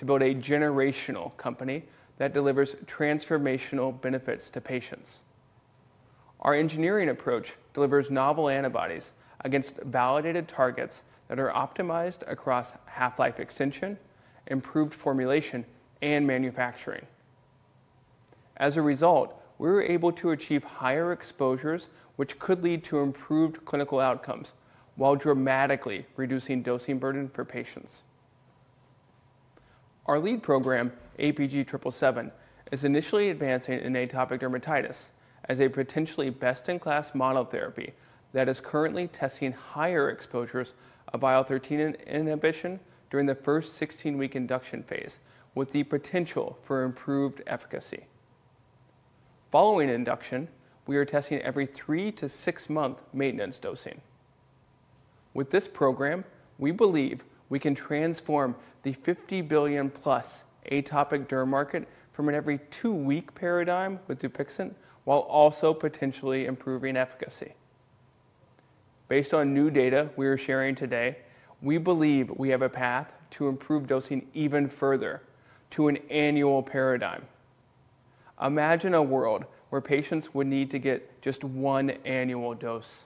To build a generational company that deliv9o$ers transformational benefits to patients. Our engineering approach delivers novel antibodies against validated targets that are optimized across half-life extension, improved formulation, and manufacturing. As a result, we were able to achieve higher exposures, which could lead to improved clinical outcomes while dramatically reducing dosing burden for patients. Our lead program, APG777, is initially advancing in atopic dermatitis as a potentially best-in-class monotherapy that is currently testing higher exposures of IL-13 inhibition during the first 16-week induction phase, with the potential for improved efficacy. Following induction, we are testing every three- to six-mo1nth maintenance dosing. With this program, we believe we can transform the $50 billion-plus atopic derm market from an every-two-week paradigm with Dupixent while also potentially improving efficacy. Based on new data we are sharing today, we believe we have a path to improve dosing even further to an annual paradigm. Imagine a world where pat* ients would need to get just one annual dose.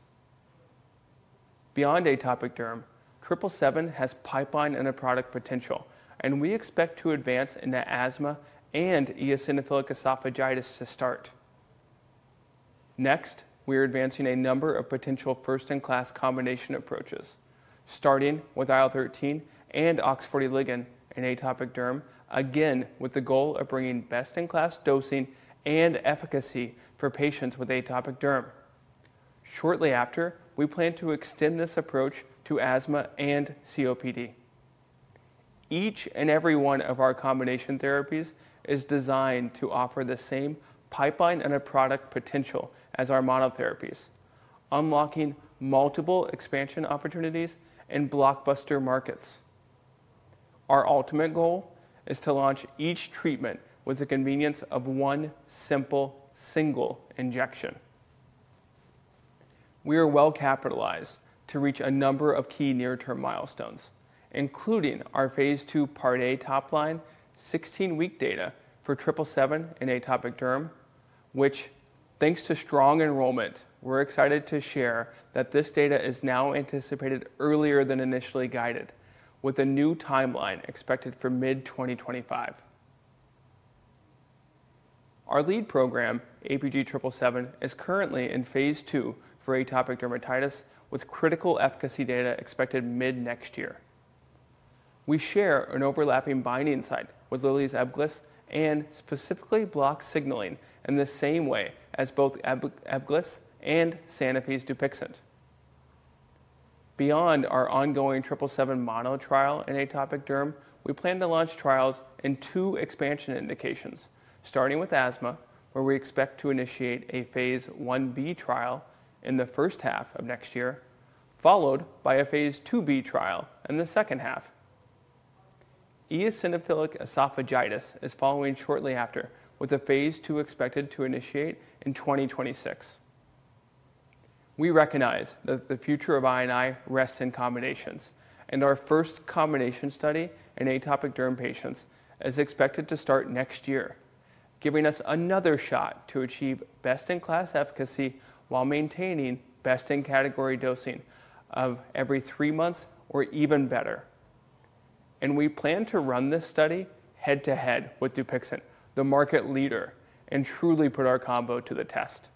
Beyond atopic derm, 777 has pipeline and a product potential, and we expect to advance in the asthma and eosinophilic esophagitis to start. Next, we are advancing a number of potential first-in-class combination approaches, starting with IL-13 and OX40 Ligand in atopic derm, again with the goal of bringing best-in-class dosing and efficacy for patients with atopic derm. Shortly after, we plan to extend this approach to asthma and COPD. Each and every one of our combination therapies is designed to offer the same pipeline and a product potential as our monotherapies, unlocking multiple expansion opportunities and blockbuster markets. Our ultimate goal is to launch each treatment with the convenience of one simple single injection. We are well capitalized to reach a number of key near-term milestones, including our phase 2, part A top line, 16-week data for 777 in atopic derm, which, thanks to strong enrollment, we're excited to share that this data is now anticipated earlier than initially guided, with a new timeline expected for mid-2025. Our lead program, APG777, is currently in phase 2 for atopic dermatitis, with critical efficacy data expected mid-next year. We share an overlapping binding site with Lilly's Ebgliss and specifically block signaling in the same way as both Ebgliss and Sanofi's Dupixent. Beyond our ongoing 777 mono trial in atopic derm, we plan to launch trials in two expansion indications, starting with asthma, where we expect to initiate a phase 1b trial in the first half of next year, followed by a phase 2b trial in the second half. Eosinophilic esophagitis is following shortly after, with a phase 2 expected to initiate in 2026. We recognize that the future of I and I rest in combinations, and our first combination study in atopic derm patients is expected to start next year, giving us another shot to achieve best-in-class efficacy while maintaining best-in-category dosing of every three months or even better. And we plan to run this study head-to-head with Dupixent, the market leader, and truly put our combo to the test.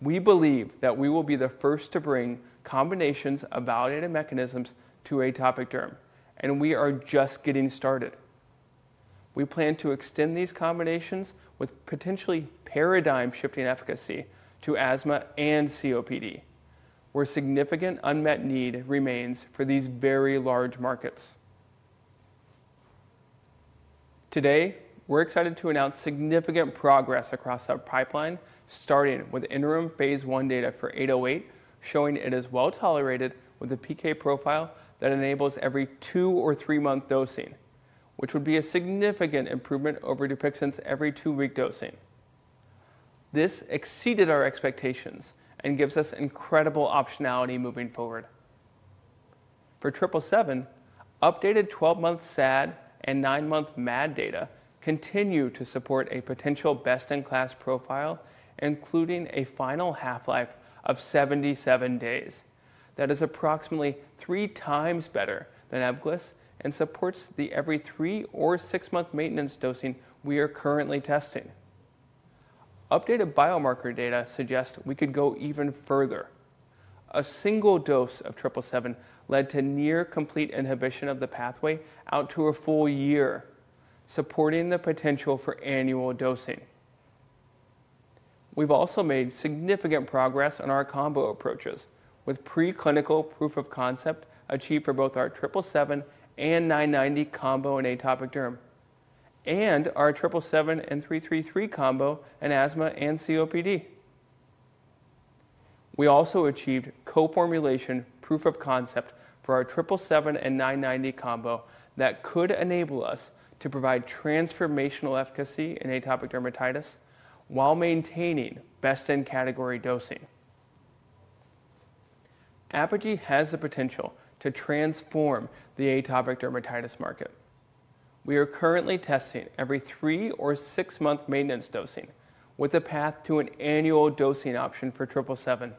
We believe that we will be the first to bring combinations of validated mechanisms to atopic derm, and we are just getting started. We plan to extend these combinations with potentially paradigm-shifting efficacy to asthma and COPD, where significant unmet need remains for these very large markets. Today, we're excited to announce significant progress across our pipeline, starting with interim phase 1 data for 808, showing it is well tolerated with a PK profile that enables every two- or three-month dosing, which would be a significant improvement over Dupixent's every two-week dosing. This exceeded our expectations and gives us incredible optionality moving forward. For 777, updated 12-month SAD and 9-month MAD data continue to support a potential best-in-class profile, including a final half-life of 77 days. That is approximately three times better than Ebgliss and supports the every three- or six-month maintenance dosing we are currently testing. Updated biomarker data suggest we could go even further. A single dose of 777 led to near-complete inhibition of the pathway out to a full year, supporting the potential for annual dosing. We've also made significant progress on our combo approaches, with preclinical proof of concept achieved for both our 777 and 990 combo in atopic derm, and our 777 and 333 combo in asthma and COPD. We also achieved co-formulation proof of concept for our 777 and 990 combo that could enable us to provide transformational efficacy in atopic dermatitis while maintaining best-in-category dosing. Apogee has the potential to transform the atopic dermatitis market. We are currently testing every three or six-month maintenance dosing, with a path to an annual dosing option for 777.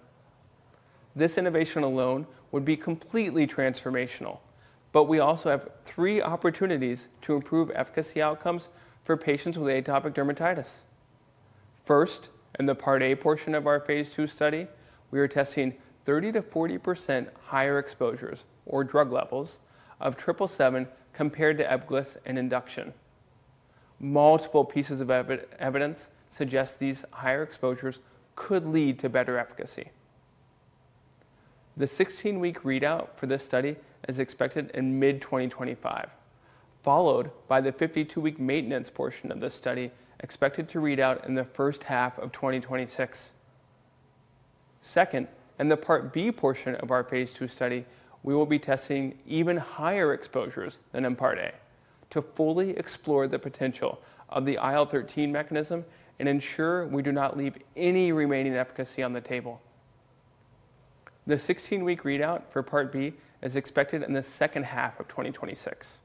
This innovation alone would be completely transformational, but we also have three opportunities to improve efficacy outcomes for patients with atopic dermatitis. First, in the part A portion of our phase 2 study, we are testing 30%-40% higher exposures or drug levels of 777 compared to Ebgliss and induction. Multiple pieces of evidence suggest these higher exposures could lead to better efficacy. The 16-week readout for this study is expected in mid-2025, followed by the 52-week maintenance portion of this study expected to read out in the first half of 2026. Second, in the part B portion of our phase 2 study, we will be testing even higher exposures than in part A to fully explore the potential of the IL-13 mechanism and ensure we do not leave any remaining efficacy on the table. The 16-week readout for part B is expected in the second half of 2026.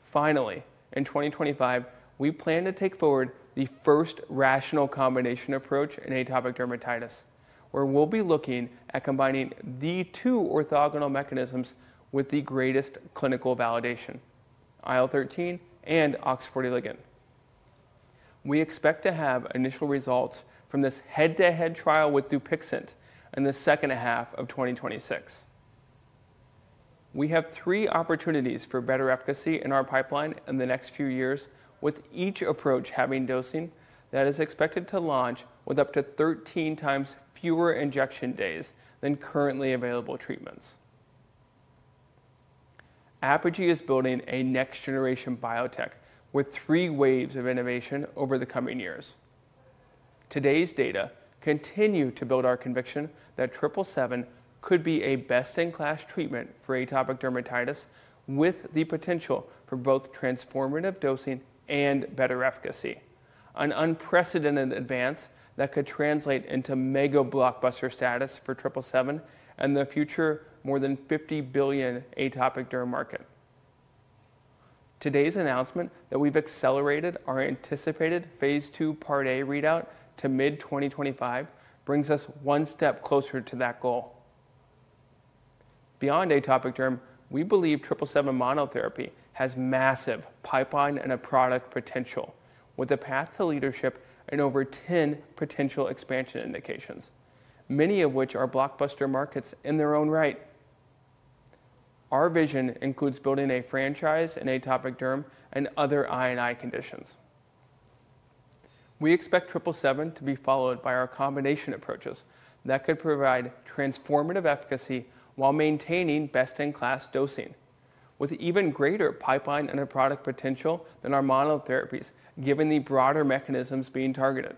Finally, in 2025, we plan to take forward the first rational combination approach in atopic dermatitis, where we'll be looking at combining the two orthogonal mechanisms with the greatest clinical validation, IL-13 and OX40L. We expect to have initial results from this head-to-head trial with Dupixent in the second half of 2026. We have three opportunities for better efficacy in our pipeline in the next few years, with each approach having dosing that is expected to launch with up to 13 times fewer injection days than currently available treatments. Apogee is building a next-generation biotech with three waves of innovation over the coming years. Today's data continue to build our conviction that 777 could be a best-in-class treatment for atopic dermatitis, with the potential for both transformative dosing and better efficacy, an unprecedented advance that could translate into mega blockbuster status for 777 and the future more than $50 billion atopic derm market. Today's announcement that we've accelerated our anticipated phase 2 part A readout to mid-2025 brings us one step closer to that goal. Beyond atopic derm, we believe 777 monotherapy has massive pipeline and a product potential with a path to leadership and over 10 potential expansion indications, many of which are blockbuster markets in their own right. Our vision includes building a franchise in atopic derm and other I and I conditions. We expect 777 to be followed by our combination approaches that could provide transformative efficacy while maintaining best-in-class dosing, with even greater pipeline and a product potential than our monotherapies, given the broader mechanisms being targeted.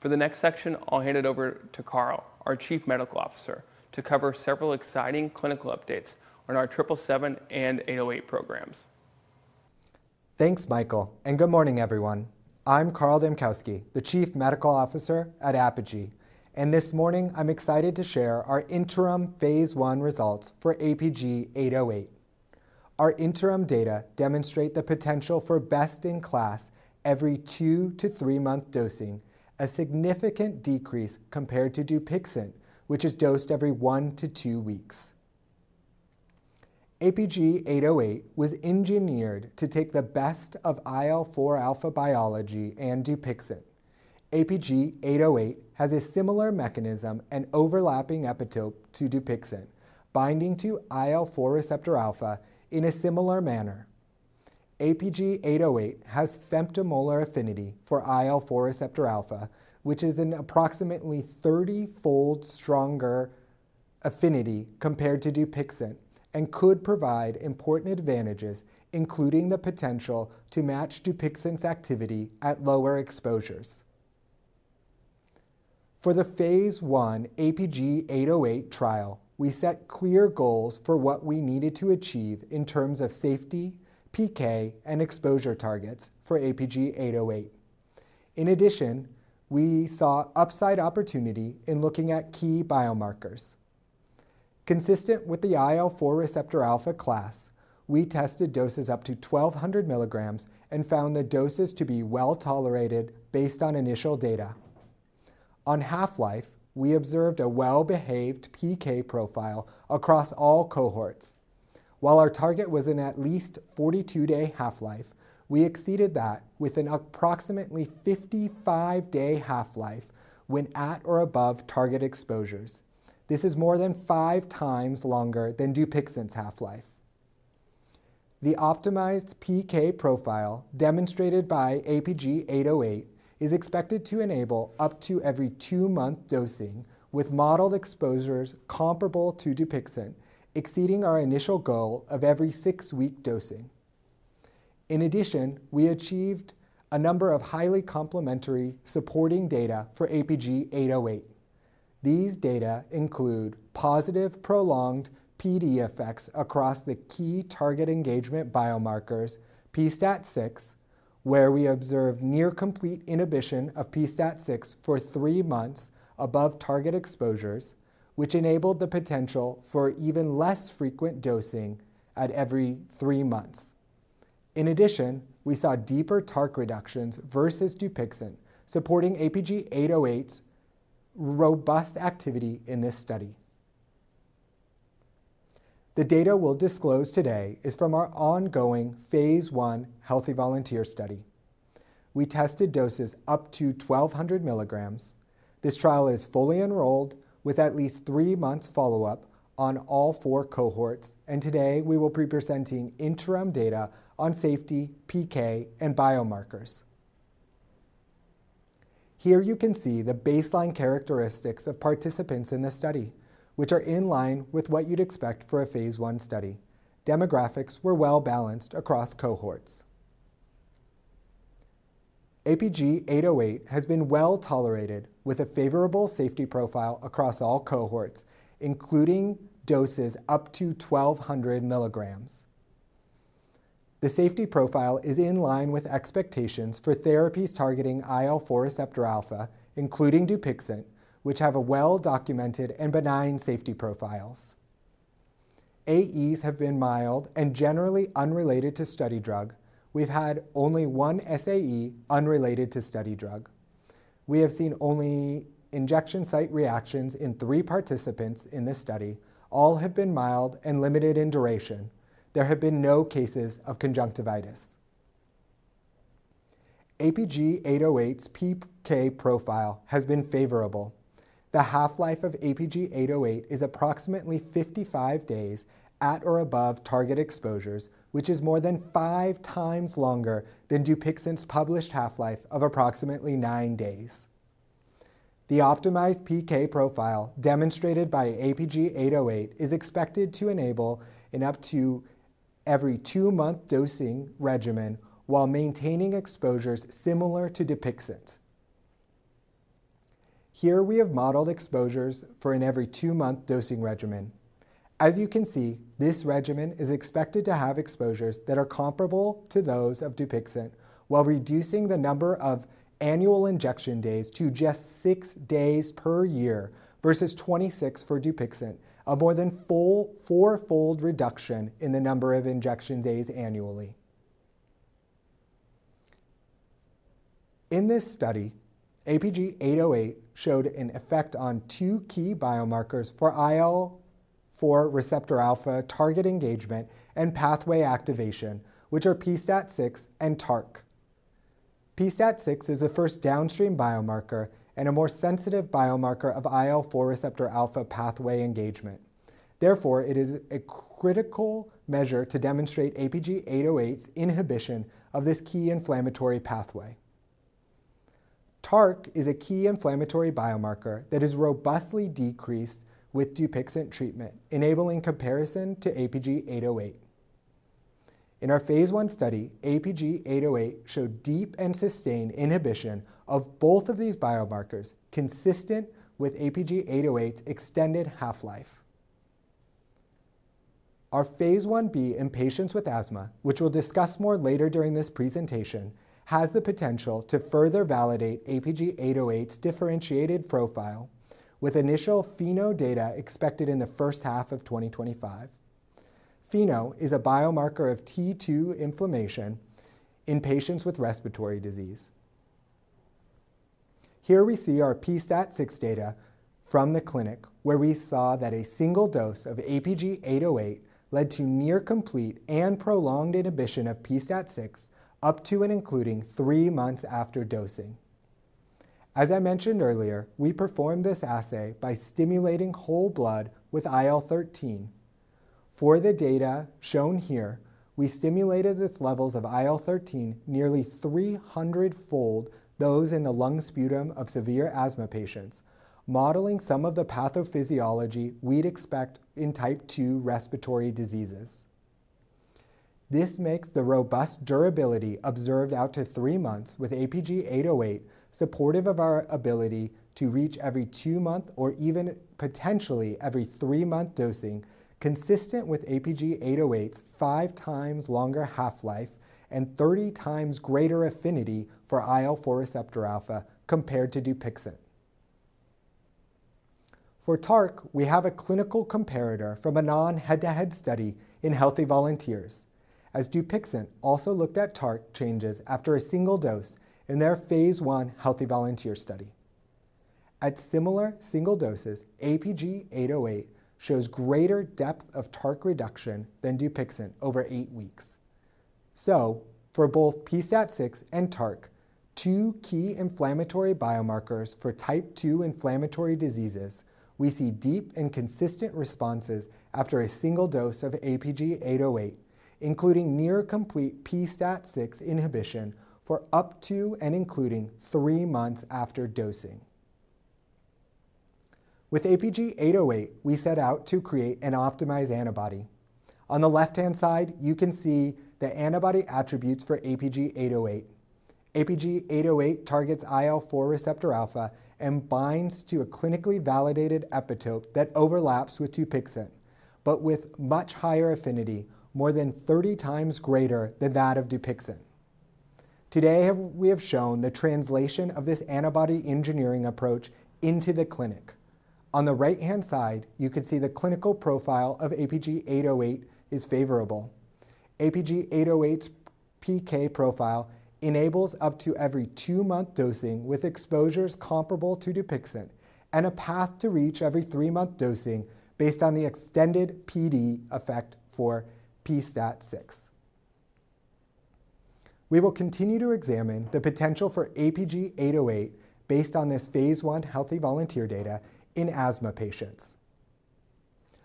For the next section, I'll hand it over to Carl, our Chief Medical Officer, to cover several exciting clinical updates on our 777 and 808 programs. Thanks, Michael, and good morning, everyone. I'm Carl Dambkowski, the Chief Medical Officer at Apogee, and this morning I'm excited to share our interim phase one results for APG808. Our interim data demonstrate the potential for best-in-class every two- to three-month dosing, a significant decrease compared to Dupixent, which is dosed every one- to two-week. APG808 was engineered to take the best of IL-4R alpha biology and Dupixent. APG808 has a similar mechanism and overlapping epitope to Dupixent, binding to IL-4R alpha in a similar manner. APG808 has femtomolar affinity for IL-4R alpha, which is an approximately 30-fold stronger affinity compared to Dupixent and could provide important advantages, including the potential to match Dupixent's activity at lower exposures. For the phase one APG808 trial, we set clear goals for what we needed to achieve in terms of safety, PK, and exposure targets for APG808. In addition, we saw upside opportunity in looking at key biomarkers. Consistent with the IL-4 receptor alpha class, we tested doses up to 1200 milligrams and found the doses to be well tolerated based on initial data. On half-life, we observed a well-behaved PK profile across all cohorts. While our target was an at least 42-day half-life, we exceeded that with an approximately 55-day half-life when at or above target exposures. This is more than five times longer than Dupixent's half-life. The optimized PK profile demonstrated by APG808 is expected to enable up to every two-month dosing with modeled exposures comparable to Dupixent, exceeding our initial goal of every six-week dosing. In addition, we achieved a number of highly complementary supporting data for APG808. These data include positive prolonged PD effects across the key target engagement biomarkers, pSTAT6, where we observed near-complete inhibition of pSTAT6 for three months above target exposures, which enabled the potential for even less frequent dosing at every three months. In addition, we saw deeper TARC reductions versus Dupixent, supporting APG808's robust activity in this study. The data we'll disclose today is from our ongoing phase 1 healthy volunteer study. We tested doses up to 1200 milligrams. This trial is fully enrolled with at least three months follow-up on all four cohorts, and today we will be presenting interim data on safety, PK, and biomarkers. Here you can see the baseline characteristics of participants in the study, which are in line with what you'd expect for a phase 1 study. Demographics were well balanced across cohorts. APG808 has been well tolerated with a favorable safety profile across all cohorts, including doses up to 1,200 milligrams. The safety profile is in line with expectations for therapies targeting IL-4 receptor alpha, including Dupixent, which have a well-documented and benign safety profiles. AEs have been mild and generally unrelated to study drug. We've had only one SAE unrelated to study drug. We have seen only injection site reactions in three participants in this study. All have been mild and limited in duration. There have been no cases of conjunctivitis. APG808's PK profile has been favorable. The half-life of APG808 is approximately 55 days at or above target exposures, which is more than five times longer than Dupixent's published half-life of approximately nine days. The optimized PK profile demonstrated by APG808 is expected to enable an up to every two-month dosing regimen while maintaining exposures similar to Dupixent. Here we have modeled exposures for an every two-month dosing regimen. As you can see, this regimen is expected to have exposures that are comparable to those of Dupixent while reducing the number of annual injection days to just six days per year versus 26 for Dupixent, a more than four-fold reduction in the number of injection days annually. In this study, APG808 showed an effect on two key biomarkers for IL-4 receptor alpha target engagement and pathway activation, which are PSTAT6 and TARC. PSTAT6 is the first downstream biomarker and a more sensitive biomarker of IL-4 receptor alpha pathway engagement. Therefore, it is a critical measure to demonstrate APG808's inhibition of this key inflammatory pathway. TARC is a key inflammatory biomarker that is robustly decreased with Dupixent treatment, enabling comparison to APG808. In our phase 1 study, APG808 showed deep and sustained inhibition of both of these biomarkers, consistent with APG808's extended half-life. Our phase 1b in patients with asthma, which we'll discuss more later during this presentation, has the potential to further validate APG808's differentiated profile with initial FeNO data expected in the first half of 2025. FeNO is a biomarker of T2 inflammation in patients with respiratory disease. Here we see our pSTAT6 data from the clinic, where we saw that a single dose of APG808 led to near-complete and prolonged inhibition of pSTAT6 up to and including three months after dosing. As I mentioned earlier, we performed this assay by stimulating whole blood with IL-13. For the data shown here, we stimulated the levels of IL-13 nearly 300-fold those in the lung sputum of severe asthma patients, modeling some of the pathophysiology we'd expect in type two respiratory diseases. This makes the robust durability observed out to three months with APG808 supportive of our ability to reach every two-month or even potentially every three-month dosing, consistent with APG808's five times longer half-life and 30 times greater affinity for IL-4 receptor alpha compared to Dupixent. For TARC, we have a clinical comparator from a non-head-to-head study in healthy volunteers, as Dupixent also looked at TARC changes after a single dose in their phase one healthy volunteer study. At similar single doses, APG808 shows greater depth of TARC reduction than Dupixent over eight weeks. So, for both PSTAT6 and TARC, two key inflammatory biomarkers for type two inflammatory diseases, we see deep and consistent responses after a single dose of APG808, including near-complete PSTAT6 inhibition for up to and including three months after dosing. With APG808, we set out to create an optimized antibody. On the left-hand side, you can see the antibody attributes for APG808. APG808 targets IL-4 receptor alpha and binds to a clinically validated epitope that overlaps with Dupixent, but with much higher affinity, more than 30 times greater than that of Dupixent. Today, we have shown the translation of this antibody engineering approach into the clinic. On the right-hand side, you can see the clinical profile of APG808 is favorable. APG808's PK profile enables up to every two-month dosing with exposures comparable to Dupixent and a path to reach every three-month dosing based on the extended PD effect for pSTAT6. We will continue to examine the potential for APG808 based on this phase 1 healthy volunteer data in asthma patients.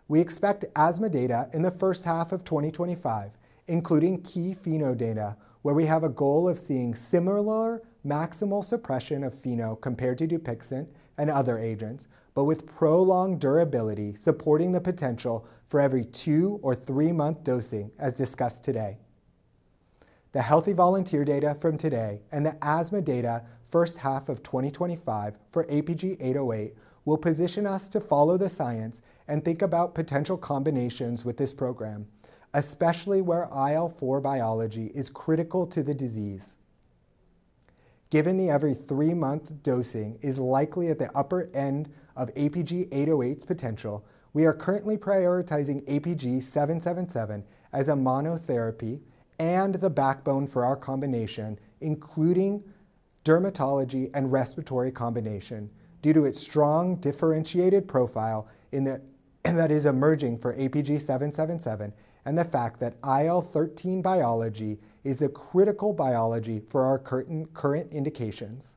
We expect asthma data in the first half of 2025, including key FeNO data, where we have a goal of seeing similar maximal suppression of FeNO compared to Dupixent and other agents, but with prolonged durability supporting the potential for every two- or three-month dosing as discussed today. The healthy volunteer data from today and the asthma data first half of 2025 for APG808 will position us to follow the science and think about potential combinations with this program, especially where IL-4 biology is critical to the disease. Given the every three-month dosing is likely at the upper end of APG808's potential, we are currently prioritizing APG777 as a monotherapy and the backbone for our combination, including dermatology and respiratory combination due to its strong differentiated profile that is emerging for APG777 and the fact that IL-13 biology is the critical biology for our current indications.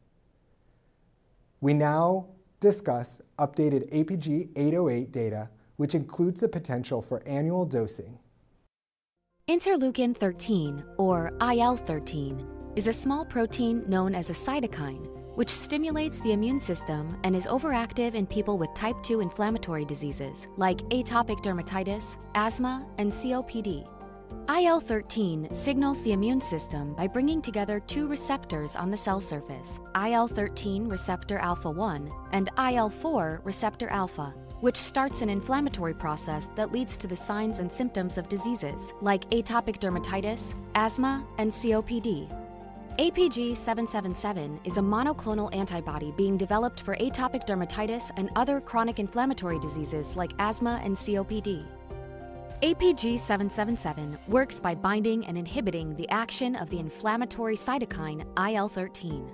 We now discuss updated APG808 data, which includes the potential for annual dosing. Interleukin-13, or IL-13, is a small protein known as a cytokine, which stimulates the immune system and is overactive in people with Type 2 inflammatory diseases like atopic dermatitis, asthma, and COPD. IL-13 signals the immune system by bringing together two receptors on the cell surface, IL-13 receptor alpha-1 and IL-4 receptor alpha, which starts an inflammatory process that leads to the signs and symptoms of diseases like atopic dermatitis, asthma, and COPD. APG777 is a monoclonal antibody being developed for atopic dermatitis and other chronic inflammatory diseases like asthma and COPD. APG777 works by binding and inhibiting the action of the inflammatory cytokine IL-13.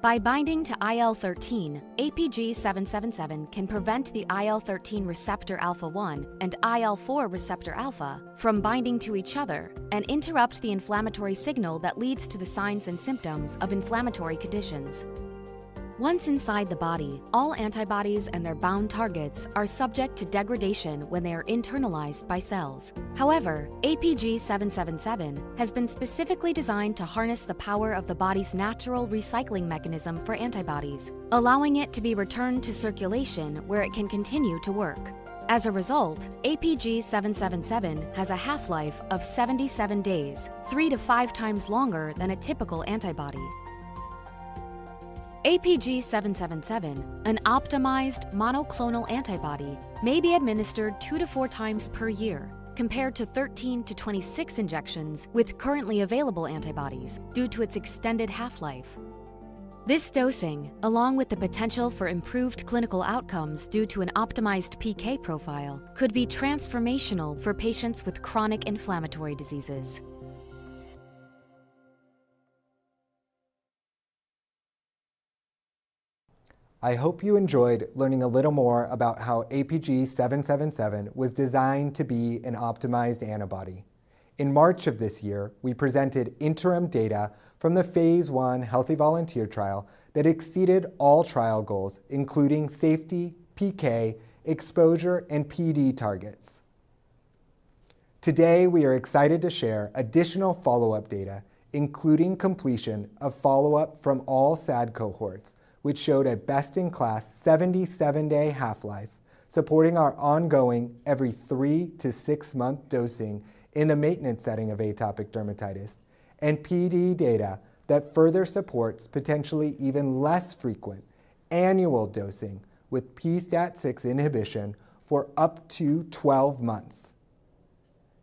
By binding to IL-13, APG777 can prevent the IL-13 receptor alpha-1 and IL-4 receptor alpha from binding to each other and interrupt the inflammatory signal that leads to the signs and symptoms of inflammatory conditions. Once inside the body, all antibodies and their bound targets are subject to degradation when they are internalized by cells. However, APG777 has been specifically designed to harness the power of the body's natural recycling mechanism for antibodies, allowing it to be returned to circulation where it can continue to work. As a result, APG777 has a half-life of 77 days, three to five times longer than a typical antibody. APG777, an optimized monoclonal antibody, may be administered two to four times per year compared to 13 to 26 injections with currently available antibodies due to its extended half-life. This dosing, along with the potential for improved clinical outcomes due to an optimized PK profile, could be transformational for patients with chronic inflammatory diseases. I hope you enjoyed learning a little more about how APG777 was designed to be an optimized antibody. In March of this year, we presented interim data from the phase 1 healthy volunteer trial that exceeded all trial goals, including safety, PK, exposure, and PD targets. Today, we are excited to share additional follow-up data, including completion of follow-up from all SAD cohorts, which showed a best-in-class 77-day half-life, supporting our ongoing every three to six-month dosing in the maintenance setting of atopic dermatitis and PD data that further supports potentially even less frequent annual dosing with pSTAT6 inhibition for up to 12 months.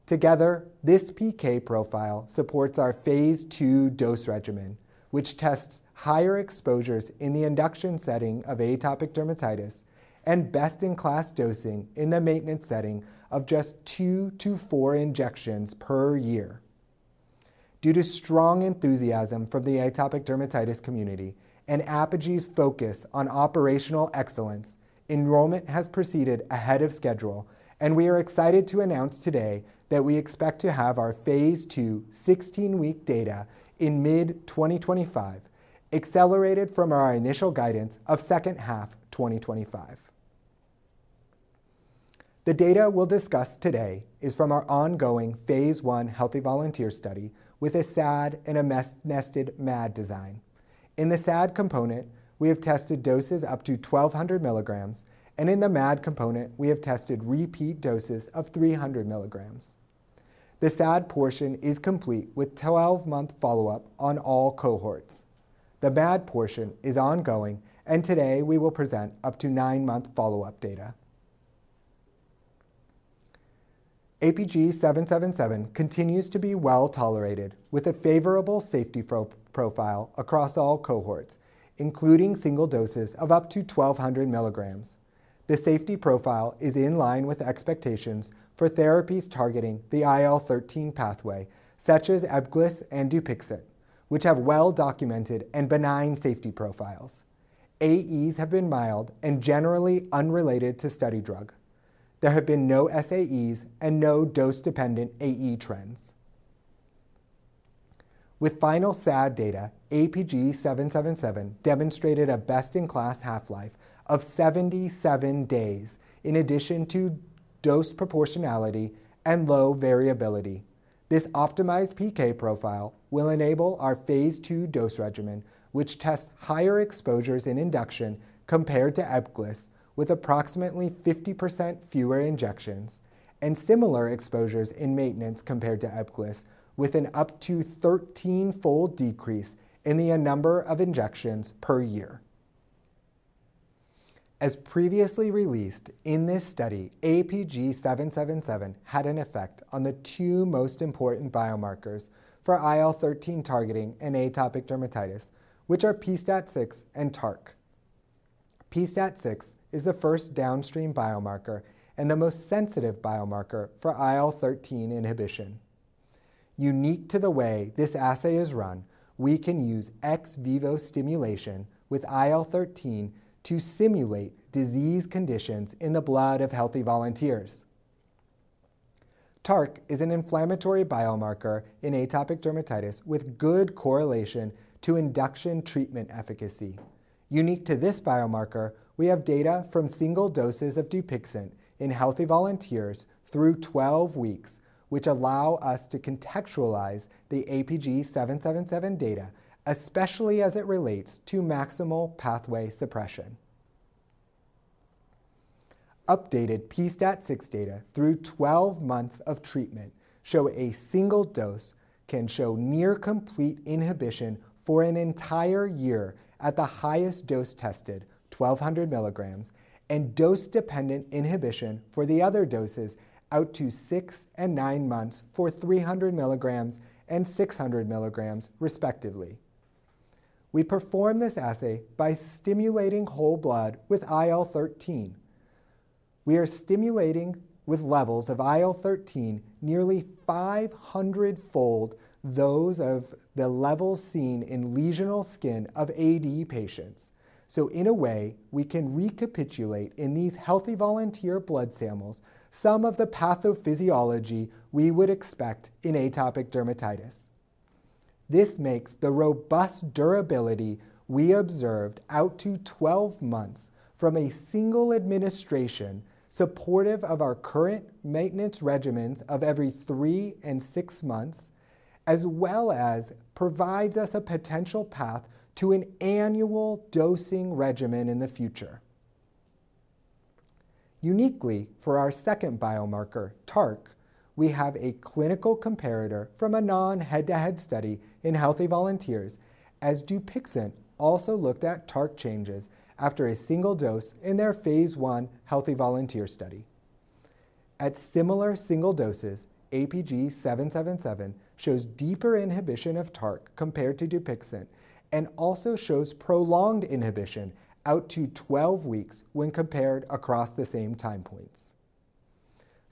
Together, this PK profile supports our phase 2 dose regimen, which tests higher exposures in the induction setting of atopic dermatitis and best-in-class dosing in the maintenance setting of just two to four injections per year. Due to strong enthusiasm from the atopic dermatitis community and Apogee's focus on operational excellence, enrollment has proceeded ahead of schedule, and we are excited to announce today that we expect to have our phase 2 16-week data in mid-2025, accelerated from our initial guidance of second half 2025. The data we'll discuss today is from our ongoing phase 1 healthy volunteer study with a SAD and a nested MAD design. In the SAD component, we have tested doses up to 1,200 milligrams, and in the MAD component, we have tested repeat doses of 300 milligrams. The SAD portion is complete with 12-month follow-up on all cohorts. The MAD portion is ongoing, and today we will present up to nine-month follow-up data. APG777 continues to be well tolerated with a favorable safety profile across all cohorts, including single doses of up to 1,200 milligrams. The safety profile is in line with expectations for therapies targeting the IL-13 pathway, such as Ebgliss and Dupixent, which have well-documented and benign safety profiles. AEs have been mild and generally unrelated to study drug. There have been no SAEs and no dose-dependent AE trends. With final SAD data, APG777 demonstrated a best-in-class half-life of 77 days, in addition to dose proportionality and low variability. This optimized PK profile will enable our phase two dose regimen, which tests higher exposures in induction compared to Ebgliss with approximately 50% fewer injections and similar exposures in maintenance compared to Ebgliss with an up to 13-fold decrease in the number of injections per year. As previously released in this study, APG777 had an effect on the two most important biomarkers for IL-13 targeting in atopic dermatitis, which are pSTAT6 and TARC. pSTAT6 is the first downstream biomarker and the most sensitive biomarker for IL-13 inhibition. Unique to the way this assay is run, we can use ex vivo stimulation with IL-13 to simulate disease conditions in the blood of healthy volunteers. TARC is an inflammatory biomarker in atopic dermatitis with good correlation to induction treatment efficacy. Unique to this biomarker, we have data from single doses of Dupixent in healthy volunteers through 12 weeks, which allow us to contextualize the APG777 data, especially as it relates to maximal pathway suppression. Updated pSTAT6 data through 12 months of treatment show a single dose can show near-complete inhibition for an entire year at the highest dose tested, 1,200 milligrams, and dose-dependent inhibition for the other doses out to six and nine months for 300 milligrams and 600 milligrams, respectively. We perform this assay by stimulating whole blood with IL-13. We are stimulating with levels of IL-13 nearly 500-fold those of the levels seen in lesional skin of AD patients. So, in a way, we can recapitulate in these healthy volunteer blood samples some of the pathophysiology we would expect in atopic dermatitis. This makes the robust durability we observed out to 12 months from a single administration supportive of our current maintenance regimens of every three and six months, as well as provides us a potential path to an annual dosing regimen in the future. Uniquely, for our second biomarker, TARC, we have a clinical comparator from a non-head-to-head study in healthy volunteers, as Dupixent also looked at TARC changes after a single dose in their phase 1 healthy volunteer study. At similar single doses, APG777 shows deeper inhibition of TARC compared to Dupixent and also shows prolonged inhibition out to 12 weeks when compared across the same time points.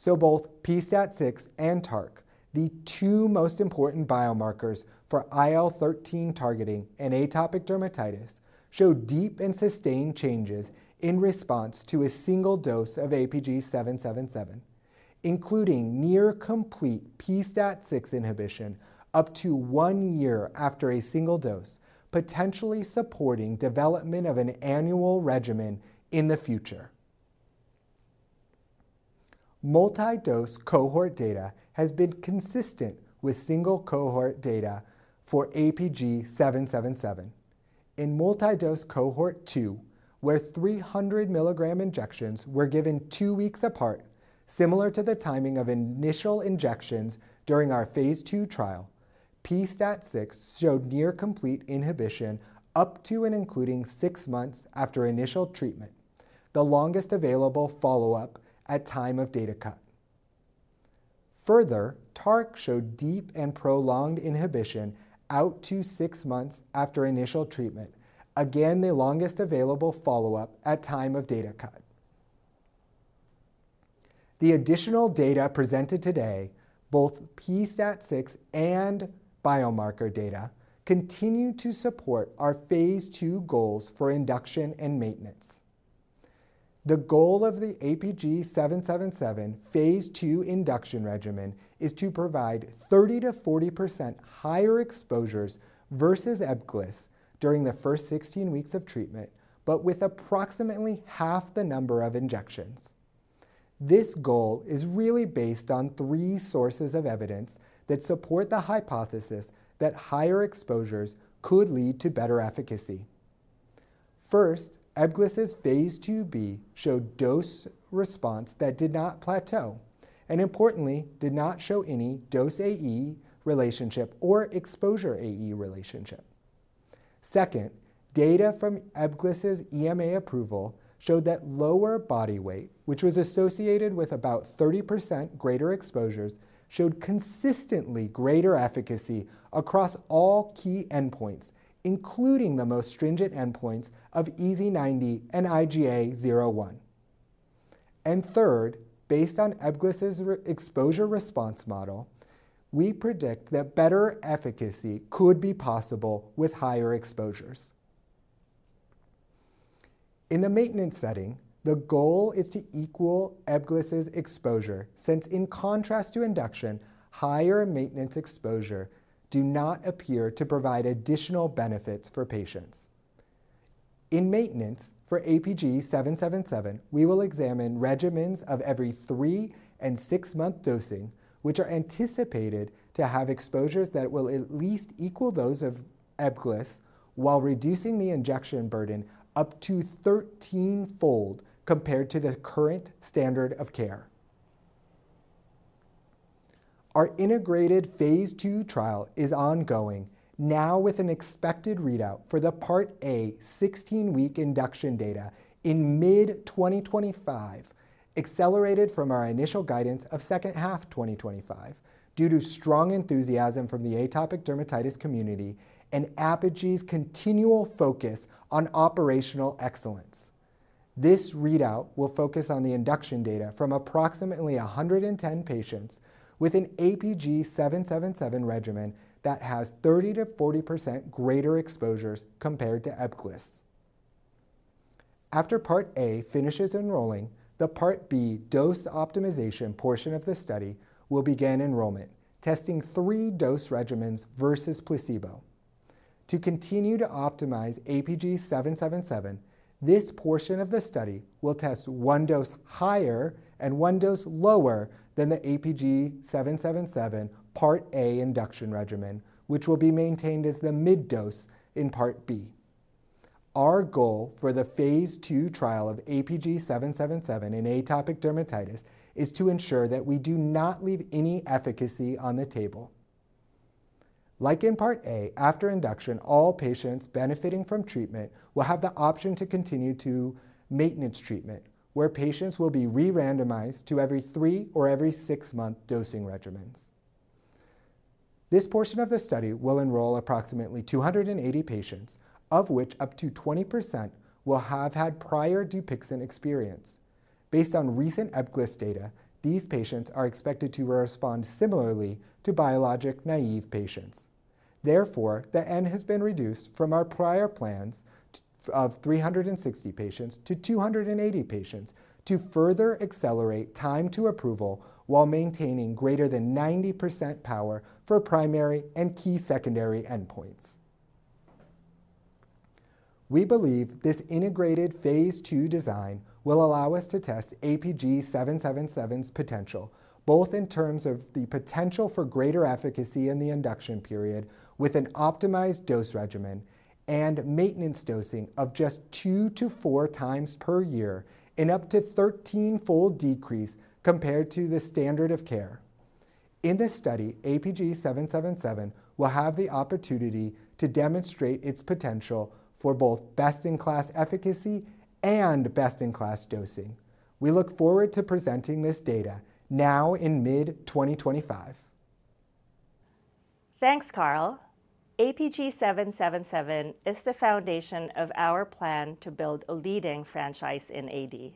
So, both pSTAT6 and TARC, the two most important biomarkers for IL-13 targeting in atopic dermatitis, show deep and sustained changes in response to a single dose of APG777, including near-complete pSTAT6 inhibition up to one year after a single dose, potentially supporting development of an annual regimen in the future. Multi-dose cohort data has been consistent with single cohort data for APG777. In multi-dose cohort two, where 300 milligram injections were given two weeks apart, similar to the timing of initial injections during our phase 2 trial, pSTAT6 showed near-complete inhibition up to and including six months after initial treatment, the longest available follow-up at time of data cut. Further, TARC showed deep and prolonged inhibition out to six months after initial treatment, again the longest available follow-up at time of data cut. The additional data presented today, both pSTAT6 and biomarker data, continue to support our phase 2 goals for induction and maintenance. The goal of the APG777 phase 2 induction regimen is to provide 30%-40% higher exposures versus Ebgliss during the first 16 weeks of treatment, but with approximately half the number of injections. This goal is really based on three sources of evidence that support the hypothesis that higher exposures could lead to better efficacy. First, Ebgliss's phase 2b showed dose response that did not plateau and, importantly, did not show any dose AE relationship or exposure AE relationship. Second, data from Ebgliss's EMA approval showed that lower body weight, which was associated with about 30% greater exposures, showed consistently greater efficacy across all key endpoints, including the most stringent endpoints of EASI-90 and IGA 0/1. And third, based on Ebgliss's exposure response model, we predict that better efficacy could be possible with higher exposures. In the maintenance setting, the goal is to equal Ebgliss's exposure since, in contrast to induction, higher maintenance exposure does not appear to provide additional benefits for patients. In maintenance for APG777, we will examine regimens of every three and six-month dosing, which are anticipated to have exposures that will at least equal those of Ebgliss while reducing the injection burden up to 13-fold compared to the current standard of care. Our integrated phase 2 trial is ongoing now with an expected readout for the part A 16-week induction data in mid-2025, accelerated from our initial guidance of second half 2025 due to strong enthusiasm from the atopic dermatitis community and Apogee's continual focus on operational excellence. This readout will focus on the induction data from approximately 110 patients with an APG777 regimen that has 30%-40% greater exposures compared to Ebgliss. After part A finishes enrolling, the part B dose optimization portion of the study will begin enrollment, testing three dose regimens versus placebo. To continue to optimize APG777, this portion of the study will test one dose higher and one dose lower than the APG777 part A induction regimen, which will be maintained as the mid-dose in part B. Our goal for the phase 2 trial of APG777 in atopic dermatitis is to ensure that we do not leave any efficacy on the table. Like in part A, after induction, all patients benefiting from treatment will have the option to continue to maintenance treatment, where patients will be re-randomized to every three or every six-month dosing regimens. This portion of the study will enroll approximately 280 patients, of which up to 20% will have had prior Dupixent experience. Based on recent Ebgliss data, these patients are expected to respond similarly to biologic naive patients. Therefore, the N has been reduced from our prior plans of 360 patients to 280 patients to further accelerate time to approval while maintaining greater than 90% power for primary and key secondary endpoints. We believe this integrated phase 2 design will allow us to test APG777's potential, both in terms of the potential for greater efficacy in the induction period with an optimized dose regimen and maintenance dosing of just two to four times per year in up to 13-fold decrease compared to the standard of care. In this study, APG777 will have the opportunity to demonstrate its potential for both best-in-class efficacy and best-in-class dosing. We look forward to presenting this data now in mid-2025. Thanks, Carl. APG777 is the foundation of our plan to build a leading franchise in AD.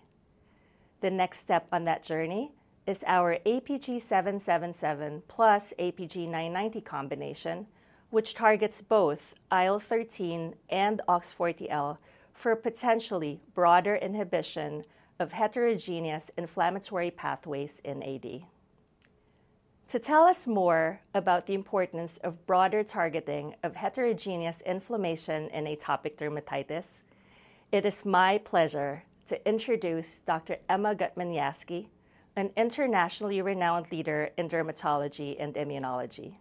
The next step on that journey is our APG777 plus APG990 combination, which targets both IL-13 and OX40L for potentially broader inhibition of heterogeneous inflammatory pathways in AD. To tell us more about the importance of broader targeting of heterogeneous inflammation in atopic dermatitis, it is my pleasure to introduce Dr. Emma Guttman-Yassky, an internationally renowned leader in dermatology and immunology.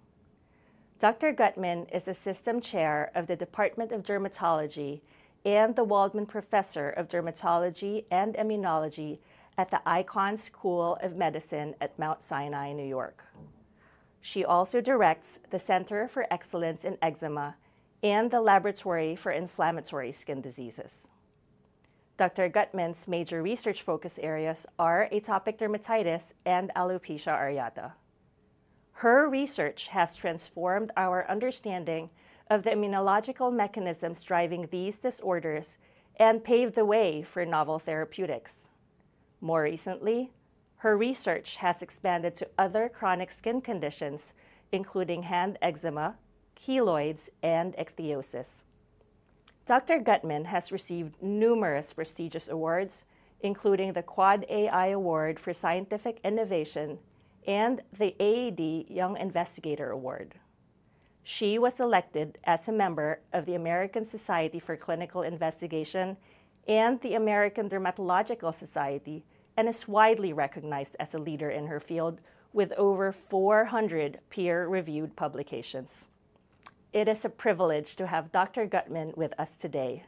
Dr. Gutman is Assistant Chair of the Department of Dermatology and the Waldman Professor of Dermatology and Immunology at the Icahn School of Medicine at Mount Sinai, New York. She also directs the Center for Excellence in Eczema and the Laboratory for Inflammatory Skin Diseases. Dr. Guttman's major research focus areas are atopic dermatitis and alopecia areata. Her research has transformed our understanding of the immunological mechanisms driving these disorders and paved the way for novel therapeutics. More recently, her research has expanded to other chronic skin conditions, including hand eczema, keloids, and ichthyosis. Dr. Gutman has received numerous prestigious awards, including the Quad AI Award for Scientific Innovation and the AAD Young Investigator Award. She was elected as a member of the American Society for Clinical Investigation and the American Dermatological Society and is widely recognized as a leader in her field with over 400 peer-reviewed publications. It is a privilege to have Dr. Guttman-Yassky with us today.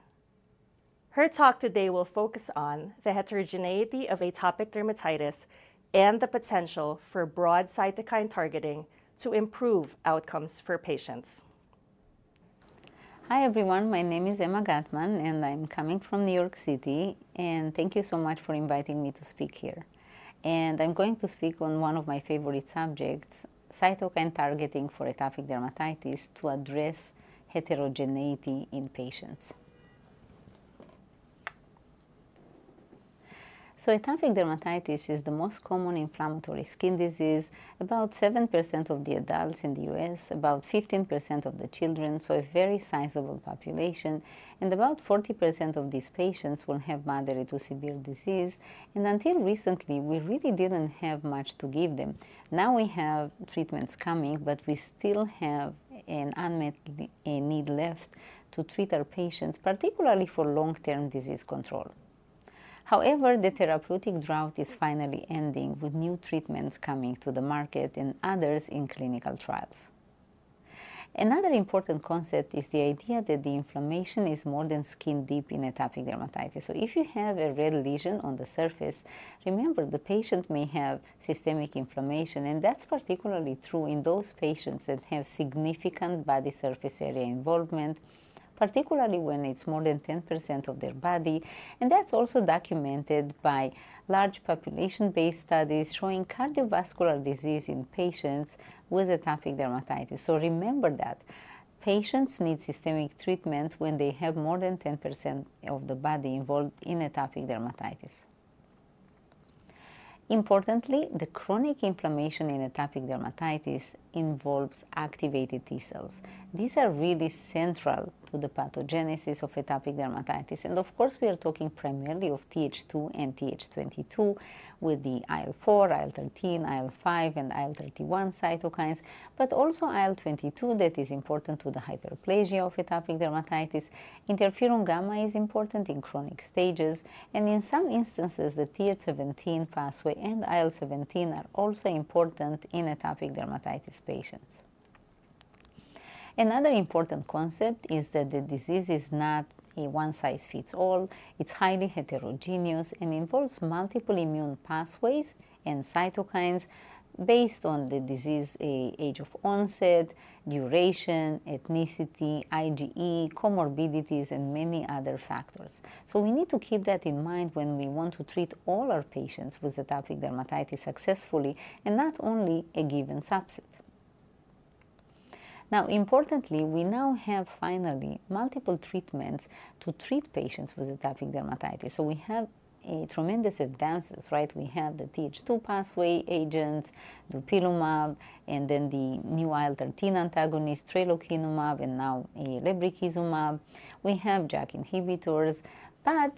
Her talk today will focus on the heterogeneity of atopic dermatitis and the potential for broad cytokine targeting to improve outcomes for patients. Hi, everyone. My name is Emma Guttman-Yassky, and I'm coming from New York City. And thank you so much for inviting me to speak here. And I'm going to speak on one of my favorite subjects, cytokine targeting for atopic dermatitis to address heterogeneity in patients. So, atopic dermatitis is the most common inflammatory skin disease, about 7% of the adults in the U.S., about 15% of the children, so a very sizable population. About 40% of these patients will have moderate to severe disease. Until recently, we really didn't have much to give them. Now we have treatments coming, but we still have an unmet need left to treat our patients, particularly for long-term disease control. However, the therapeutic drought is finally ending with new treatments coming to the market and others in clinical trials. Another important concept is the idea that the inflammation is more than skin deep in atopic dermatitis. So, if you have a red lesion on the surface, remember the patient may have systemic inflammation. That's particularly true in those patients that have significant body surface area involvement, particularly when it's more than 10% of their body. That's also documented by large population-based studies showing cardiovascular disease in patients with atopic dermatitis. Remember that patients need systemic treatment when they have more than 10% of the body involved in atopic dermatitis. Importantly, the chronic inflammation in atopic dermatitis involves activated T cells. These are really central to the pathogenesis of atopic dermatitis. Of course, we are talking primarily of TH2 and TH22 with the IL-4, IL-13, IL-5, and IL-31 cytokines, but also IL-22 that is important to the hyperplasia of atopic dermatitis. Interferon gamma is important in chronic stages. In some instances, the TH17 pathway and IL-17 are also important in atopic dermatitis patients. Another important concept is that the disease is not a one-size-fits-all. It's highly heterogeneous and involves multiple immune pathways and cytokines based on the disease age of onset, duration, ethnicity, IgE, comorbidities, and many other factors. So, we need to keep that in mind when we want to treat all our patients with atopic dermatitis successfully and not only a given subset. Now, importantly, we now have finally multiple treatments to treat patients with atopic dermatitis. So, we have tremendous advances, right? We have the TH2 pathway agents, dupilumab, and then the new IL-13 antagonist, tralokinumab, and now lebrikizumab. We have JAK inhibitors. But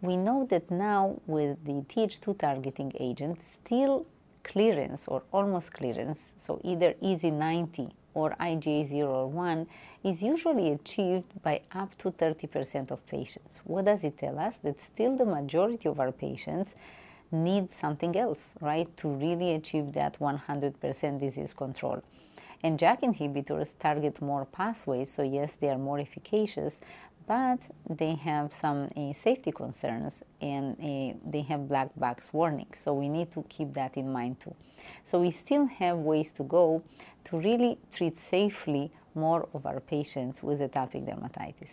we know that now with the TH2 targeting agent, still clearance or almost clearance, so either EASI-90 or IGA 0/1 is usually achieved by up to 30% of patients. What does it tell us? That still the majority of our patients need something else, right, to really achieve that 100% disease control. And JAK inhibitors target more pathways. So, yes, they are more efficacious, but they have some safety concerns and they have black box warnings. So, we need to keep that in mind too. So, we still have ways to go to really treat safely more of our patients with atopic dermatitis.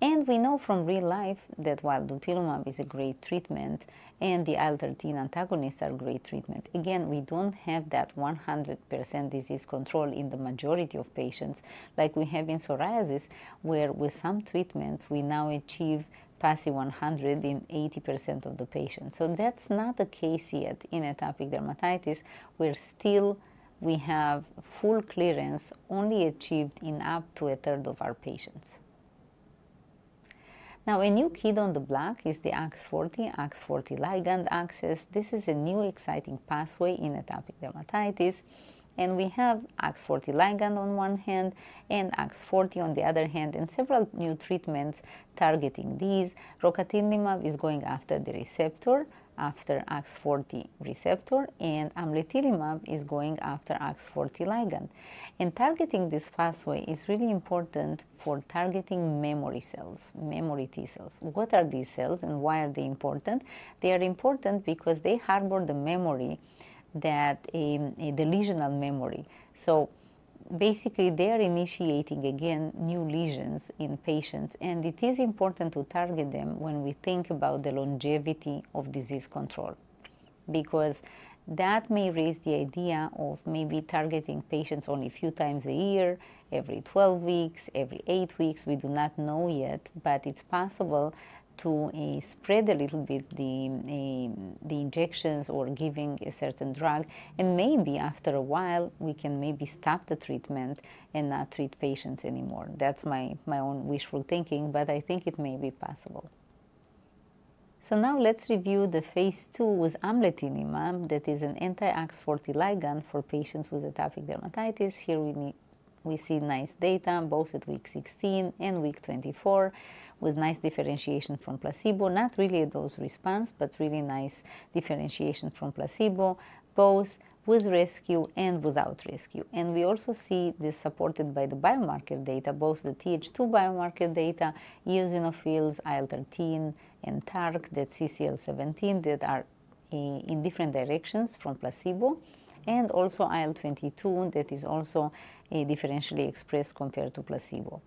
And we know from real life that while dupilumab is a great treatment and the IL-13 antagonists are a great treatment, again, we don't have that 100% disease control in the majority of patients like we have in psoriasis, where with some treatments we now achieve EASI-100 in 80% of the patients. So, that's not the case yet in atopic dermatitis, where still we have full clearance only achieved in up to a third of our patients. Now, a new kid on the block is the OX40, OX40 ligand axis. This is a new exciting pathway in atopic dermatitis. And we have OX40 ligand on one hand and OX40 on the other hand and several new treatments targeting these. Rocatinlimab is going after the receptor, after OX40 receptor, and Amlitelimab is going after OX40 ligand. And targeting this pathway is really important for targeting memory cells, memory T cells. What are these cells and why are they important? They are important because they harbor the memory, that delusional memory. So, basically, they are initiating again new lesions in patients. And it is important to target them when we think about the longevity of disease control because that may raise the idea of maybe targeting patients only a few times a year, every 12 weeks, every eight weeks. We do not know yet, but it's possible to spread a little bit the injections or giving a certain drug. And maybe after a while, we can maybe stop the treatment and not treat patients anymore. That's my own wishful thinking, but I think it may be possible. Now let's review the phase 2 with amlitelimab that is an anti-OX40 ligand for patients with atopic dermatitis. Here we see nice data both at week 16 and week 24 with nice differentiation from placebo, not really a dose response, but really nice differentiation from placebo, both with rescue and without rescue. We also see this supported by the biomarker data, both the Th2 biomarker data, eosinophils, IL-13, and TARC, that's CCL17, that are in different directions from placebo, and also IL-22 that is also differentially expressed compared to placebo.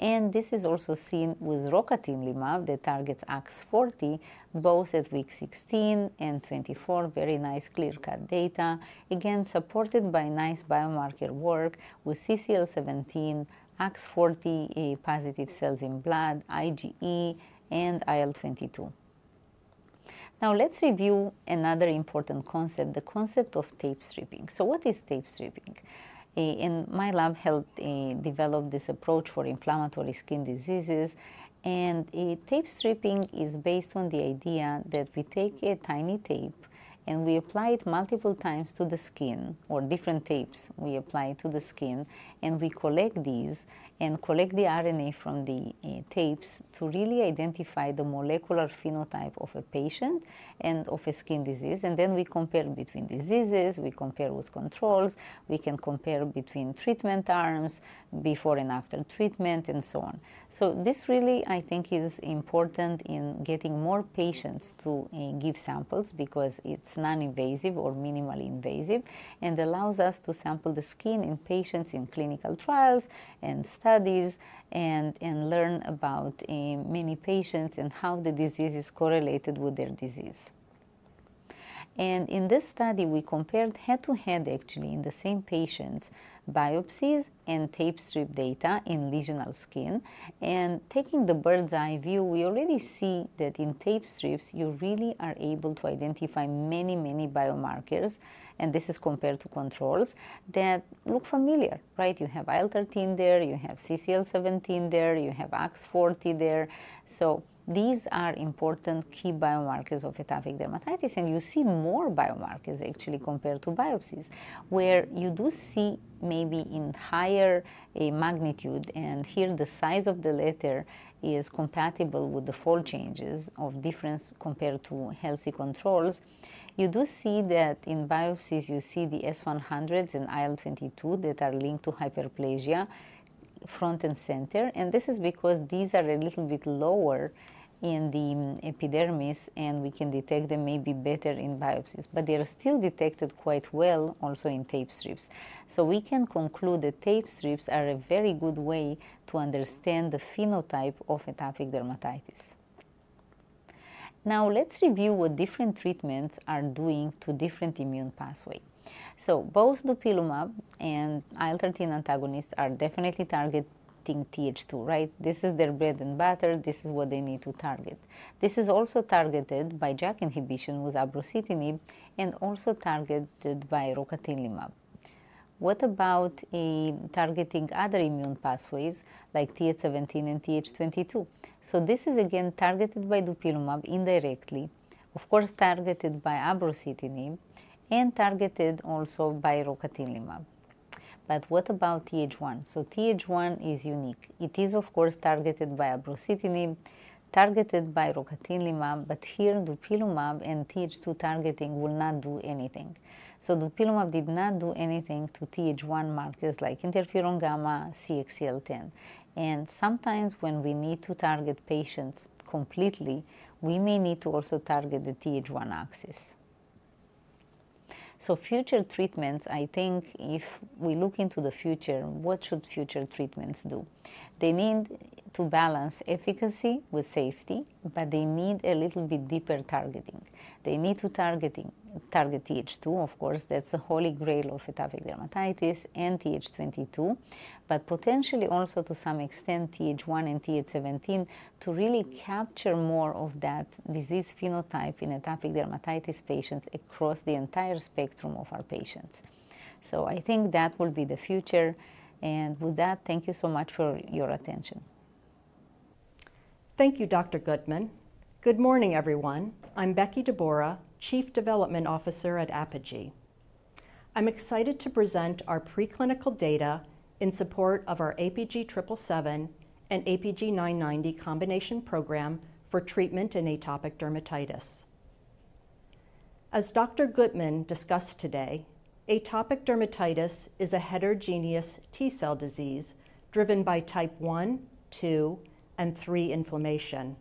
This is also seen with rocatinlimab that targets OX40 both at week 16 and 24, very nice clear-cut data, again supported by nice biomarker work with CCL17, OX40 positive cells in blood, IgE, and IL-22. Now let's review another important concept, the concept of tape stripping. What is tape stripping? In my lab, I helped develop this approach for inflammatory skin diseases, and tape stripping is based on the idea that we take a tiny tape and we apply it multiple times to the skin or different tapes we apply to the skin, and we collect these and collect the RNA from the tapes to really identify the molecular phenotype of a patient and of a skin disease, and then we compare between diseases, we compare with controls, we can compare between treatment arms before and after treatment, and so on, so this really, I think, is important in getting more patients to give samples because it's non-invasive or minimally invasive and allows us to sample the skin in patients in clinical trials and studies and learn about many patients and how the disease is correlated with their disease. In this study, we compared head-to-head, actually, in the same patients' biopsies and tape strip data in lesional skin. Taking the bird's eye view, we already see that in tape strips, you really are able to identify many, many biomarkers. This is compared to controls that look familiar, right? You have IL-13 there, you have CCL17 there, you have OX40 there. So these are important key biomarkers of atopic dermatitis. You see more biomarkers, actually, compared to biopsies, where you do see maybe in higher magnitude. Here the size of the letter is compatible with the fold changes of difference compared to healthy controls. You do see that in biopsies, you see the S100s and IL-22 that are linked to hyperplasia front and center. This is because these are a little bit lower in the epidermis, and we can detect them maybe better in biopsies. But they are still detected quite well also in tape strips. We can conclude that tape strips are a very good way to understand the phenotype of atopic dermatitis. Now let's review what different treatments are doing to different immune pathways. Both dupilumab and IL-13 antagonists are definitely targeting TH2, right? This is their bread and butter. This is what they need to target. This is also targeted by JAK inhibition with abrocitinib and also targeted by rocatinlimab. What ab about targeting other immune pathways like TH17 and TH22? This is again targeted by dupilumab indirectly, of course targeted by abrocitinib and targeted also by rocatinlimab. What about TH1? TH1 is unique. It is, of course, targeted by abrocitinib, targeted by rocatinlimab, but here dupilumab and TH2 targeting will not do anything, so dupilumab did not do anything to TH1 markers like interferon gamma, CXCL10, and sometimes when we need to target patients completely, we may need to also target the TH1 axis, so future treatments, I think, if we look into the future, what should future treatments do? They need to balance efficacy with safety, but they need a little bit deeper targeting. They need to target TH2, of course, that's the holy grail of atopic dermatitis and TH22, but potentially also to some extent TH1 and TH17 to really capture more of that disease phenotype in atopic dermatitis patients across the entire spectrum of our patients, so I think that will be the future, and with that, thank you so much for your attention. Thank you, Dr. Guttman-Yassky. Good morning, everyone. I'm Becky Dvorak, Chief Development Officer at Apogee. I'm excited to present our preclinical data in support of our APG777 and APG990 combination program for treatment in atopic dermatitis. As Dr. Guttman-Yassky discussed today, atopic dermatitis is a heterogeneous T cell disease driven by type 1, 2, and 3 inflammation.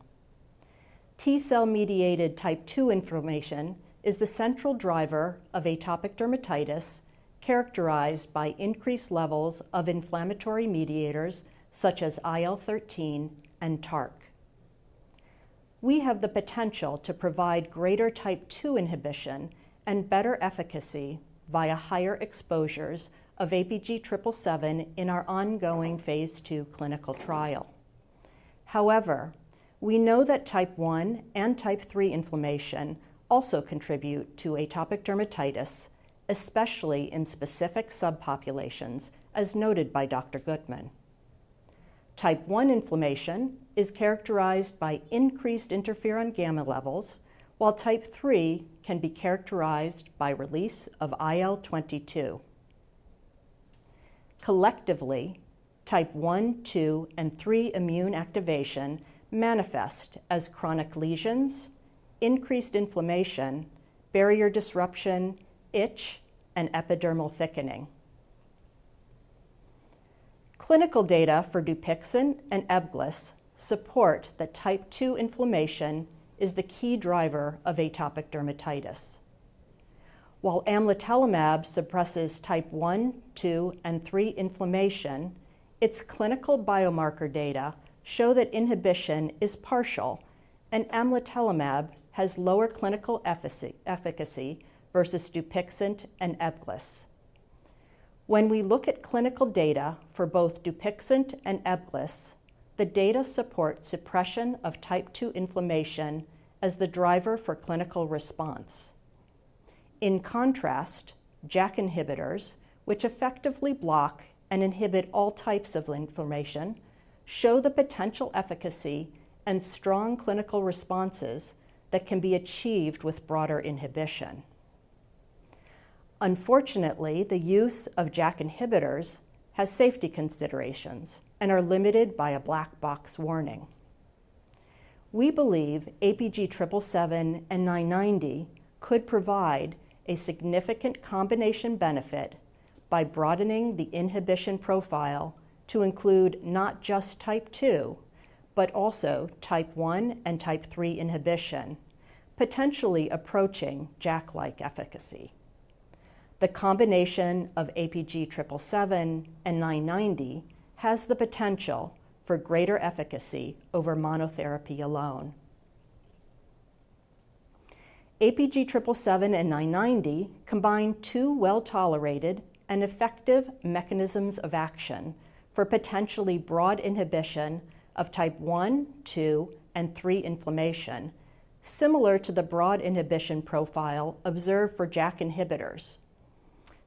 T cell mediated type 2 inflammation is the central driver of atopic dermatitis characterized by increased levels of inflammatory mediators such as IL-13 and TARC. We have the potential to provide greater type 2 inhibition and better efficacy via higher exposures of APG777 in our ongoing phase 2 clinical trial. However, we know that type 1 and type 3 inflammation also contribute to atopic dermatitis, especially in specific subpopulations, as noted by Dr. Guttman-Yassky. Type 1 inflammation is characterized by increased interferon gamma levels, while type 3 can be characterized by release of IL-22. Collectively, type 1, 2, and 3 immune activation manifest as chronic lesions, increased inflammation, barrier disruption, itch, and epidermal thickening. Clinical data for Dupixent and Ebgliss support that type 2 inflammation is the key driver of atopic dermatitis. While amlitelimab suppresses type 1, 2, and 3 inflammation, its clinical biomarker data show that inhibition is partial and amlitelimab has lower clinical efficacy versus Dupixent and Ebgliss. When we look at clinical data for both Dupixent and Ebgliss, the data support suppression of type 2 inflammation as the driver for clinical response. In contrast, JAK inhibitors, which effectively block and inhibit all types of inflammation, show the potential efficacy and strong clinical responses that can be achieved with broader inhibition. Unfortunately, the use of JAK inhibitors has safety considerations and are limited by a black box warning. We believe APG777 and 990 could provide a significant combination benefit by broadening the inhibition profile to include not just type 2, but also type 1 and type 3 inhibition, potentially approaching JAK-like efficacy. The combination of APG777 and 990 has the potential for greater efficacy over monotherapy alone. APG777 and 990 combine two well-tolerated and effective mechanisms of action for potentially broad inhibition of type 1, 2, and 3 inflammation, similar to the broad inhibition profile observed for JAK inhibitors.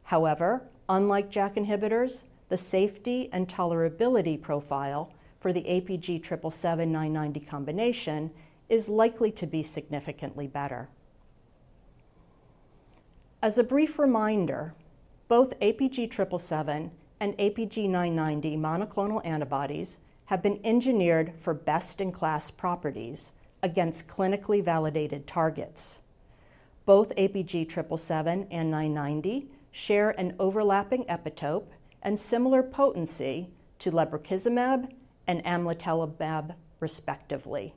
However, unlike JAK inhibitors, the safety and tolerability profile for the APG777-990 combination is likely to be significantly better. As a brief reminder, both APG777 and APG990 monoclonal antibodies have been engineered for best-in-class properties against clinically validated targets. Both APG777 and 990 share an overlapping epitope and similar potency to lebrikizumab and amlitelimab respectively.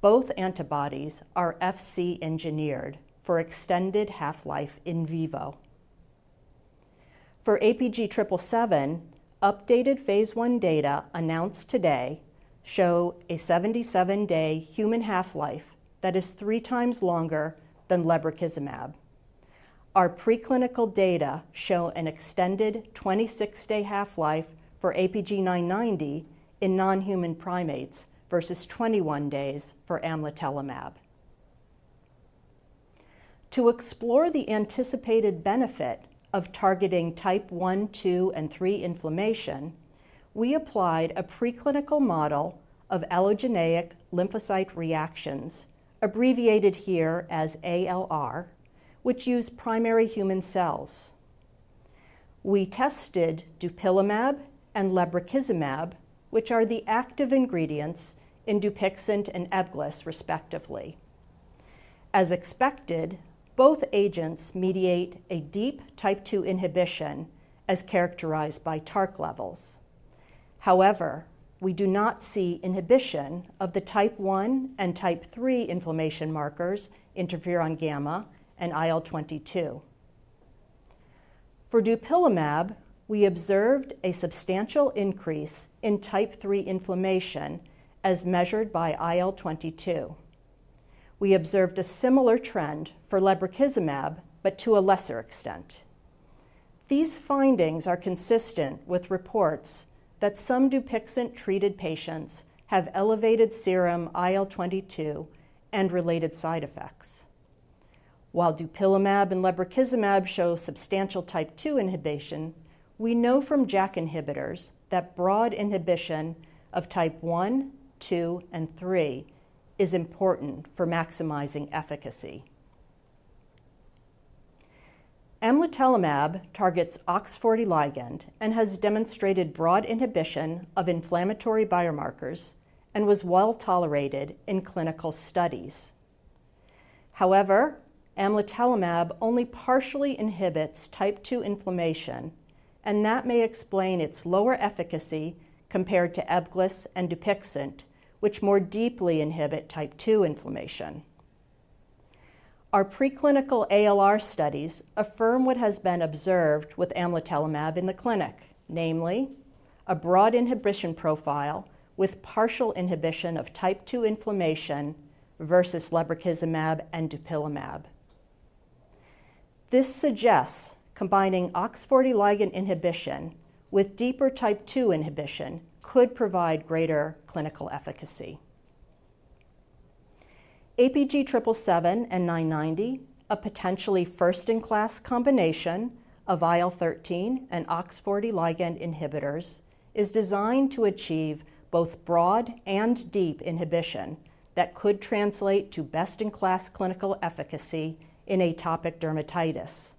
Both antibodies are Fc engineered for extended half-life in vivo. For APG777, updated phase 1 data announced today show a 77-day human half-life that is three times longer than lebrikizumab. Our preclinical data show an extended 26-day half-life for APG990 in non-human primates versus 21 days for amlitelimab. To explore the anticipated benefit of targeting type one, two, and three inflammation, we applied a preclinical model of allogeneic lymphocyte reactions, abbreviated here as ALR, which use primary human cells. We tested dupilumab and lebrikizumab, which are the active ingredients in Dupixent and Ebgliss, respectively. As expected, both agents mediate a deep type 2 inhibition as characterized by TARC levels. However, we do not see inhibition of the type one and type three inflammation markers interferon gamma and IL-22. For dupilumab, we observed a substantial increase in type three inflammation as measured by IL-22. We observed a similar trend for lebrikizumab, but to a lesser extent. These findings are consistent with reports that some Dupixent-treated patients have elevated serum IL-22 and related side effects. While dupilumab and lebrikizumab show substantial type 2 inhibition, we know from JAK inhibitors that broad inhibition of type 1, 2, and 3 is important for maximizing efficacy. Amlitelimab targets OX40 ligand and has demonstrated broad inhibition of inflammatory biomarkers and was well tolerated in clinical studies. However, amlitelimab only partially inhibits type 2 inflammation, and that may explain its lower efficacy compared to Ebgliss and Dupixent, which more deeply inhibit type 2 inflammation. Our preclinical ALR studies affirm what has been observed with amlitelimab in the clinic, namely a broad inhibition profile with partial inhibition of type 2 inflammation versus lebrikizumab and dupilumab. This suggests combining OX40 ligand inhibition with deeper type 2 inhibition could provide greater clinical efficacy. APG777 and APG990, a potentially first-in-class combination of IL-13 and OX40 ligand inhibitors, is designed to achieve both broad and deep inhibition that could translate to best-in-class clinical efficacy in atopic dermatitis.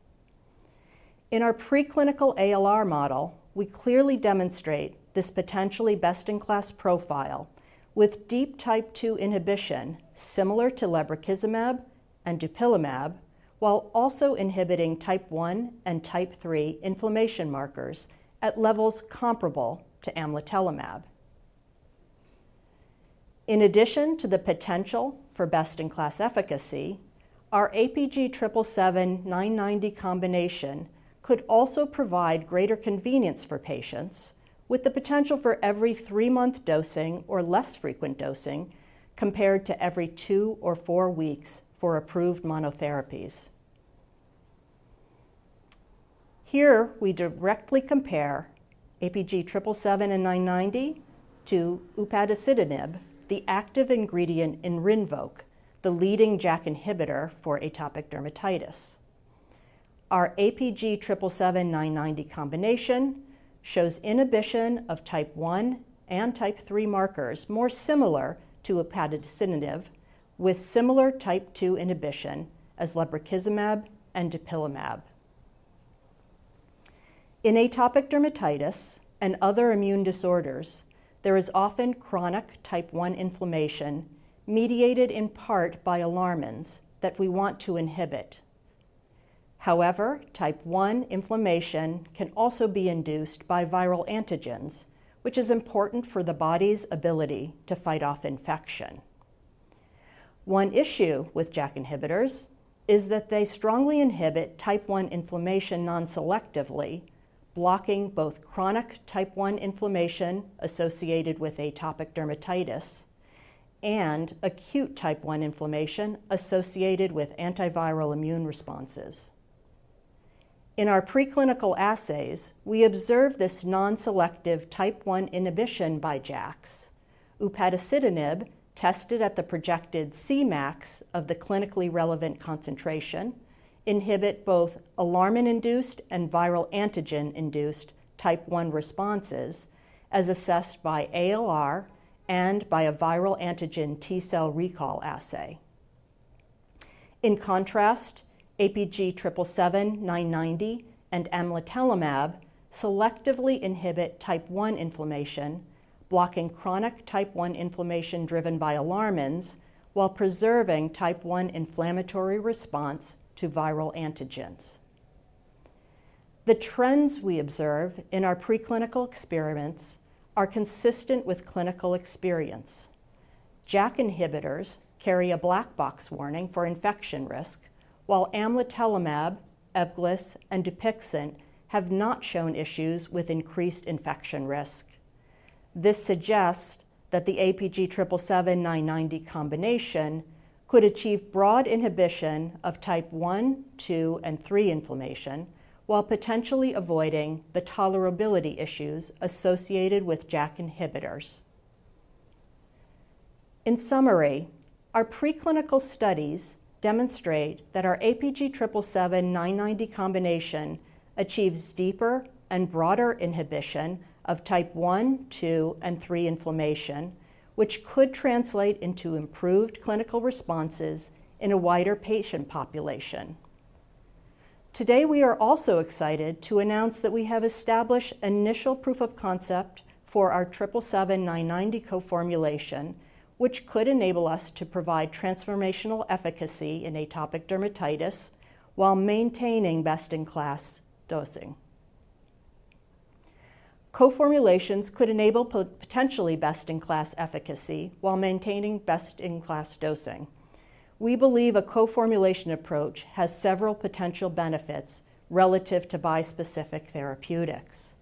In our preclinical ALR model, we clearly demonstrate this potentially best-in-class profile with deep type 2 inhibition similar to lebrikizumab and dupilumab, while also inhibiting type 1 and type 3 inflammation markers at levels comparable to amlitelimab. In addition to the potential for best-in-class efficacy, our APG777-APG990 combination could also provide greater convenience for patients with the potential for every three-month dosing or less frequent dosing compared to every two or four weeks for approved monotherapies. Here we directly compare APG777 and APG990 to upadacitinib, the active ingredient in Rinvoq, the leading JAK inhibitor for atopic dermatitis. Our APG777-990 combination shows inhibition of type 1 and type 3 markers more similar to upadacitinib, with similar type 2 inhibition as lebrikizumab and dupilumab. In atopic dermatitis and other immune disorders, there is often chronic type 1 inflammation mediated in part by alarmins that we want to inhibit. However, type 1 inflammation can also be induced by viral antigens, which is important for the body's ability to fight off infection. One issue with JAK inhibitors is that they strongly inhibit type 1 inflammation non-selectively, blocking both chronic type 1 inflammation associated with atopic dermatitis and acute type 1 inflammation associated with antiviral immune responses. In our preclinical assays, we observed this non-selective type 1 inhibition by JAKs. Upadacitinib, tested at the projected Cmax of the clinically relevant concentration, inhibits both alarmin-induced and viral antigen-induced type 1 responses as assessed by ALR and by a viral antigen T cell recall assay. In contrast, APG777-990 and amlitelimab selectively inhibit type 1 inflammation, blocking chronic type 1 inflammation driven by alarmins while preserving type 1 inflammatory response to viral antigens. The trends we observe in our preclinical experiments are consistent with clinical experience. JAK inhibitors carry a black box warning for infection risk, while amlitelimab, Ebgliss, and Dupixent have not shown issues with increased infection risk. This suggests that the APG777-990 combination could achieve broad inhibition of type 1, 2, and 3 inflammation while potentially avoiding the tolerability issues associated with JAK inhibitors. In summary, our preclinical studies demonstrate that our APG777-990 combination achieves deeper and broader inhibition of type 1, 2, and 3 inflammation, which could translate into improved clinical responses in a wider patient population. Today, we are also excited to announce that we have established initial proof of concept for our 777-990 co-formulation, which could enable us to provide transformational efficacy in atopic dermatitis while maintaining best-in-class dosing. Co-formulations could enable potentially best-in-class efficacy while maintaining best-in-class dosing. We believe a co-formulation approach has several potential benefits relative to bispecific therapeutics.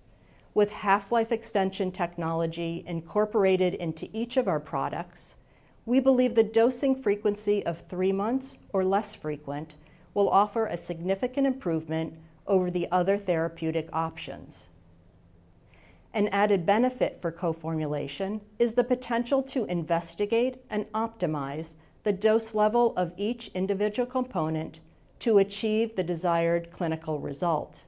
With half-life extension technology incorporated into each of our products, we believe the dosing frequency of three months or less frequent will offer a significant improvement over the other therapeutic options. An added benefit for co-formulation is the potential to investigate and optimize the dose level of each individual component to achieve the desired clinical result.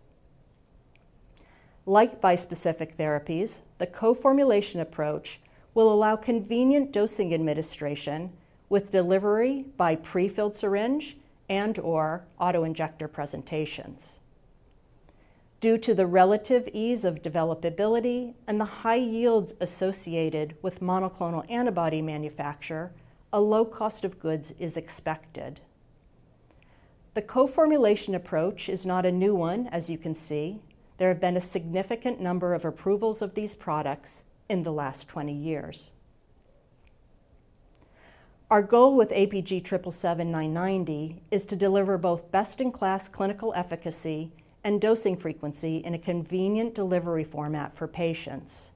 Like bispecific therapies, the co-formulation approach will allow convenient dosing administration with delivery by prefilled syringe and/or autoinjector presentations. Due to the relative ease of developability and the high yields associated with monoclonal antibody manufacture, a low cost of goods is expected. The co-formulation approach is not a new one, as you can see. There have been a significant number of approvals of these products in the last 20 years. Our goal with APG777-APG990 is to deliver both best-in-class clinical efficacy and dosing frequency in a convenient delivery format for patients.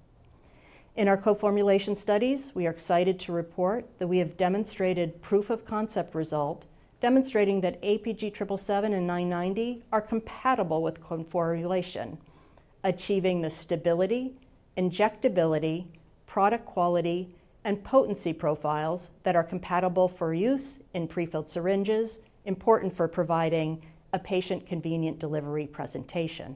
In our co-formulation studies, we are excited to report that we have demonstrated proof of concept results demonstrating that APG777 and APG990 are compatible with co-formulation, achieving the stability, injectability, product quality, and potency profiles that are compatible for use in prefilled syringes, important for providing a patient-convenient delivery presentation.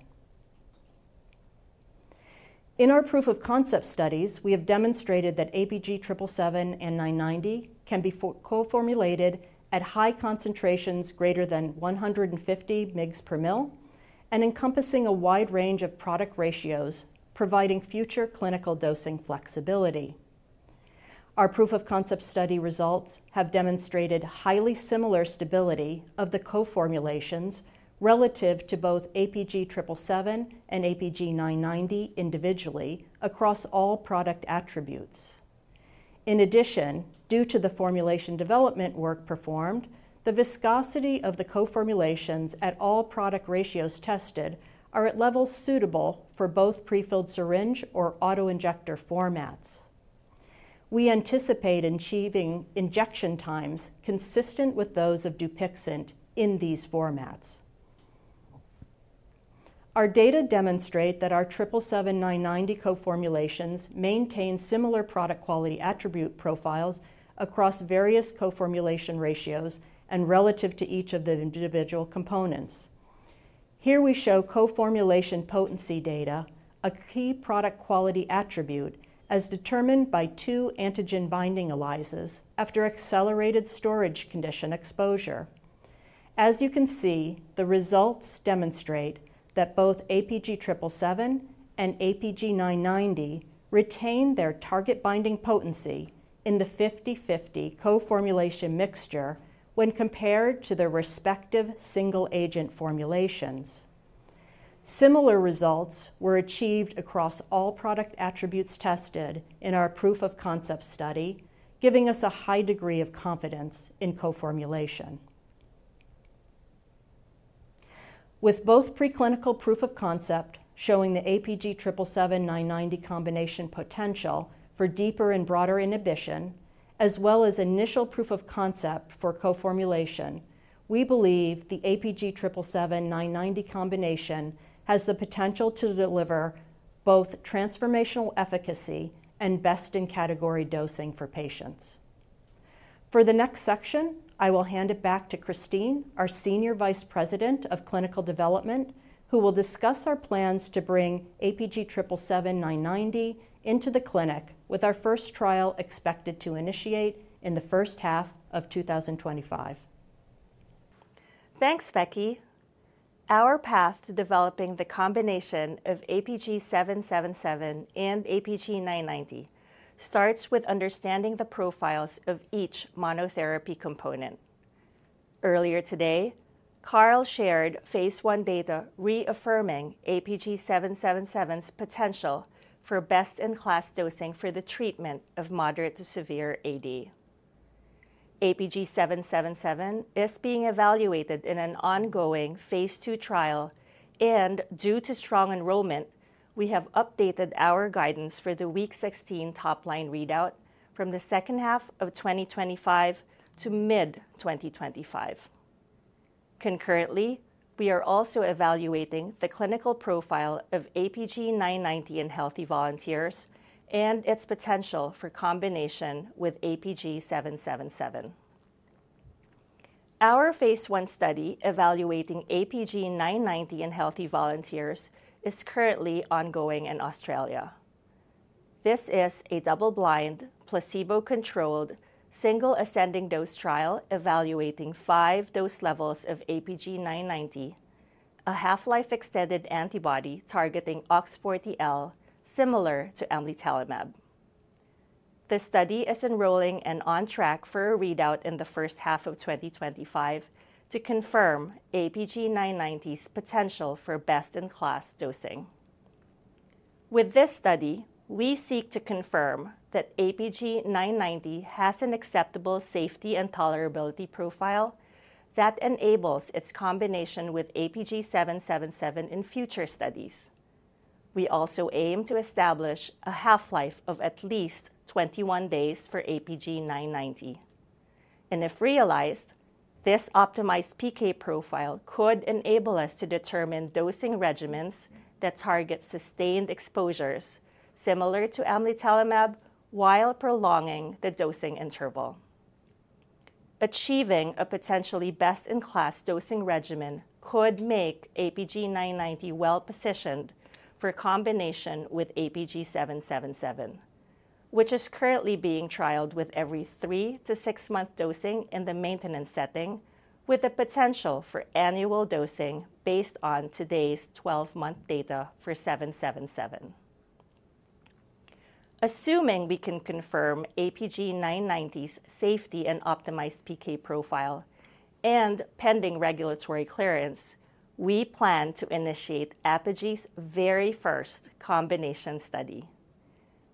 In our proof of concept studies, we have demonstrated that APG777 and 990 can be co-formulated at high concentrations greater than 150 mg/mL and encompassing a wide range of product ratios, providing future clinical dosing flexibility. Our proof of concept study results have demonstrated highly similar stability of the co-formulations relative to both APG777 and APG990 individually across all product attributes. In addition, due to the formulation development work performed, the viscosity of the co-formulations at all product ratios tested is at levels suitable for both prefilled syringe or autoinjector formats. We anticipate achieving injection times consistent with those of Dupixent in these formats. Our data demonstrate that our 777-990 co-formulations maintain similar product quality attribute profiles across various co-formulation ratios and relative to each of the individual components. Here we show co-formulation potency data, a key product quality attribute as determined by two antigen binding affinities after accelerated storage condition exposure. As you can see, the results demonstrate that both APG777 and APG990 retain their target binding potency in the 50/50 co-formulation mixture when compared to their respective single-agent formulations. Similar results were achieved across all product attributes tested in our proof of concept study, giving us a high degree of confidence in co-formulation. With both preclinical proof of concept showing the APG777-990 combination potential for deeper and broader inhibition, as well as initial proof of concept for co-formulation, we believe the APG777-990 combination has the potential to deliver both transformational efficacy and best-in-category dosing for patients. For the next section, I will hand it back to Christine, our Senior Vice President of Clinical Development, who will discuss our plans to bring APG777-990 into the clinic with our first trial expected to initiate in the first half of 2025. Thanks, Becky. Our path to developing the combination of APG777 and APG990 starts with understanding the profiles of each monotherapy component. Earlier today, Carl shared phase 1 data reaffirming APG777's potential for best-in-class dosing for the treatment of moderate to severe AD. APG777 is being evaluated in an ongoing phase 2 trial, and due to strong enrollment, we have updated our guidance for the week 16 top-line readout from the second half of 2025 to mid-2025. Concurrently, we are also evaluating the clinical profile of APG990 in healthy volunteers and its potential for combination with APG777. Our phase one study evaluating APG990 in healthy volunteers is currently ongoing in Australia. This is a double-blind, placebo-controlled, single ascending dose trial evaluating five dose levels of APG990, a half-life extended antibody targeting OX40L, similar to amlitelimab. This study is enrolling and on track for a readout in the first half of 2025 to confirm APG990's potential for best-in-class dosing. With this study, we seek to confirm that APG990 has an acceptable safety and tolerability profile that enables its combination with APG777 in future studies. We also aim to establish a half-life of at least 21 days for APG990, and if realized, this optimized PK profile could enable us to determine dosing regimens that target sustained exposures similar to amlitelimab while prolonging the dosing interval. Achieving a potentially best-in-class dosing regimen could make APG990 well-positioned for combination with APG777, which is currently being trialed with every three- to six-month dosing in the maintenance setting, with the potential for annual dosing based on today's 12-month data for 777. Assuming we can confirm APG990's safety and optimized PK profile and pending regulatory clearance, we plan to initiate Apogee's very first combination study.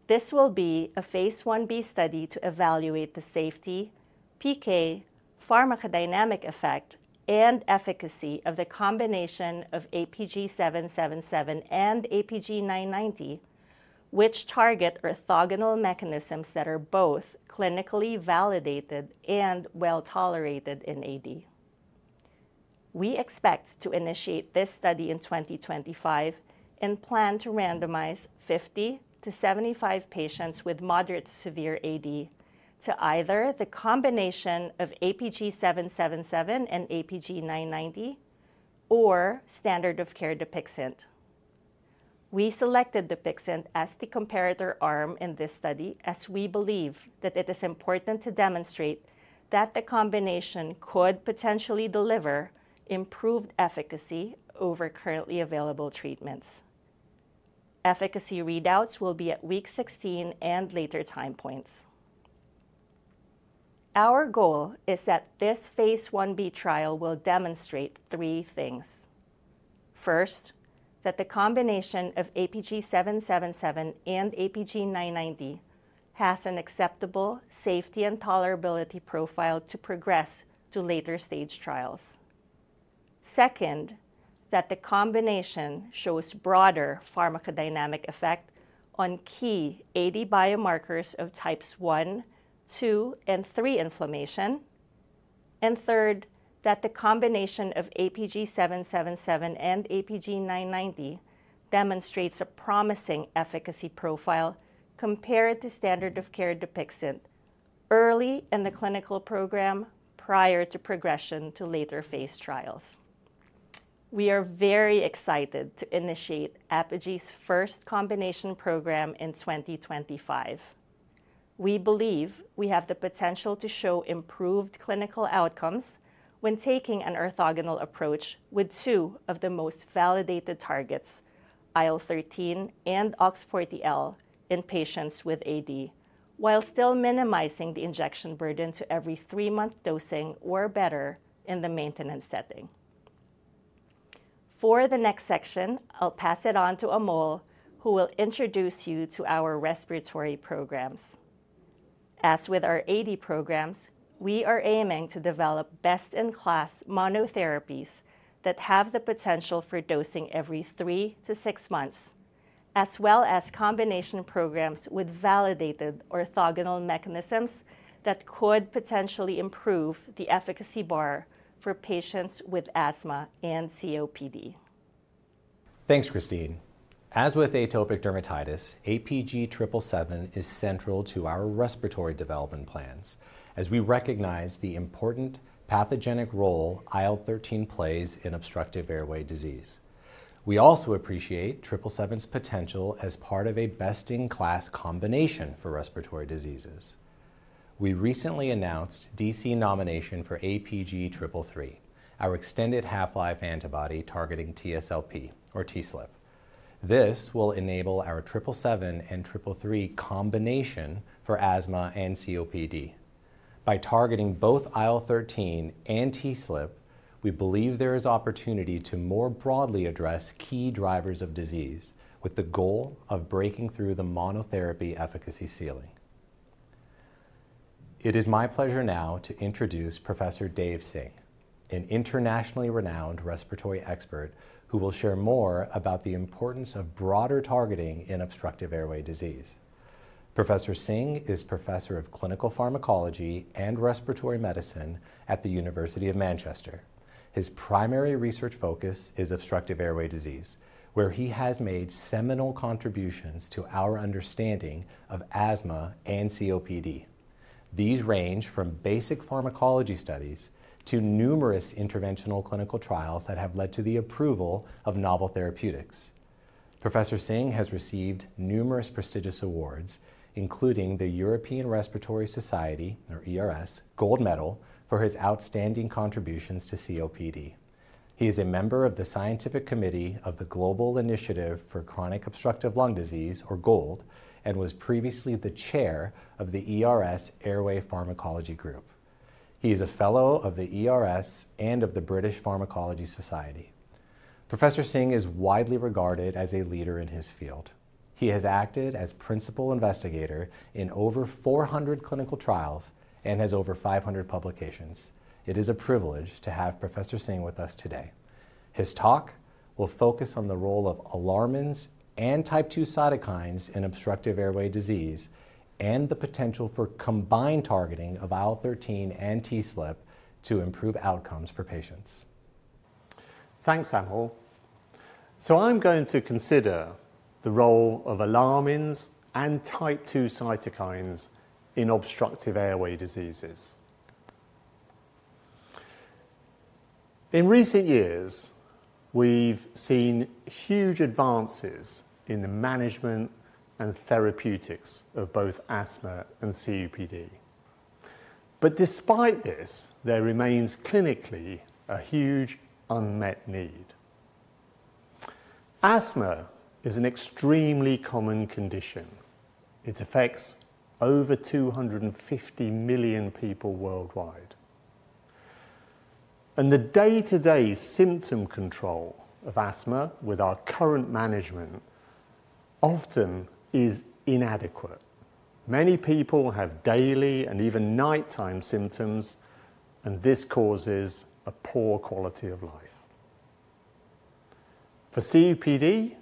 This will be a phase 1b study to evaluate the safety, PK, pharmacodynamic effect, and efficacy of the combination of APG777 and APG990, which target orthogonal mechanisms that are both clinically validated and well-tolerated in AD. We expect to initiate this study in 2025 and plan to randomize 50 to 75 patients with moderate to severe AD to either the combination of APG777 and APG990 or standard of care Dupixent. We selected Dupixent as the comparator arm in this study as we believe that it is important to demonstrate that the combination could potentially deliver improved efficacy over currently available treatments. Efficacy readouts will be at week 16 and later time points. Our goal is that this phase 1b trial will demonstrate three things. First, that the combination of APG777 and APG990 has an acceptable safety and tolerability profile to progress to later stage trials. Second, that the combination shows broader pharmacodynamic effect on key AD biomarkers of types one, two, and three inflammation. And third, that the combination of APG777 and APG990 demonstrates a promising efficacy profile compared to standard of care Dupixent early in the clinical program prior to progression to later phase trials. We are very excited to initiate Apogee's first combination program in 2025. We believe we have the potential to show improved clinical outcomes when taking an orthogonal approach with two of the most validated targets, IL-13 and OX40L, in patients with AD, while still minimizing the injection burden to every three-month dosing or better in the maintenance setting. For the next section, I'll pass it on to Amol, who will introduce you to our respiratory programs. As with our AD programs, we are aiming to develop best-in-class monotherapies that have the potential for dosing every three to six months, as well as combination programs with validated orthogonal mechanisms that could potentially improve the efficacy bar for patients with asthma and COPD. Thanks, Christine. As with atopic dermatitis, APG777 is central to our respiratory development plans as we recognize the important pathogenic role IL-13 plays in obstructive airway disease. We also appreciate 777's potential as part of a best-in-class combination for respiratory diseases. We recently announced DC nomination for APG333, our extended half-life antibody targeting TSLP, or TSLP. This will enable our 777 and 333 combination for asthma and COPD. By targeting both IL-13 and TSLP, we believe there is opportunity to more broadly address key drivers of disease with the goal of breaking through the monotherapy efficacy ceiling. It is my pleasure now to introduce Professor Dave Singh, an internationally renowned respiratory expert who will share more about the importance of broader targeting in obstructive airway disease. Professor Singh is Professor of Clinical Pharmacology and Respiratory Medicine at the University of Manchester. His primary research focus is obstructive airway disease, where he has made seminal contributions to our understanding of asthma and COPD. These range from basic pharmacology studies to numerous interventional clinical trials that have led to the approval of novel therapeutics. Professor Singh has received numerous prestigious awards, including the European Respiratory Society, or ERS, Gold Medal for his outstanding contributions to COPD. He is a member of the Scientific Committee of the Global Initiative for Chronic Obstructive Lung Disease, or GOLD, and was previously the chair of the ERS Airway Pharmacology Group. He is a fellow of the ERS and of the British Pharmacological Society. Professor Singh is widely regarded as a leader in his field. He has acted as principal investigator in over 400 clinical trials and has over 500 publications. It is a privilege to have Professor Singh with us today. His talk will focus on the role of alarmins and type 2 cytokines in obstructive airway disease and the potential for combined targeting of IL-13 and TSLP to improve outcomes for patients. Thanks, Amol. I'm going to consider the role of alarmins and type 2 cytokines in obstructive airway diseases. In recent years, we've seen huge advances in the management and therapeutics of both asthma and COPD. But despite this, there remains clinically a huge unmet need. Asthma is an extremely common condition. It affects over 250 million people worldwide. And the day-to-day symptom control of asthma with our current management often is inadequate. Many people have daily and even nighttime symptoms, and this causes a poor quality of life. For COPD,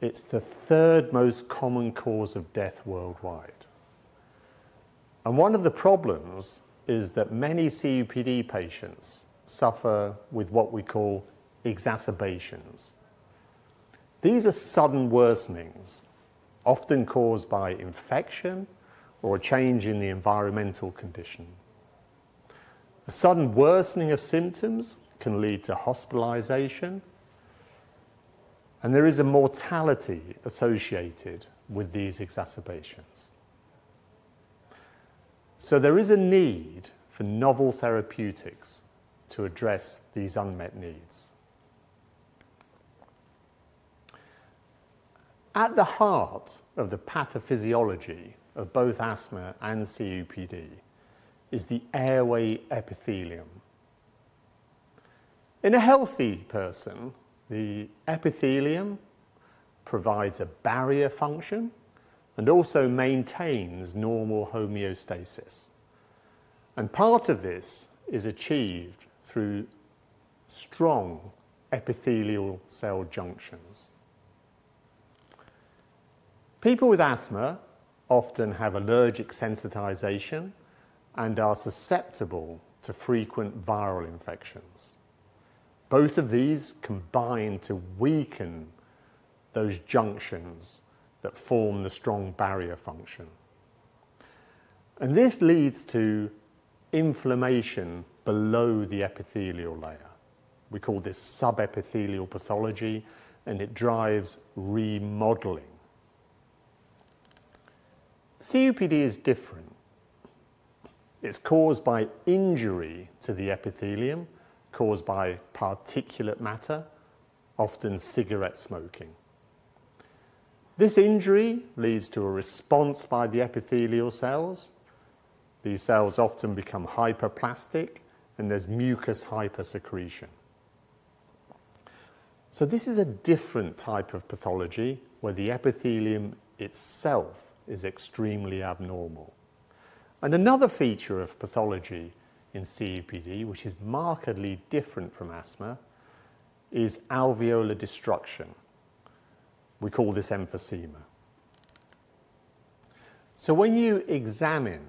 it's the third most common cause of death worldwide. And one of the problems is that many COPD patients suffer with what we call exacerbations. These are sudden worsenings, often caused by infection or a change in the environmental condition. A sudden worsening of symptoms can lead to hospitalization, and there is a mortality associated with these exacerbations. So there is a need for novel therapeutics to address these unmet needs. At the heart of the pathophysiology of both asthma and COPD is the airway epithelium. In a healthy person, the epithelium provides a barrier function and also maintains normal homeostasis. And part of this is achieved through strong epithelial cell junctions. People with asthma often have allergic sensitization and are susceptible to frequent viral infections. Both of these combine to weaken those junctions that form the strong barrier function. And this leads to inflammation below the epithelial layer. We call this subepithelial pathology, and it drives remodeling. COPD is different. It's caused by injury to the epithelium caused by particulate matter, often cigarette smoking. This injury leads to a response by the epithelial cells. These cells often become hyperplastic, and there's mucus hypersecretion. So this is a different type of pathology where the epithelium itself is extremely abnormal. And another feature of pathology in COPD, which is markedly different from asthma, is alveolar destruction. We call this emphysema. So when you examine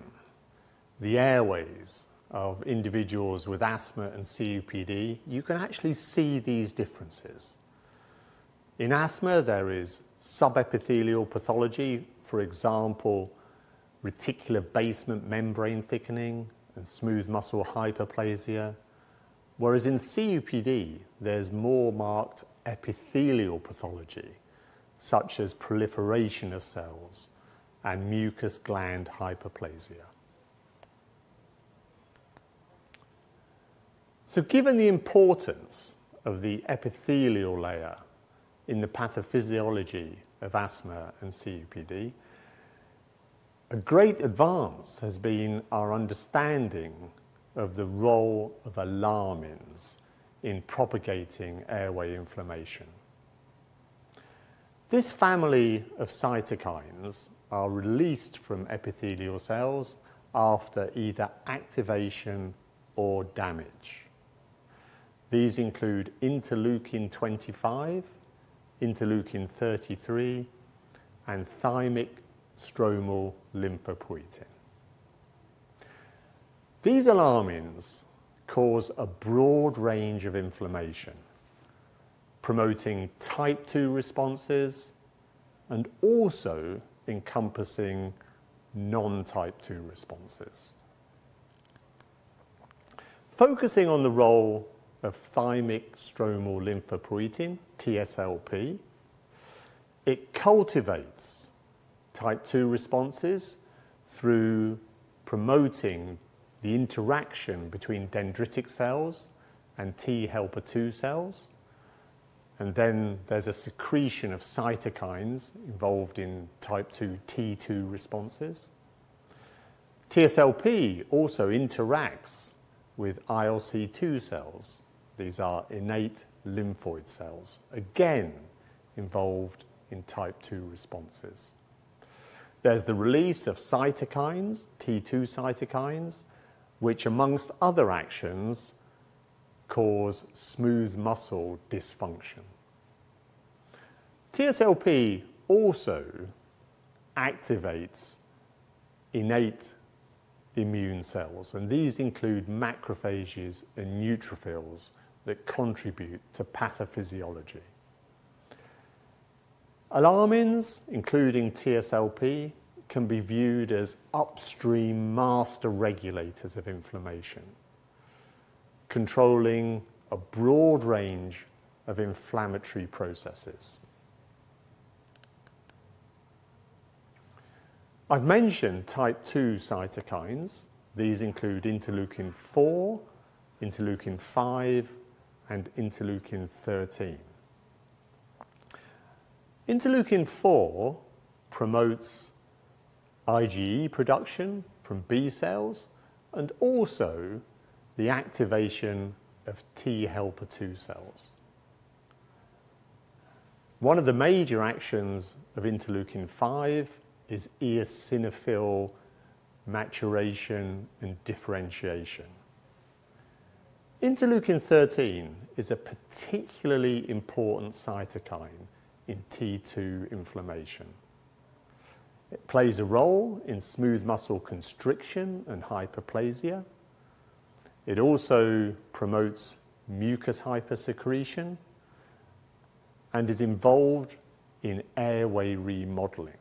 the airways of individuals with asthma and COPD, you can actually see these differences. In asthma, there is subepithelial pathology, for example, reticular basement membrane thickening and smooth muscle hyperplasia, whereas in COPD, there's more marked epithelial pathology, such as proliferation of cells and mucus gland hyperplasia. So given the importance of the epithelial layer in the pathophysiology of asthma and COPD, a great advance has been our understanding of the role of alarmins in propagating airway inflammation. This family of cytokines is released from epithelial cells after either activation or damage. These include interleukin 25, interleukin 33, and thymic stromal lymphopoietin. These alarmins cause a broad range of inflammation, promoting type 2 responses and also encompassing non-type 2 responses. Focusing on the role of thymic stromal lymphopoietin, TSLP, it cultivates type 2 responses through promoting the interaction between dendritic cells and T helper II cells. Then there's a secretion of cytokines involved in type 2 T2 responses. TSLP also interacts with ILC2 cells. These are innate lymphoid cells, again involved in type 2 responses. There's the release of cytokines, T2 cytokines, which, among other actions, cause smooth muscle dysfunction. TSLP also activates innate immune cells, and these include macrophages and neutrophils that contribute to pathophysiology. Alarmins, including TSLP, can be viewed as upstream master regulators of inflammation, controlling a broad range of inflammatory processes. I've mentioned type 2 cytokines. These include interleukin 4, interleukin 5, and interleukin 13. Interleukin 4 promotes IgE production from B cells and also the activation of T helper II cells. One of the major actions of interleukin 5 is eosinophil maturation and differentiation. Interleukin 13 is a particularly important cytokine in T2 inflammation. It plays a role in smooth muscle constriction and hyperplasia. It also promotes mucus hypersecretion and is involved in airway remodeling.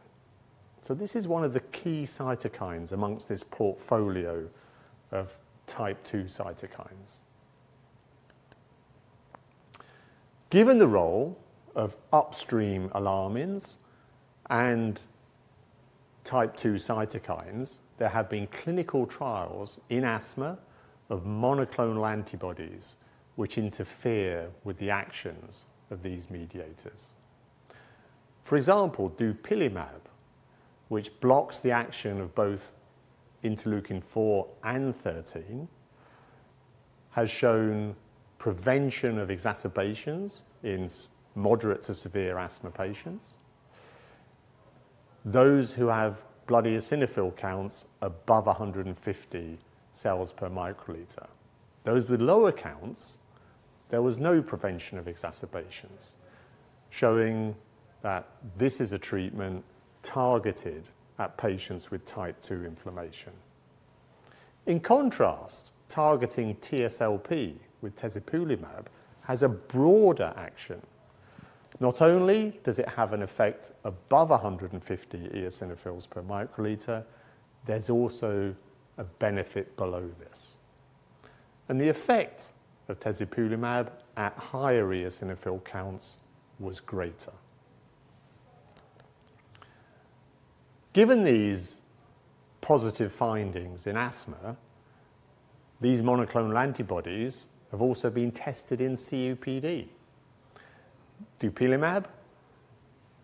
So this is one of the key cytokines amongst this portfolio of type 2 cytokines. Given the role of upstream alarmins and type 2 cytokines, there have been clinical trials in asthma of monoclonal antibodies which interfere with the actions of these mediators. For example, dupilumab, which blocks the action of both interleukin 4 and 13, has shown prevention of exacerbations in moderate to severe asthma patients, those who have blood eosinophil counts above 150 cells per microliter. Those with lower counts, there was no prevention of exacerbations, showing that this is a treatment targeted at patients with type 2 inflammation. In contrast, targeting TSLP with tezepelumab has a broader action. Not only does it have an effect above 150 eosinophils per microliter, there's also a benefit below this. And the effect of tezepelumab at higher eosinophil counts was greater. Given these positive findings in asthma, these monoclonal antibodies have also been tested in COPD. Dupilumab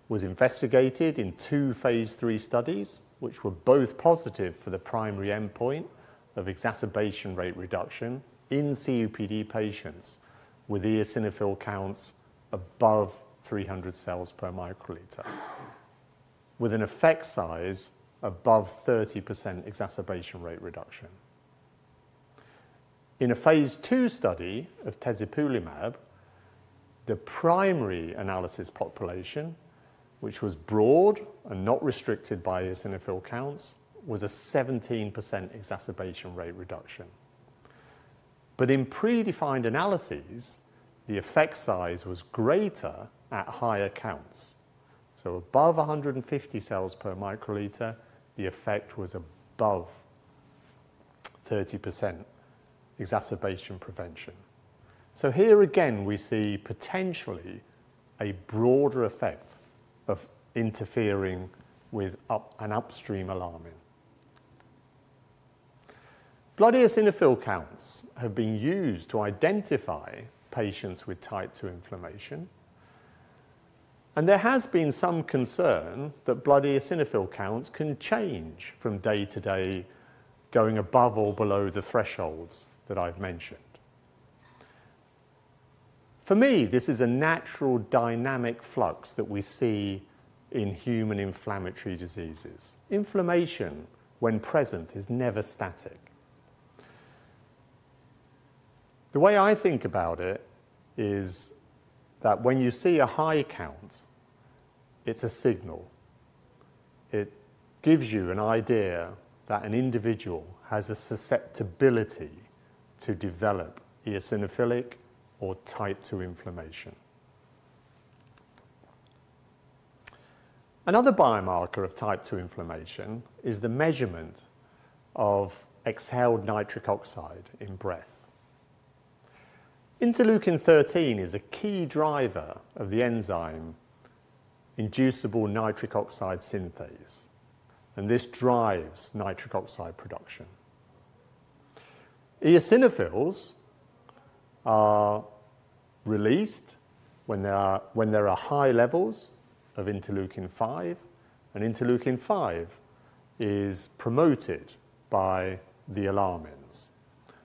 was investigated in two phase 3 studies, which were both positive for the primary endpoint of exacerbation rate reduction in COPD patients with eosinophil counts above 300 cells per microliter, with an effect size above 30% exacerbation rate reduction. In a phase 2 study of tezepelumab, the primary analysis population, which was broad and not restricted by eosinophil counts, was a 17% exacerbation rate reduction. But in predefined analyses, the effect size was greater at higher counts. So above 150 cells per microliter, the effect was above 30% exacerbation prevention. So here again, we see potentially a broader effect of interfering with an upstream alarmin. Blood eosinophil counts have been used to identify patients with type 2 inflammation, and there has been some concern that blood eosinophil counts can change from day to day, going above or below the thresholds that I've mentioned. For me, this is a natural dynamic flux that we see in human inflammatory diseases. Inflammation, when present, is never static. The way I think about it is that when you see a high count, it's a signal. It gives you an idea that an individual has a susceptibility to develop eosinophilic or type 2 inflammation. Another biomarker of type 2 inflammation is the measurement of exhaled nitric oxide in breath. Interleukin 13 is a key driver of the enzyme inducible nitric oxide synthase, and this drives nitric oxide production. Eosinophils are released when there are high levels of interleukin 5, and interleukin 5 is promoted by the alarmins,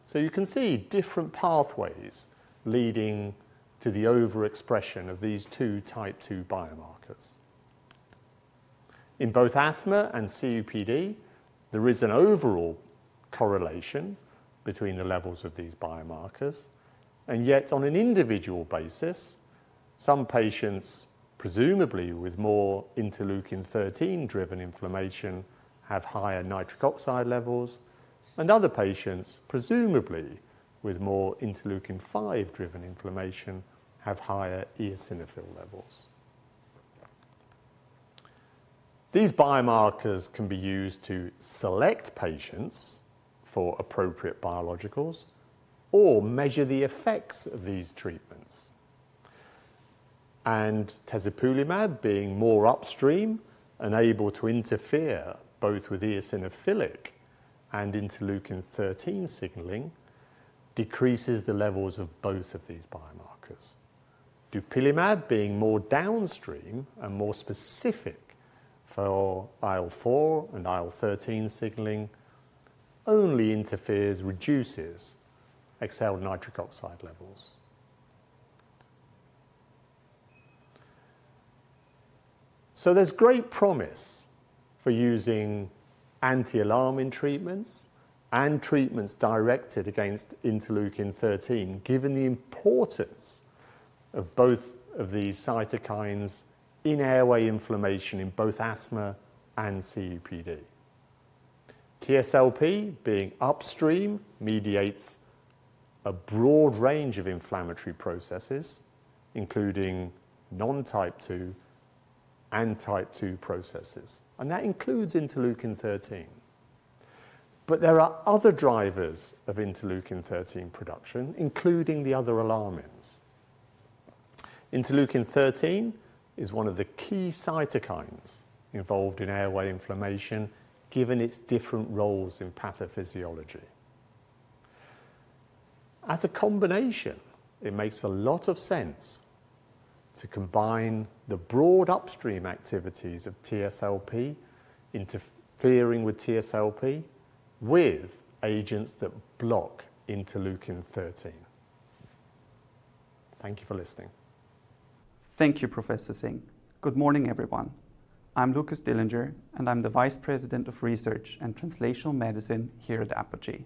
so you can see different pathways leading to the overexpression of these two type 2 biomarkers. In both asthma and COPD, there is an overall correlation between the levels of these biomarkers, and yet, on an individual basis, some patients, presumably with more interleukin 13-driven inflammation, have higher nitric oxide levels, and other patients, presumably with more interleukin 5-driven inflammation, have higher eosinophil levels. These biomarkers can be used to select patients for appropriate biologics or measure the effects of these treatments, and tezepelumab, being more upstream and able to interfere both with eosinophilic and interleukin 13 signaling, decreases the levels of both of these biomarkers. Dupilumab, being more downstream and more specific for IL-4 and IL-13 signaling, only interferes with reducing exhaled nitric oxide levels. So there's great promise for using anti-alarmin treatments and treatments directed against interleukin 13, given the importance of both of these cytokines in airway inflammation in both asthma and COPD. TSLP, being upstream, mediates a broad range of inflammatory processes, including non-type 2 and type 2 processes, and that includes interleukin 13. But there are other drivers of interleukin 13 production, including the other alarmins. Interleukin 13 is one of the key cytokines involved in airway inflammation, given its different roles in pathophysiology. As a combination, it makes a lot of sense to combine the broad upstream activities of TSLP, interfering with TSLP, with agents that block interleukin 13. Thank you for listening. Thank you, Professor Singh. Good morning, everyone. I'm Lucas Döllinger, and I'm the Vice President of Research and Translational Medicine here at Apogee.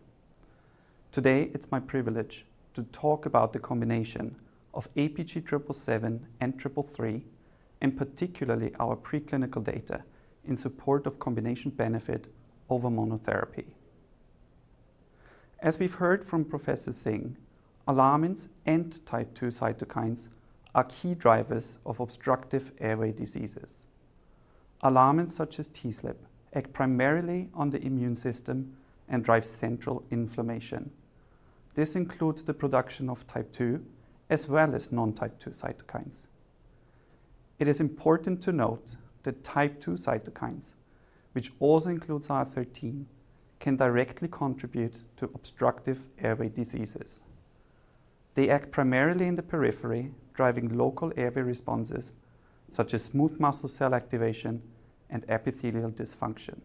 Today, it's my privilege to talk about the combination of APG777 and APG333, and particularly our preclinical data in support of combination benefit over monotherapy. As we've heard from Professor Singh, alarmins and type 2 cytokines are key drivers of obstructive airway diseases. Alarmins such as TSLP act primarily on the immune system and drive central inflammation. This includes the production of type 2 as well as non-type 2 cytokines. It is important to note that type 2 cytokines, which also includes IL-13, can directly contribute to obstructive airway diseases. They act primarily in the periphery, driving local airway responses such as smooth muscle cell activation and epithelial dysfunction.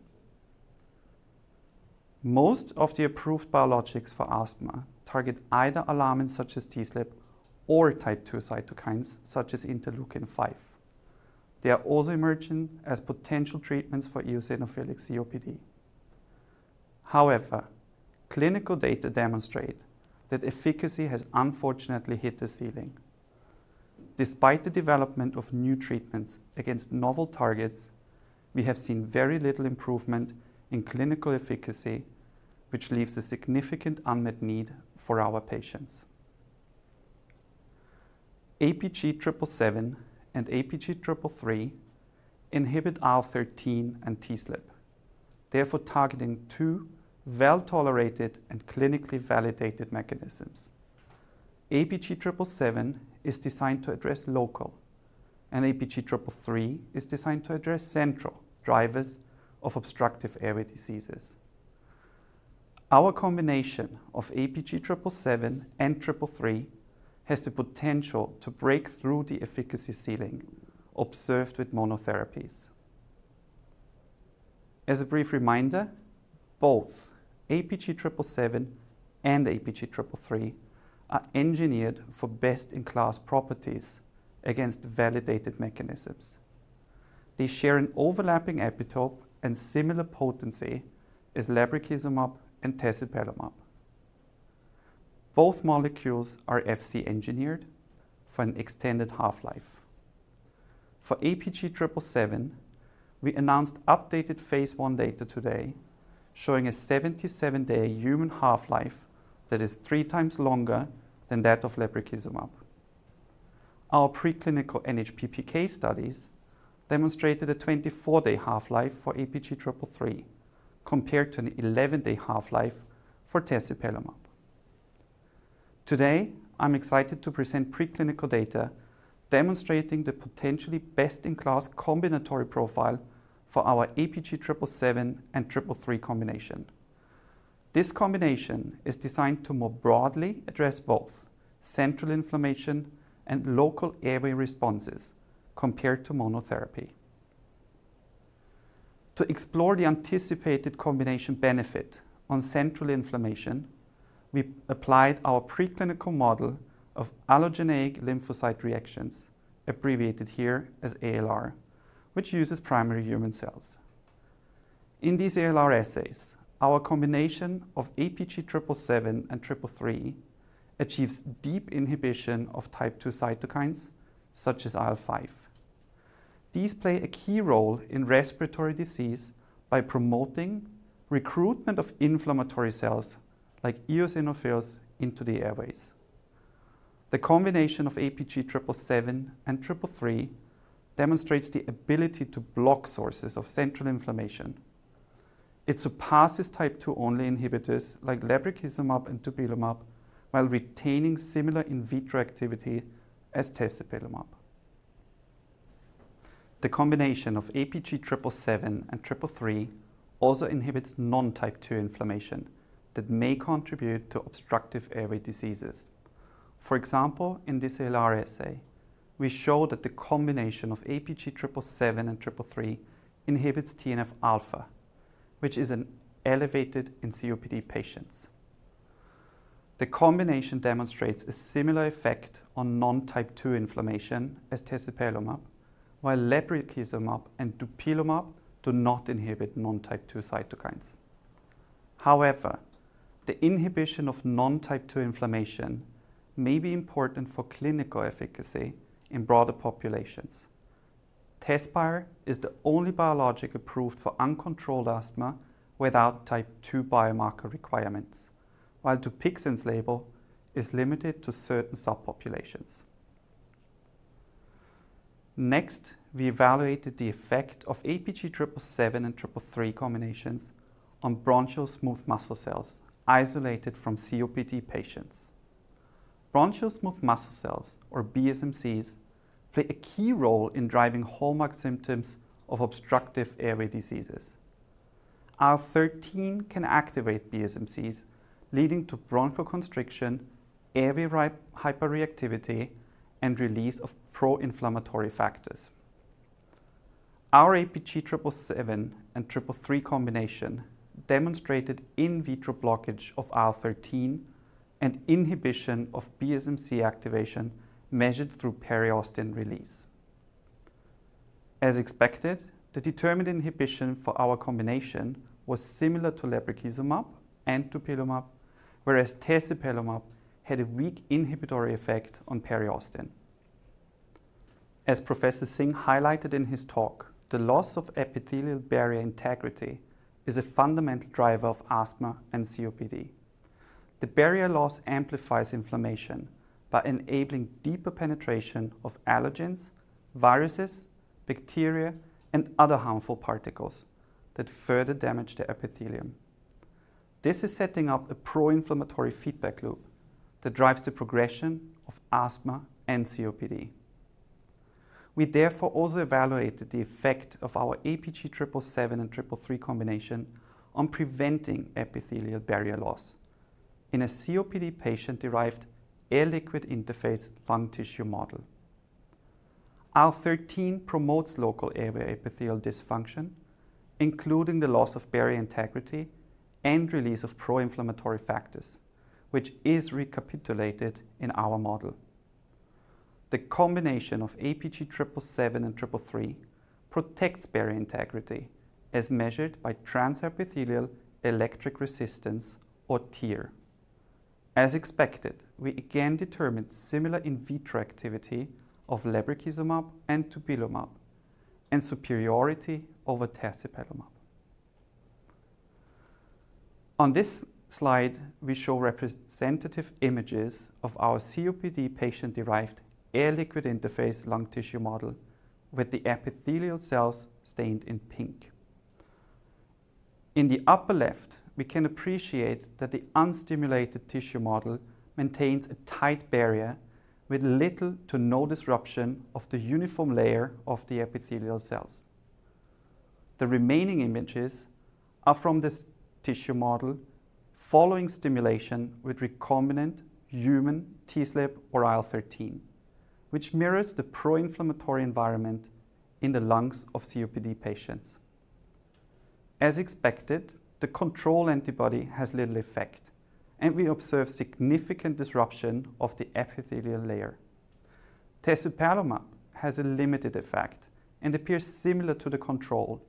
Most of the approved biologics for asthma target either alarmins such as TSLP or type 2 cytokines such as interleukin 5. They are also emerging as potential treatments for eosinophilic COPD. However, clinical data demonstrate that efficacy has unfortunately hit a ceiling. Despite the development of new treatments against novel targets, we have seen very little improvement in clinical efficacy, which leaves a significant unmet need for our patients. APG777 and APG333 inhibit IL-13 and TSLP, therefore targeting two well-tolerated and clinically validated mechanisms. APG777 is designed to address local, and APG333 is designed to address central drivers of obstructive airway diseases. Our combination of APG777 and APG333 has the potential to break through the efficacy ceiling observed with monotherapies. As a brief reminder, both APG777 and APG333 are engineered for best-in-class properties against validated mechanisms. They share an overlapping epitope and similar potency as lebrikizumab and tezepelumab. Both molecules are Fc engineered for an extended half-life. For APG777, we announced updated phase 1 data today showing a 77-day human half-life that is three times longer than that of lebrikizumab. Our preclinical NHP PK studies demonstrated a 24-day half-life for APG333 compared to an 11-day half-life for tezepelumab. Today, I'm excited to present preclinical data demonstrating the potentially best-in-class combinatory profile for our APG777 and APG333 combination. This combination is designed to more broadly address both central inflammation and local airway responses compared to monotherapy. To explore the anticipated combination benefit on central inflammation, we applied our preclinical model of allogeneic lymphocyte reactions, abbreviated here as ALR, which uses primary human cells. In these ALR assays, our combination of APG777 and APG333 achieves deep inhibition of type 2 cytokines such as IL-5. These play a key role in respiratory disease by promoting recruitment of inflammatory cells like eosinophils into the airways. The combination of APG777 and APG333 demonstrates the ability to block sources of central inflammation. It surpasses type 2-only inhibitors like lebrikizumab and dupilumab while retaining similar in vitro activity as tezepelumab. The combination of APG777 and APG333 also inhibits non-type 2 inflammation that may contribute to obstructive airway diseases. For example, in this ALR assay, we show that the combination of APG777 and APG333 inhibits TNF-alpha, which is elevated in COPD patients. The combination demonstrates a similar effect on non-type 2 inflammation as tezepelumab, while lebrikizumab and dupilumab do not inhibit non-type 2 cytokines. However, the inhibition of non-type 2 inflammation may be important for clinical efficacy in broader populations. Tezspire is the only biologic approved for uncontrolled asthma without type 2 biomarker requirements, while Dupixent's label is limited to certain subpopulations. Next, we evaluated the effect of APG777 and APG333 combinations on bronchial smooth muscle cells isolated from COPD patients. Bronchial smooth muscle cells, or BSMCs, play a key role in driving hallmark symptoms of obstructive airway diseases. IL-13 can activate BSMCs, leading to bronchoconstriction, airway hyperreactivity, and release of pro-inflammatory factors. Our APG777 and APG333 combination demonstrated in vitro blockage of IL-13 and inhibition of BSMC activation measured through periostin release. As expected, the determined inhibition for our combination was similar to lebrikizumab and dupilumab, whereas tezepelumab had a weak inhibitory effect on periostin. As Professor Singh highlighted in his talk, the loss of epithelial barrier integrity is a fundamental driver of asthma and COPD. The barrier loss amplifies inflammation by enabling deeper penetration of allergens, viruses, bacteria, and other harmful particles that further damage the epithelium. This is setting up a pro-inflammatory feedback loop that drives the progression of asthma and COPD. We therefore also evaluated the effect of our APG777 and APG333 combination on preventing epithelial barrier loss in a COPD patient-derived air-liquid interface lung tissue model. IL-13 promotes local airway epithelial dysfunction, including the loss of barrier integrity and release of pro-inflammatory factors, which is recapitulated in our model. The combination of APG777 and APG333 protects barrier integrity as measured by transepithelial electric resistance, or TEER. As expected, we again determined similar in vitro activity of lebrikizumab and dupilumab and superiority over tezepelumab. On this slide, we show representative images of our COPD patient-derived air-liquid interface lung tissue model with the epithelial cells stained in pink. In the upper left, we can appreciate that the unstimulated tissue model maintains a tight barrier with little to no disruption of the uniform layer of the epithelial cells. The remaining images are from this tissue model following stimulation with recombinant human TSLP or IL-13, which mirrors the pro-inflammatory environment in the lungs of COPD patients. As expected, the control antibody has little effect, and we observe significant disruption of the epithelial layer. Tezepelumab has a limited effect and appears similar to the control,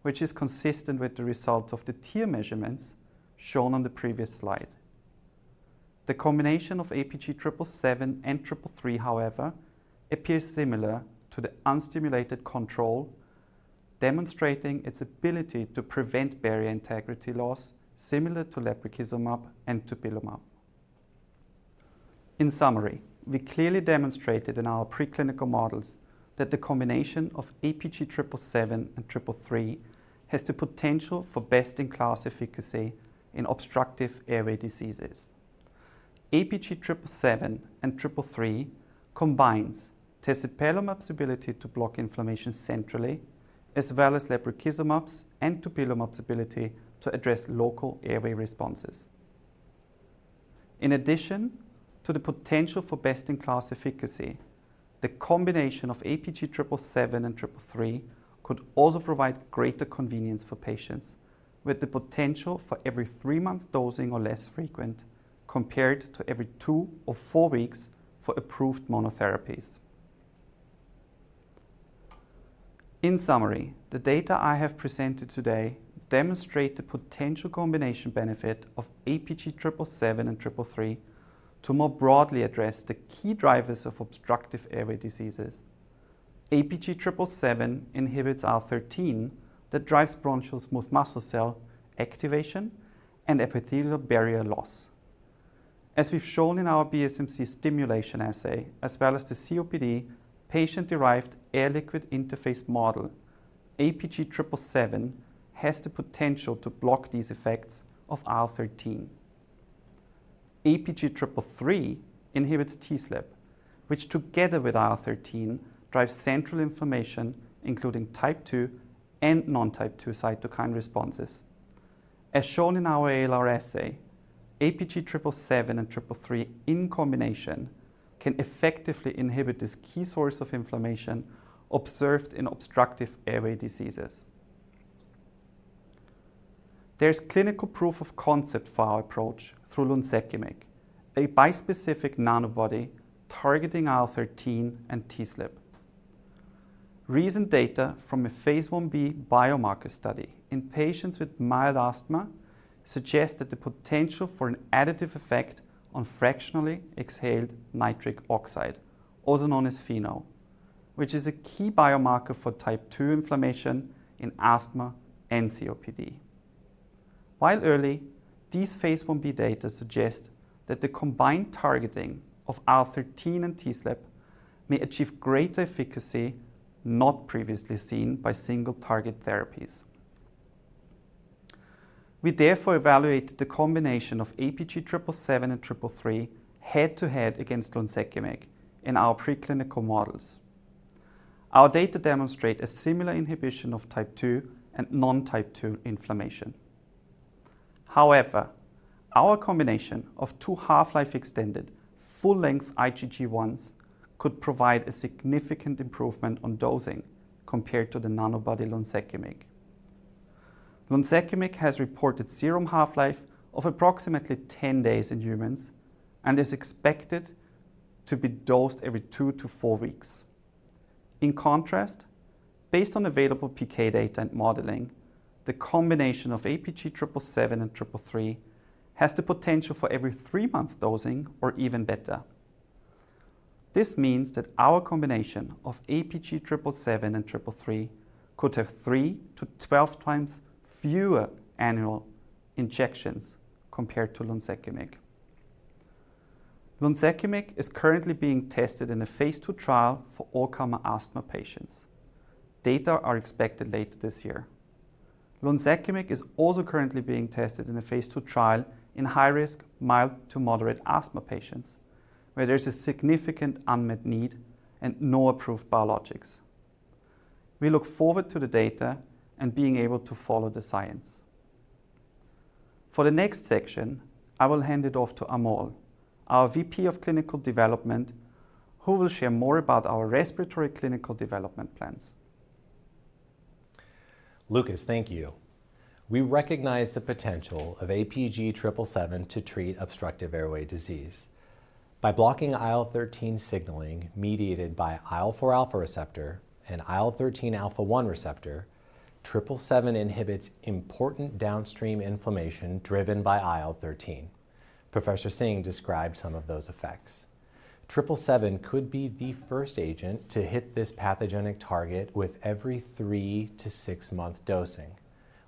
which is consistent with the results of the TEER measurements shown on the previous slide. The combination of APG777 and APG333, however, appears similar to the unstimulated control, demonstrating its ability to prevent barrier integrity loss similar to lebrikizumab and dupilumab. In summary, we clearly demonstrated in our preclinical models that the combination of APG777 and APG333 has the potential for best-in-class efficacy in obstructive airway diseases. APG777 and APG333 combines tezepelumab's ability to block inflammation centrally as well as lebrikizumab's and dupilumab's ability to address local airway responses. In addition to the potential for best-in-class efficacy, the combination of APG777 and APG333 could also provide greater convenience for patients with the potential for every three-month dosing or less frequent compared to every two or four weeks for approved monotherapies. In summary, the data I have presented today demonstrate the potential combination benefit of APG777 and APG333 to more broadly address the key drivers of obstructive airway diseases. APG777 inhibits IL-13 that drives bronchial smooth muscle cell activation and epithelial barrier loss. As we've shown in our BSMC stimulation assay as well as the COPD patient-derived air-liquid interface model, APG777 has the potential to block these effects of IL-13. APG333 inhibits TSLP, which together with IL-13 drives central inflammation including type 2 and non-type 2 cytokine responses. As shown in our ALR assay, APG777 and APG333 in combination can effectively inhibit this key source of inflammation observed in obstructive airway diseases. There is clinical proof of concept for our approach through lunsekimig, a bispecific nanobody targeting IL-13 and TSLP. Recent data from a phase 1b biomarker study in patients with mild asthma suggested the potential for an additive effect on fractional exhaled nitric oxide, also known as FeNO, which is a key biomarker for type 2 inflammation in asthma and COPD. While early, these phase 1b data suggest that the combined targeting of IL-13 and TSLP may achieve greater efficacy not previously seen by single-target therapies. We therefore evaluated the combination of APG777 and APG333 head-to-head against lunsekimig in our preclinical models. Our data demonstrate a similar inhibition of Type 2 and non-Type 2 inflammation. However, our combination of two half-life-extended full-length IgG1s could provide a significant improvement on dosing compared to the nanobody Lunsekimig. Lunsekimig has reported serum half-life of approximately 10 days in humans and is expected to be dosed every two to four weeks. In contrast, based on available PK data and modeling, the combination of APG777 and APG333 has the potential for every three-month dosing or even better. This means that our combination of APG777 and APG333 could have three to 12 times fewer annual injections compared to luLunsekimig. Lunsekimig is currently being tested in a phase 2 trial for allergic asthma patients. Data are expected later this year. Lunsekimig is also currently being tested in a phase 2 trial in high-risk mild to moderate asthma patients where there is a significant unmet need and no approved biologics. We look forward to the data and being able to follow the science. For the next section, I will hand it off to Amol, our VP of Clinical Development, who will share more about our respiratory clinical development plans. Lucas, thank you. We recognize the potential of APG777 to treat obstructive airway disease. By blocking IL-13 signaling mediated by IL-4 alpha receptor and IL-13 alpha-1 receptor, 777 inhibits important downstream inflammation driven by IL-13. Professor Singh described some of those effects. 777 could be the first agent to hit this pathogenic target with every three- to six-month dosing.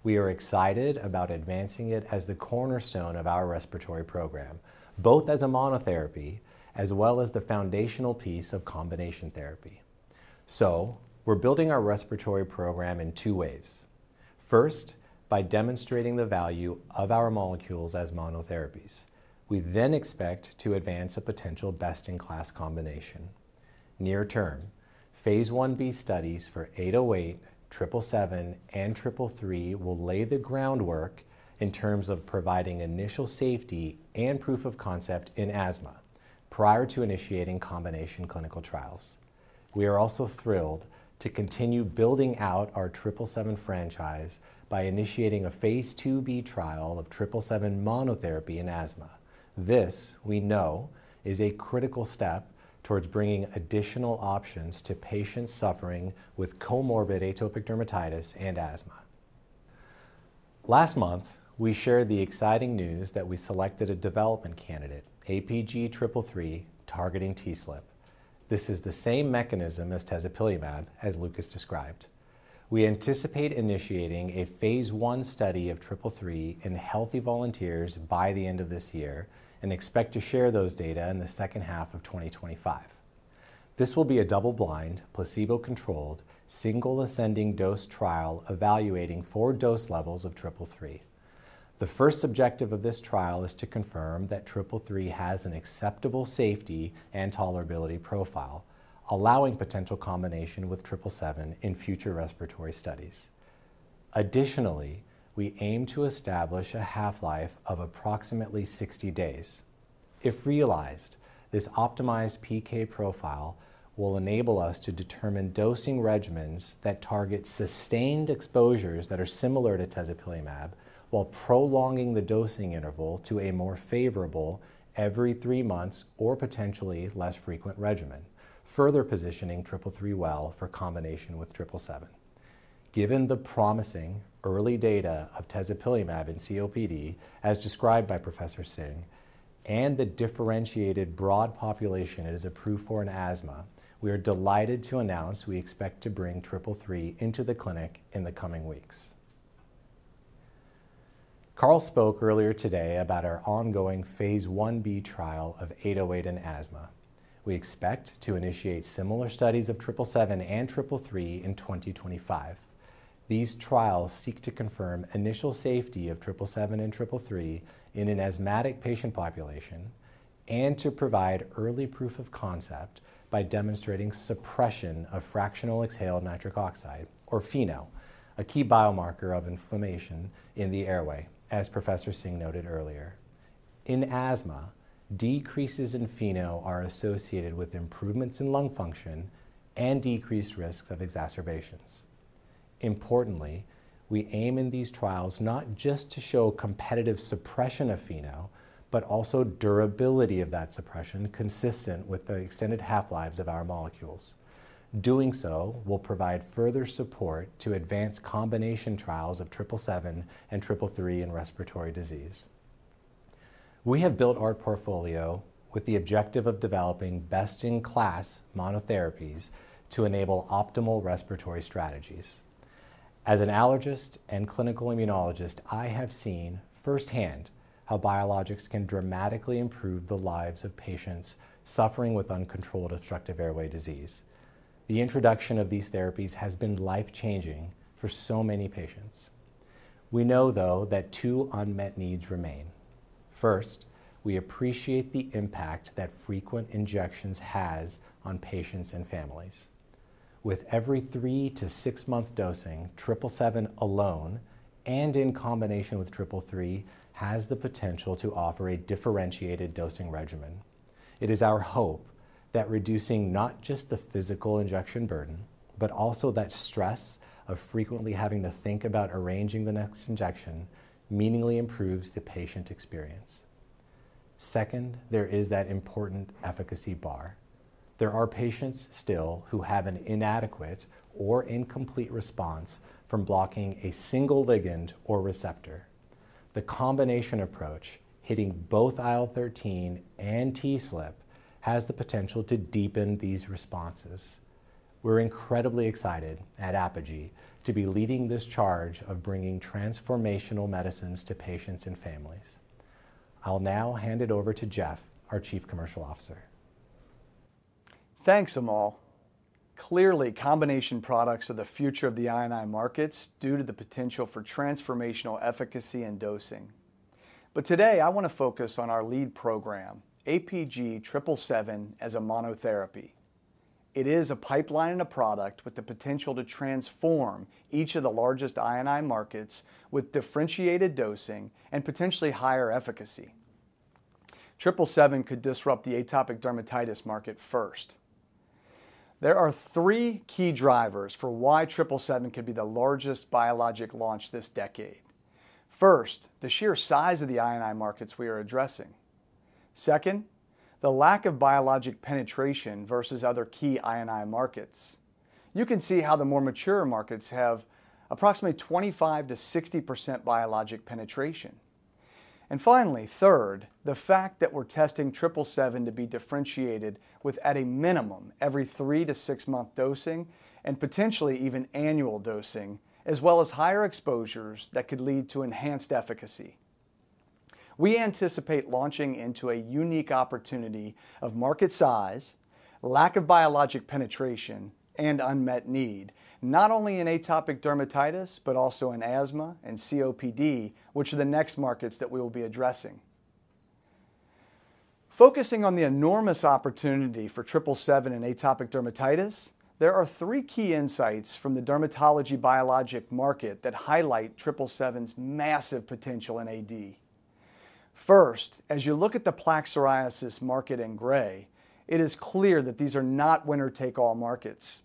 We are excited about advancing it as the cornerstone of our respiratory program, both as a monotherapy as well as the foundational piece of combination therapy, so we're building our respiratory program in two waves. First, by demonstrating the value of our molecules as monotherapies. We then expect to advance a potential best-in-class combination. Near term, phase 1b studies for 808, 777, and 333 will lay the groundwork in terms of providing initial safety and proof of concept in asthma prior to initiating combination clinical trials. We are also thrilled to continue building out our 777 franchise by initiating a phase 2b trial of 777 monotherapy in asthma. This, we know, is a critical step towards bringing additional options to patients suffering with comorbid atopic dermatitis and asthma. Last month, we shared the exciting news that we selected a development candidate, APG333, targeting TSLP. This is the same mechanism as tezepelumab, as Lucas described. We anticipate initiating a phase 1 study of 333 in healthy volunteers by the end of this year and expect to share those data in the second half of 2025. This will be a double-blind, placebo-controlled, single ascending dose trial evaluating four dose levels of 333. The first objective of this trial is to confirm that 3333 has an acceptable safety and tolerability profile, allowing potential combination with 777 in future respiratory studies. Additionally, we aim to establish a half-life of approximately 60 days. If realized, this optimized PK profile will enable us to determine dosing regimens that target sustained exposures that are similar to tezepelumab while prolonging the dosing interval to a more favorable every three months or potentially less frequent regimen, further positioning 333 well for combination with 777. Given the promising early data of tezepelumab and COPD, as described by Professor Singh, and the differentiated broad population it is approved for in asthma, we are delighted to announce we expect to bring 333 into the clinic in the coming weeks. Carl spoke earlier today about our ongoing phase 1b trial of 808 in asthma. We expect to initiate similar studies of 777 and 3333 in 2025. These trials seek to confirm initial safety of 777 and 3333 in an asthmatic patient population and to provide early proof of concept by demonstrating suppression of fractional exhaled nitric oxide, or FeNO, a key biomarker of inflammation in the airway, as Professor Singh noted earlier. In asthma, decreases in FeNO are associated with improvements in lung function and decreased risks of exacerbations. Importantly, we aim in these trials not just to show competitive suppression of FeNO, but also durability of that suppression consistent with the extended half-lives of our molecules. Doing so will provide further support to advance combination trials of 777 and 333 in respiratory disease. We have built our portfolio with the objective of developing best-in-class monotherapies to enable optimal respiratory strategies. As an allergist and clinical immunologist, I have seen firsthand how biologics can dramatically improve the lives of patients suffering with uncontrolled obstructive airway disease. The introduction of these therapies has been life-changing for so many patients. We know, though, that two unmet needs remain. First, we appreciate the impact that frequent injections have on patients and families. With every three- to six-month dosing, 777 alone and in combination with 333 has the potential to offer a differentiated dosing regimen. It is our hope that reducing not just the physical injection burden, but also that stress of frequently having to think about arranging the next injection meaningfully improves the patient experience. Second, there is that important efficacy bar. There are patients still who have an inadequate or incomplete response from blocking a single ligand or receptor. The combination approach, hitting both IL-13 and TSLP, has the potential to deepen these responses. We're incredibly excited at Apogee to be leading this charge of bringing transformational medicines to patients and families. I'll now hand it over to Jeff, our Chief Commercial Officer. Thanks, Amol. Clearly, combination products are the future of the AD markets due to the potential for transformational efficacy and dosing. But today, I want to focus on our lead program, APG777 as a monotherapy. It is a pipeline and a product with the potential to transform each of the largest INI markets with differentiated dosing and potentially higher efficacy. 777 could disrupt the atopic dermatitis market first. There are three key drivers for why 777 could be the largest biologic launch this decade. First, the sheer size of the INI markets we are addressing. Second, the lack of biologic penetration versus other key INI markets. You can see how the more mature markets have approximately 25%-60% biologic penetration, and finally, third, the fact that we're testing 777 to be differentiated with, at a minimum, every three- to six-month dosing and potentially even annual dosing, as well as higher exposures that could lead to enhanced efficacy. We anticipate launching into a unique opportunity of market size, lack of biologic penetration, and unmet need, not only in atopic dermatitis, but also in asthma and COPD, which are the next markets that we will be addressing. Focusing on the enormous opportunity for 777 in atopic dermatitis, there are three key insights from the dermatology biologic market that highlight 777's massive potential in AD. First, as you look at the plaque psoriasis market in gray, it is clear that these are not winner-take-all markets.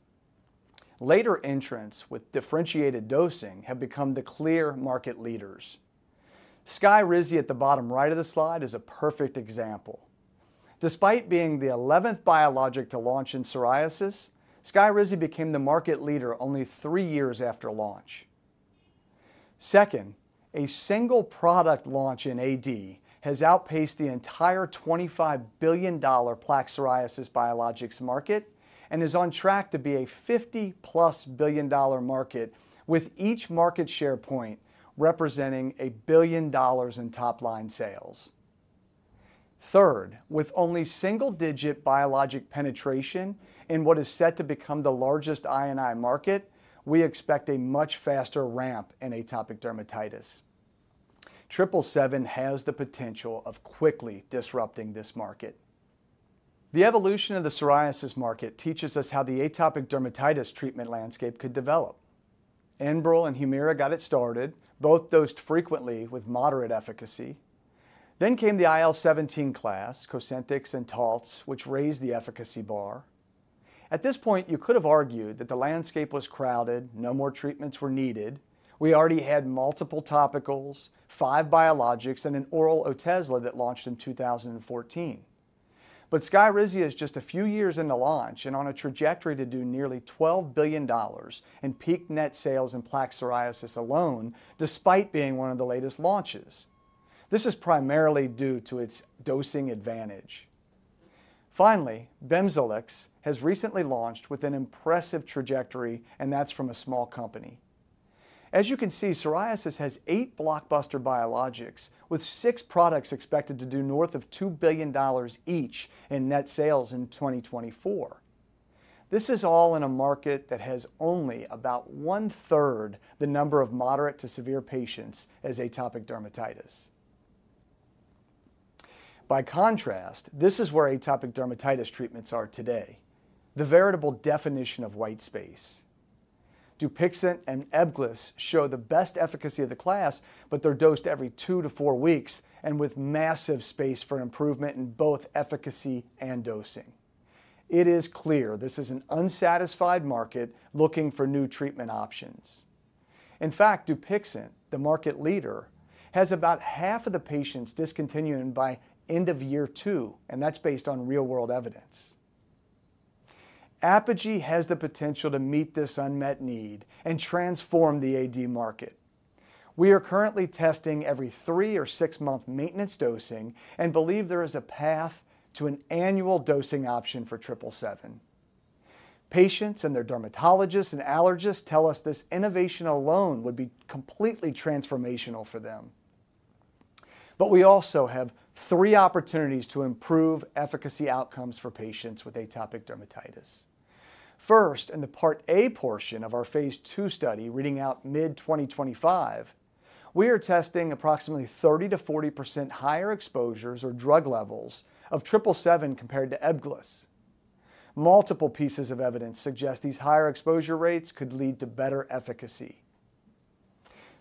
Later entrants with differentiated dosing have become the clear market leaders. Skyrizi, at the bottom right of the slide, is a perfect example. Despite being the 11th biologic to launch in psoriasis, Skyrizi became the market leader only three years after launch. Second, a single product launch in AD has outpaced the entire $25 billion plaque psoriasis biologics market and is on track to be a $50-plus billion market, with each market share point representing a billion dollars in top-line sales. Third, with only single-digit biologic penetration in what is set to become the largest INI market, we expect a much faster ramp in atopic dermatitis. 777 has the potential of quickly disrupting this market. The evolution of the psoriasis market teaches us how the atopic dermatitis treatment landscape could develop. Enbrel and Humira got it started. Both dosed frequently with moderate efficacy. Then came the IL-17 class, Cosentyx and Taltz, which raised the efficacy bar. At this point, you could have argued that the landscape was crowded, no more treatments were needed. We already had multiple topicals, five biologics, and an oral Otezla that launched in 2014. But Skyrizi is just a few years into launch and on a trajectory to do nearly $12 billion in peak net sales in plaque psoriasis alone, despite being one of the latest launches. This is primarily due to its dosing advantage. Finally, Bimzelx has recently launched with an impressive trajectory, and that's from a small company. As you can see, psoriasis has eight blockbuster biologics, with six products expected to do north of $2 billion each in net sales in 2024. This is all in a market that has only about one-third the number of moderate to severe patients as atopic dermatitis. By contrast, this is where atopic dermatitis treatments are today, the veritable definition of white space. Dupixent and Ebgliss show the best efficacy of the class, but they're dosed every two to four weeks and with massive space for improvement in both efficacy and dosing. It is clear this is an unsatisfied market looking for new treatment options. In fact, Dupixent, the market leader, has about half of the patients discontinuing by end of year two, and that's based on real-world evidence. Apogee has the potential to meet this unmet need and transform the AD market. We are currently testing every three or six-month maintenance dosing and believe there is a path to an annual dosing option for 777. Patients and their dermatologists and allergists tell us this innovation alone would be completely transformational for them. But we also have three opportunities to improve efficacy outcomes for patients with atopic dermatitis. First, in the Part A portion of our phase two study reading out mid-2025, we are testing approximately 30%-40% higher exposures or drug levels of 777 compared to Ebgliss. Multiple pieces of evidence suggest these higher exposure rates could lead to better efficacy.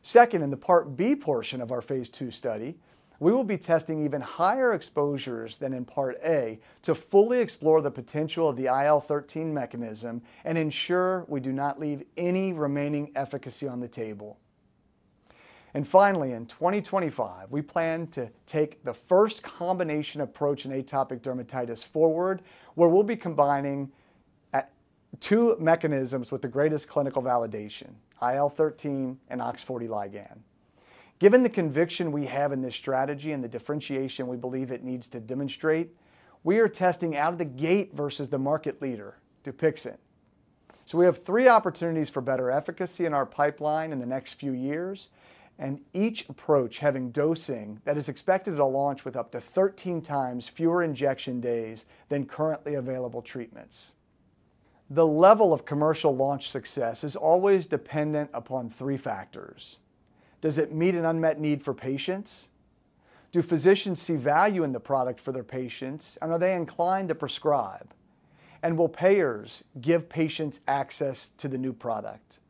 Second, in the Part B portion of our phase two study, we will be testing even higher exposures than in Part A to fully explore the potential of the IL-13 mechanism and ensure we do not leave any remaining efficacy on the table. And finally, in 2025, we plan to take the first combination approach in atopic dermatitis forward, where we'll be combining two mechanisms with the greatest clinical validation, IL-13 and OX40 ligand. Given the conviction we have in this strategy and the differentiation we believe it needs to demonstrate, we are testing out of the gate versus the market leader, Dupixent. So we have three opportunities for better efficacy in our pipeline in the next few years, and each approach having dosing that is expected to launch with up to 13 times fewer injection days than currently available treatments. The level of commercial launch success is always dependent upon three factors. Does it meet an unmet need for patients? Do physicians see value in the product for their patients, and are they inclined to prescribe? And will payers give patients access to the new product?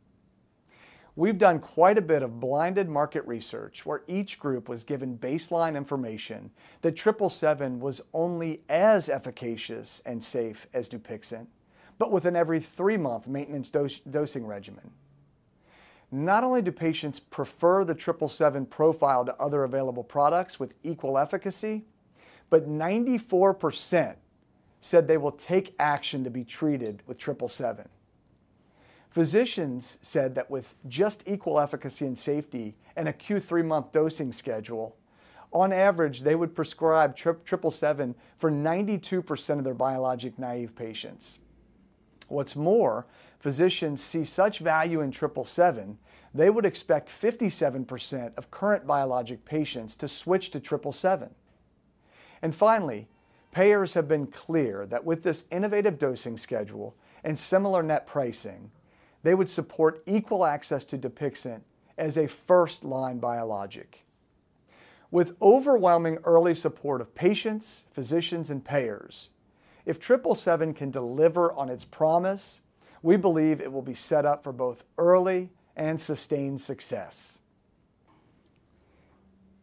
We've done quite a bit of blinded market research where each group was given baseline information that 777 was only as efficacious and safe as Dupixent, but with an every three-month maintenance dosing regimen. Not only do patients prefer the 777 profile to other available products with equal efficacy, but 94% said they will take action to be treated with 777. Physicians said that with just equal efficacy and safety and a Q3-month dosing schedule, on average, they would prescribe 777 for 92% of their biologic naive patients. What's more, physicians see such value in 777, they would expect 57% of current biologic patients to switch to 777. And finally, payers have been clear that with this innovative dosing schedule and similar net pricing, they would support equal access to Dupixent as a first-line biologic. With overwhelming early support of patients, physicians, and payers, if 777 can deliver on its promise, we believe it will be set up for both early and sustained success.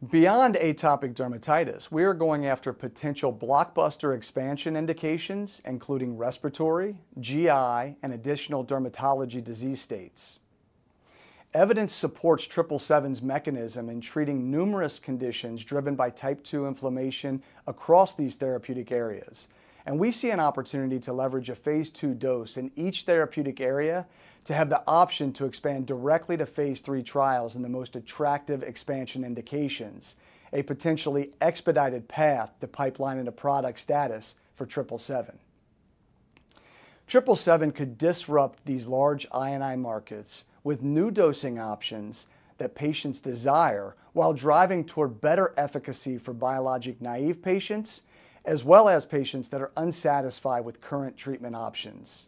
Beyond atopic dermatitis, we are going after potential blockbuster expansion indications, including respiratory, GI, and additional dermatology disease states. Evidence supports 777's mechanism in treating numerous conditions driven by Type 2 inflammation across these therapeutic areas, and we see an opportunity to leverage a phase 2 dose in each therapeutic area to have the option to expand directly to phase 3 trials in the most attractive expansion indications, a potentially expedited path to pipeline into product status for 777. 777 could disrupt these large AD markets with new dosing options that patients desire while driving toward better efficacy for biologic naive patients, as well as patients that are unsatisfied with current treatment options.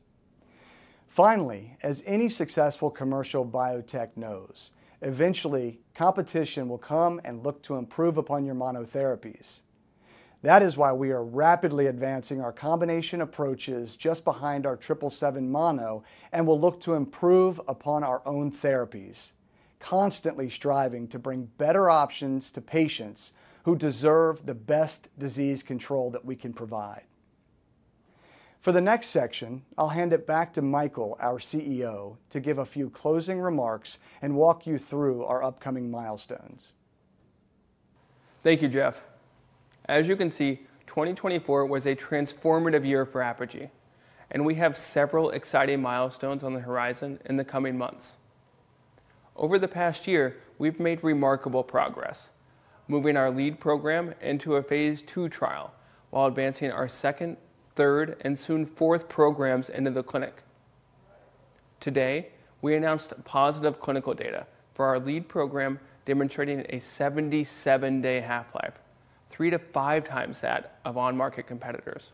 Finally, as any successful commercial biotech knows, eventually, competition will come and look to improve upon your monotherapies. That is why we are rapidly advancing our combination approaches just behind our 777 mono and will look to improve upon our own therapies, constantly striving to bring better options to patients who deserve the best disease control that we can provide. For the next section, I'll hand it back to Michael, our CEO, to give a few closing remarks and walk you through our upcoming milestones. Thank you, Jeff. As you can see, 2024 was a transformative year for Apogee, and we have several exciting milestones on the horizon in the coming months. Over the past year, we've made remarkable progress, moving our lead program into a phase 2 trial while advancing our second, third, and soon fourth programs into the clinic. Today, we announced positive clinical data for our lead program, demonstrating a 77-day half-life, three to five times that of on-market competitors.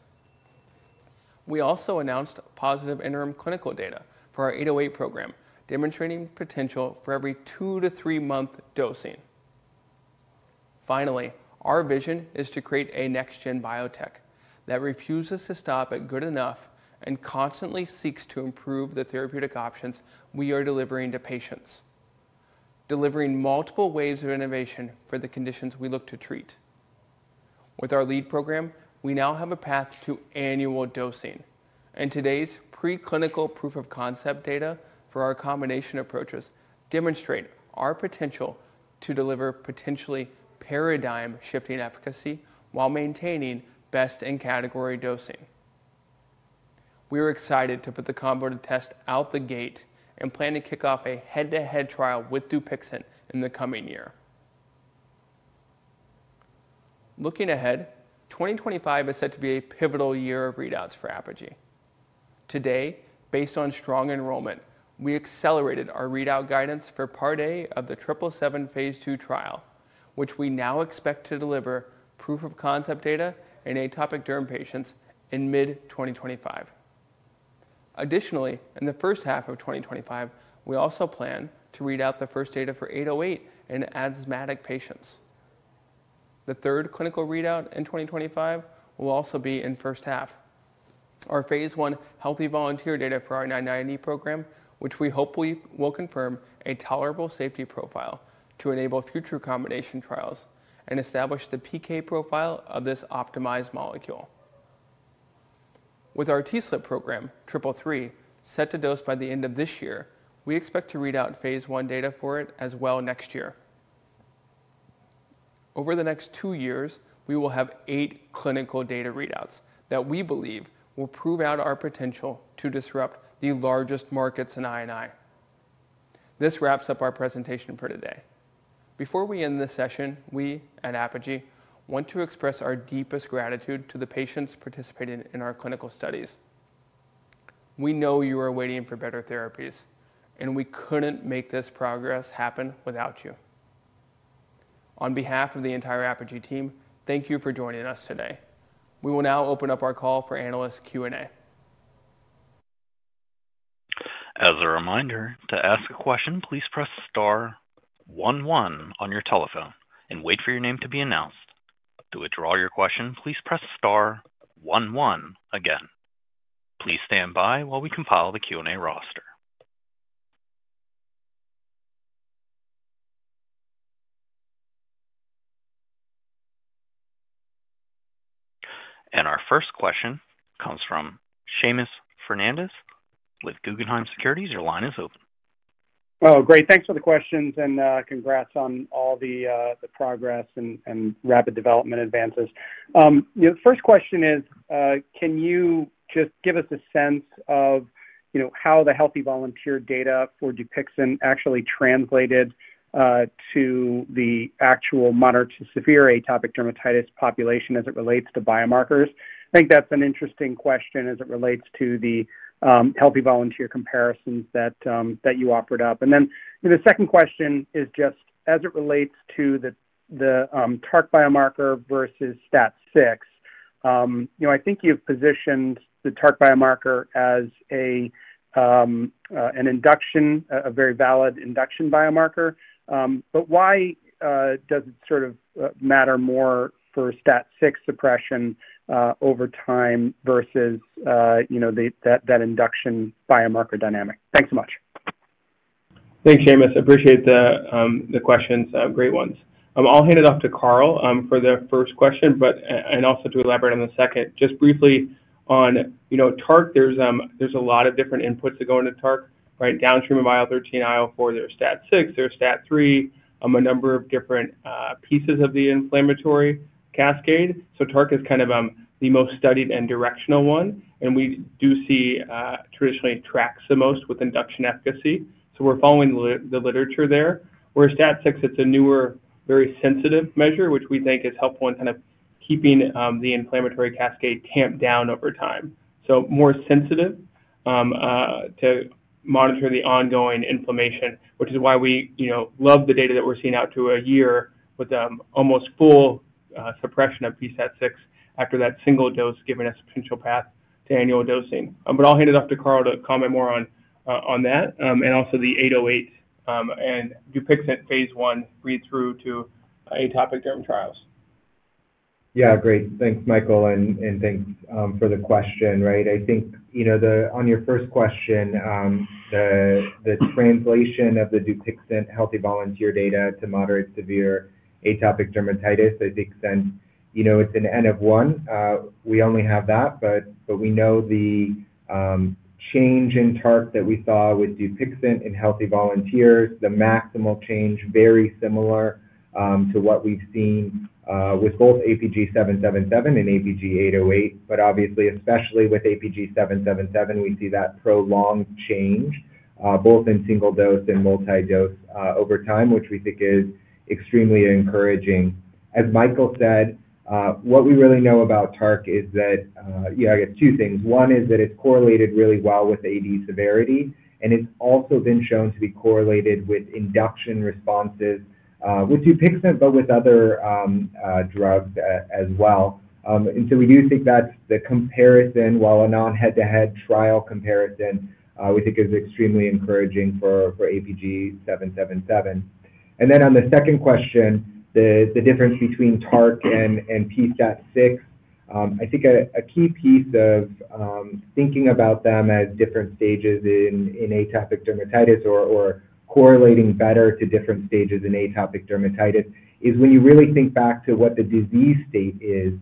We also announced positive interim clinical data for our 808 program, demonstrating potential for every two-to-three-month dosing. Finally, our vision is to create a next-gen biotech that refuses to stop at good enough and constantly seeks to improve the therapeutic options we are delivering to patients, delivering multiple waves of innovation for the conditions we look to treat. With our lead program, we now have a path to annual dosing, and today's preclinical proof of concept data for our combination approaches demonstrate our potential to deliver potentially paradigm-shifting efficacy while maintaining best-in-category dosing. We are excited to put the combo to test out of the gate and plan to kick off a head-to-head trial with Dupixent in the coming year. Looking ahead, 2025 is set to be a pivotal year of readouts for Apogee. Today, based on strong enrollment, we accelerated our readout guidance for Part A of the 777 phase 2 trial, which we now expect to deliver proof of concept data in atopic derm patients in mid-2025. Additionally, in the first half of 2025, we also plan to read out the first data for 808 in asthmatic patients. The third clinical readout in 2025 will also be in the first half, our phase 1 healthy volunteer data for our 990 program, which we hope will confirm a tolerable safety profile to enable future combination trials and establish the PK profile of this optimized molecule. With our TSLP program, 333, set to dose by the end of this year, we expect to read out phase 1 data for it as well next year. Over the next two years, we will have eight clinical data readouts that we believe will prove out our potential to disrupt the largest markets in INI. This wraps up our presentation for today. Before we end this session, we at Apogee want to express our deepest gratitude to the patients participating in our clinical studies. We know you are waiting for better therapies, and we couldn't make this progress happen without you. On behalf of the entire Apogee team, thank you for joining us today. We will now open up our call for analyst Q&A. As a reminder, to ask a question, please press star 11 on your telephone and wait for your name to be announced. To withdraw your question, please press star 11 again. Please stand by while we compile the Q&A roster, and our first question comes from Seamus Fernandez with Guggenheim Securities. Your line is open. Oh, great. Thanks for the questions and congrats on all the progress and rapid development advances. The first question is, can you just give us a sense of how the healthy volunteer data for Dupixent actually translated to the actual moderate to severe atopic dermatitis population as it relates to biomarkers? I think that's an interesting question as it relates to the healthy volunteer comparisons that you offered up. And then the second question is just as it relates to the TARC biomarker versus STAT6. I think you've positioned the TARC biomarker as an induction, a very valid induction biomarker. But why does it sort of matter more for STAT6 suppression over time versus that induction biomarker dynamic? Thanks so much. Thanks, Seamus. Appreciate the questions. Great ones. I'll hand it off to Carl for the first question, but also to elaborate on the second. Just briefly on TARC, there's a lot of different inputs that go into TARC, right? Downstream of IL-13, IL-4, there's STAT6, there's STAT3, a number of different pieces of the inflammatory cascade. So TARC is kind of the most studied and directional one, and we do see traditionally tracks the most with induction efficacy. So we're following the literature there. Whereas STAT6, it's a newer, very sensitive measure, which we think is helpful in kind of keeping the inflammatory cascade tamped down over time. So more sensitive to monitor the ongoing inflammation, which is why we love the data that we're seeing out to a year with almost full suppression of pSTAT6 after that single dose giving us a potential path to annual dosing. But I'll hand it off to Carl to comment more on that and also the 808 and Dupixent phase 1 read-through to atopic derm trials. Yeah, great. Thanks, Michael, and thanks for the question, right? I think on your first question, the translation of the Dupixent healthy volunteer data to moderate-to-severe atopic dermatitis, I think, since it's an N of one, we only have that, but we know the change in TARC that we saw with Dupixent in healthy volunteers, the maximal change very similar to what we've seen with both APG777 and APG808, but obviously, especially with APG777, we see that prolonged change both in single dose and multi-dose over time, which we think is extremely encouraging. As Michael said, what we really know about TARC is that, yeah, I guess two things. One is that it's correlated really well with AD severity, and it's also been shown to be correlated with induction responses with Dupixent, but with other drugs as well. We do think that the comparison, while a non-head-to-head trial comparison, we think is extremely encouraging for APG777. Then on the second question, the difference between TARC and pSTAT6, I think a key piece of thinking about them as different stages in atopic dermatitis or correlating better to different stages in atopic dermatitis is when you really think back to what the disease state is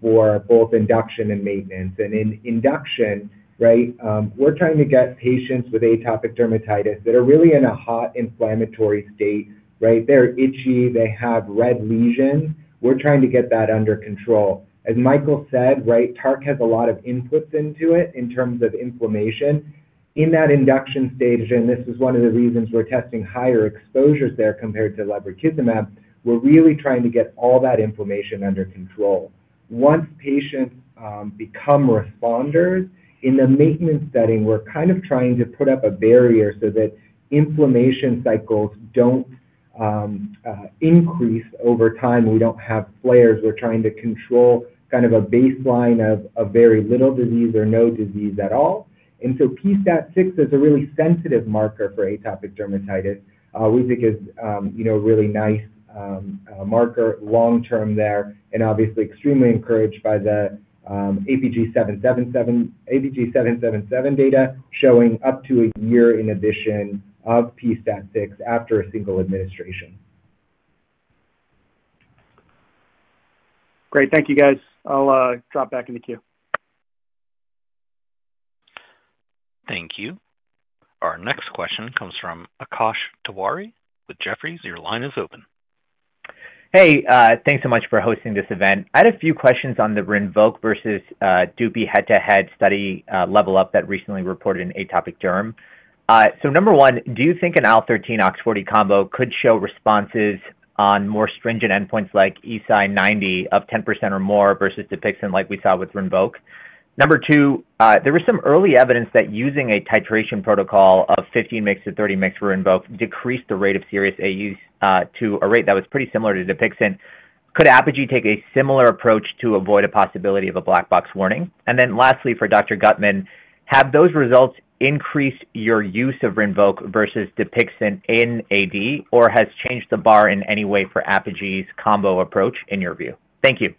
for both induction and maintenance. In induction, right, we're trying to get patients with atopic dermatitis that are really in a hot inflammatory state, right? They're itchy, they have red lesions. We're trying to get that under control. As Michael said, right, TARC has a lot of inputs into it in terms of inflammation. In that induction stage, and this is one of the reasons we're testing higher exposures there compared to lebrikizumab, we're really trying to get all that inflammation under control. Once patients become responders in the maintenance setting, we're kind of trying to put up a barrier so that inflammation cycles don't increase over time. We don't have flares. We're trying to control kind of a baseline of very little disease or no disease at all, and so pSTAT6 is a really sensitive marker for atopic dermatitis. We think it's a really nice marker long-term there and obviously extremely encouraged by the APG777 data showing up to a year inhibition of pSTAT6 after a single administration. Great. Thank you, guys. I'll drop back in the queue. Thank you. Our next question comes from Akash Tewari with Jefferies. Your line is open. Hey, thanks so much for hosting this event. I had a few questions on the Rinvoq versus Dupixent head-to-head study level up that recently reported in atopic derm. So number one, do you think an IL-13/OX40L combo could show responses on more stringent endpoints like EASI-90 of 10% or more versus Dupixent like we saw with Rinvoq? Number two, there was some early evidence that using a titration protocol of 15 mg to 30 mg for Rinvoq decreased the rate of serious AEs to a rate that was pretty similar to Dupixent. Could Apogee take a similar approach to avoid a possibility of a black box warning? And then lastly, for Dr. Guttman, have those results increased your use of Rinvoq versus Dupixent in AD, or has changed the bar in any way for Apogee's combo approach in your view? Thank you.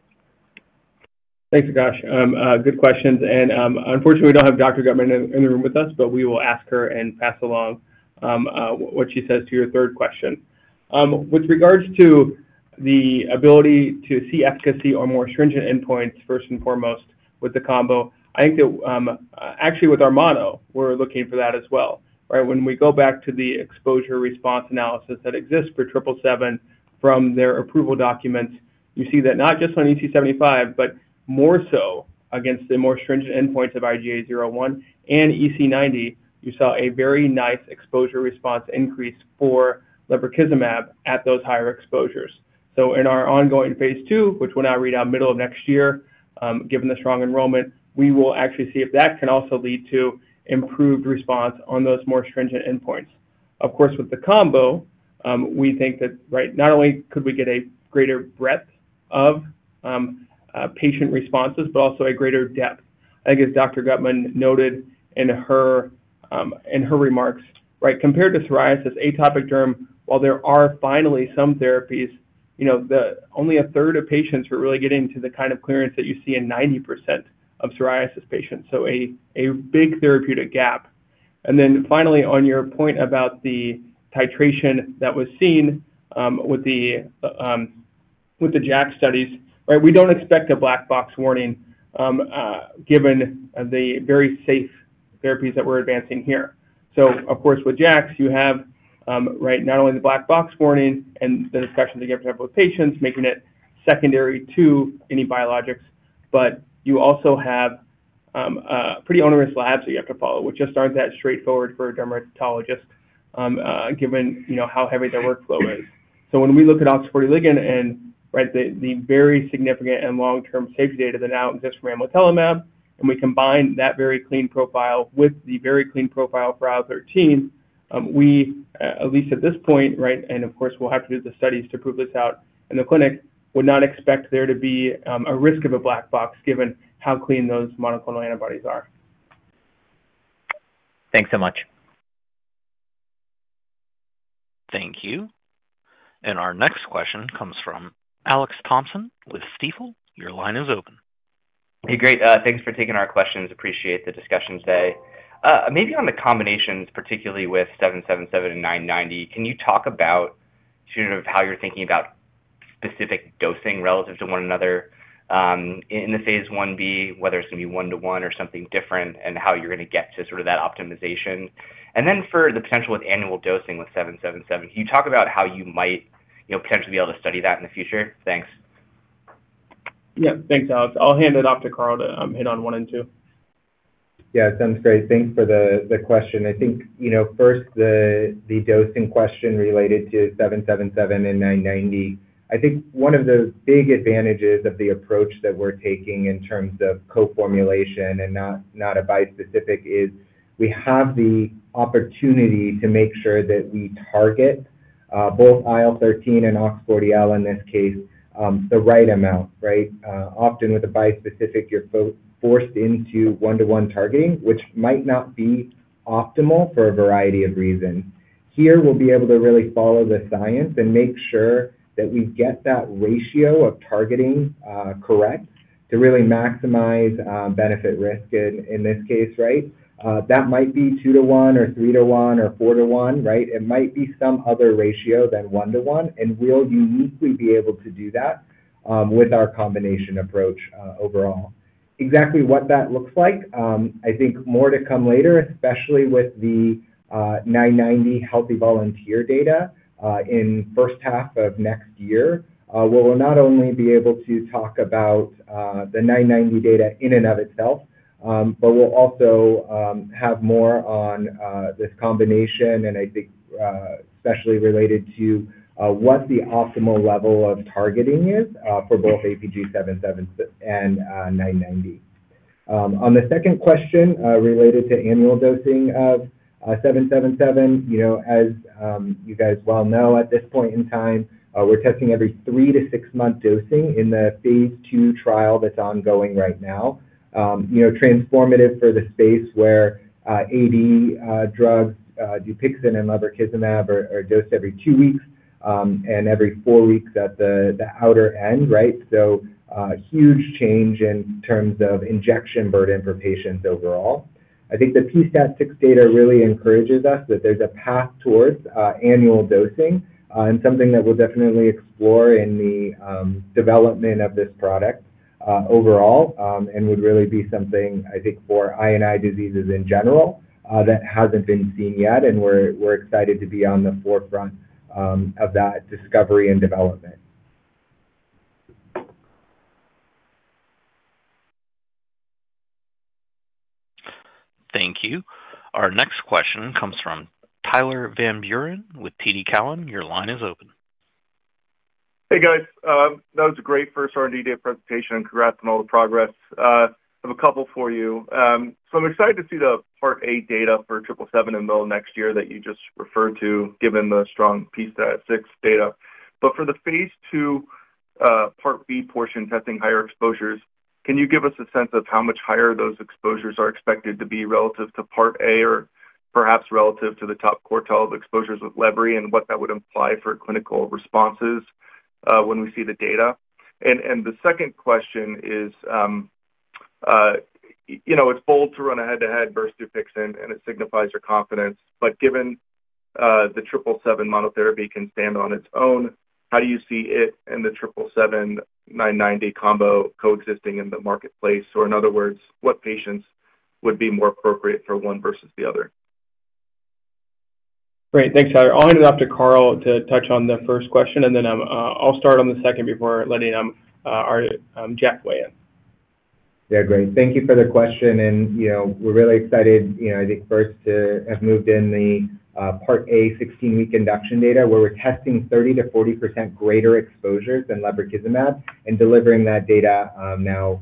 Thanks, Akash. Good questions. And unfortunately, we don't have Dr. Guttman in the room with us, but we will ask her and pass along what she says to your third question. With regards to the ability to see efficacy or more stringent endpoints first and foremost with the combo, I think that actually with our mono, we're looking for that as well, right? When we go back to the exposure response analysis that exists for 777 from their approval documents, you see that not just on EASI-75, but more so against the more stringent endpoints of IGA 0/1 and EASI-90, you saw a very nice exposure response increase for lebrikizumab at those higher exposures. So in our ongoing phase 2, which will now read out middle of next year, given the strong enrollment, we will actually see if that can also lead to improved response on those more stringent endpoints. Of course, with the combo, we think that, right, not only could we get a greater breadth of patient responses, but also a greater depth. I think, as Dr. Guttman noted in her remarks, right, compared to psoriasis, atopic derm, while there are finally some therapies, only a third of patients are really getting to the kind of clearance that you see in 90% of psoriasis patients. So a big therapeutic gap. And then finally, on your point about the titration that was seen with the JAK studies, right, we don't expect a black box warning given the very safe therapies that we're advancing here. So of course, with JAKs, you have, right, not only the black box warning and the discussion to give to patients, making it secondary to any biologics, but you also have pretty onerous labs that you have to follow, which just aren't that straightforward for a dermatologist given how heavy their workflow is. So when we look at OX40 ligand and, right, the very significant and long-term safety data that now exists from Amlitelimab, and we combine that very clean profile with the very clean profile for IL-13, we, at least at this point, right, and of course, we'll have to do the studies to prove this out in the clinic, would not expect there to be a risk of a black box given how clean those monoclonal antibodies are. Thanks so much. Thank you. And our next question comes from Alex Thompson with Stifel. Your line is open. Hey, great. Thanks for taking our questions. Appreciate the discussion today. Maybe on the combinations, particularly with 777 and 990, can you talk about sort of how you're thinking about specific dosing relative to one another in the phase 1b, whether it's going to be one-to-one or something different, and how you're going to get to sort of that optimization? And then for the potential with annual dosing with 777, can you talk about how you might potentially be able to study that in the future? Thanks. Yeah. Thanks, Alex. I'll hand it off to Carl to hit on one and two. Yeah, sounds great. Thanks for the question. I think first, the dosing question related to 777 and 990, I think one of the big advantages of the approach that we're taking in terms of co-formulation and not a bispecific is we have the opportunity to make sure that we target both IL-13 and OX40L in this case, the right amount, right? Often with a bispecific, you're forced into one-to-one targeting, which might not be optimal for a variety of reasons. Here, we'll be able to really follow the science and make sure that we get that ratio of targeting correct to really maximize benefit-risk in this case, right? That might be two-to-one or three-to-one or four-to-one, right? It might be some other ratio than one-to-one, and we'll uniquely be able to do that with our combination approach overall. Exactly what that looks like, I think more to come later, especially with the 990 healthy volunteer data in the first half of next year. We'll not only be able to talk about the 990 data in and of itself, but we'll also have more on this combination, and I think especially related to what the optimal level of targeting is for both APG777 and 990. On the second question related to annual dosing of 777, as you guys well know, at this point in time, we're testing every three- to six-month dosing in the phase two trial that's ongoing right now. Transformative for the space where AD drugs, Dupixent and lebrikizumab, are dosed every two weeks and every four weeks at the outer end, right? So huge change in terms of injection burden for patients overall. I think the pSTAT6 data really encourages us that there's a path towards annual dosing and something that we'll definitely explore in the development of this product overall and would really be something, I think, for AD diseases in general that hasn't been seen yet, and we're excited to be on the forefront of that discovery and development. Thank you. Our next question comes from Tyler Van Buren with TD Cowen. Your line is open. Hey, guys. That was a great first R&D day presentation, and congrats on all the progress. I have a couple for you. So I'm excited to see the part A data for 777 in the middle of next year that you just referred to, given the strong pSTAT6 data. But for the phase 2 part B portion testing higher exposures, can you give us a sense of how much higher those exposures are expected to be relative to part A or perhaps relative to the top quartile of exposures with lebrikizumab and what that would imply for clinical responses when we see the data? And the second question is, it's bold to run a head-to-head versus Dupixent, and it signifies your confidence, but given the 777 monotherapy can stand on its own, how do you see it and the 777/990 combo coexisting in the marketplace? Or in other words, what patients would be more appropriate for one versus the other? Great. Thanks, Tyler. I'll hand it off to Carl to touch on the first question, and then I'll start on the second before letting our Jeff weigh in. Yeah, great. Thank you for the question. We're really excited, I think, first to have moved in the part A 16-week induction data where we're testing 30%-40% greater exposures than lebrikizumab and delivering that data now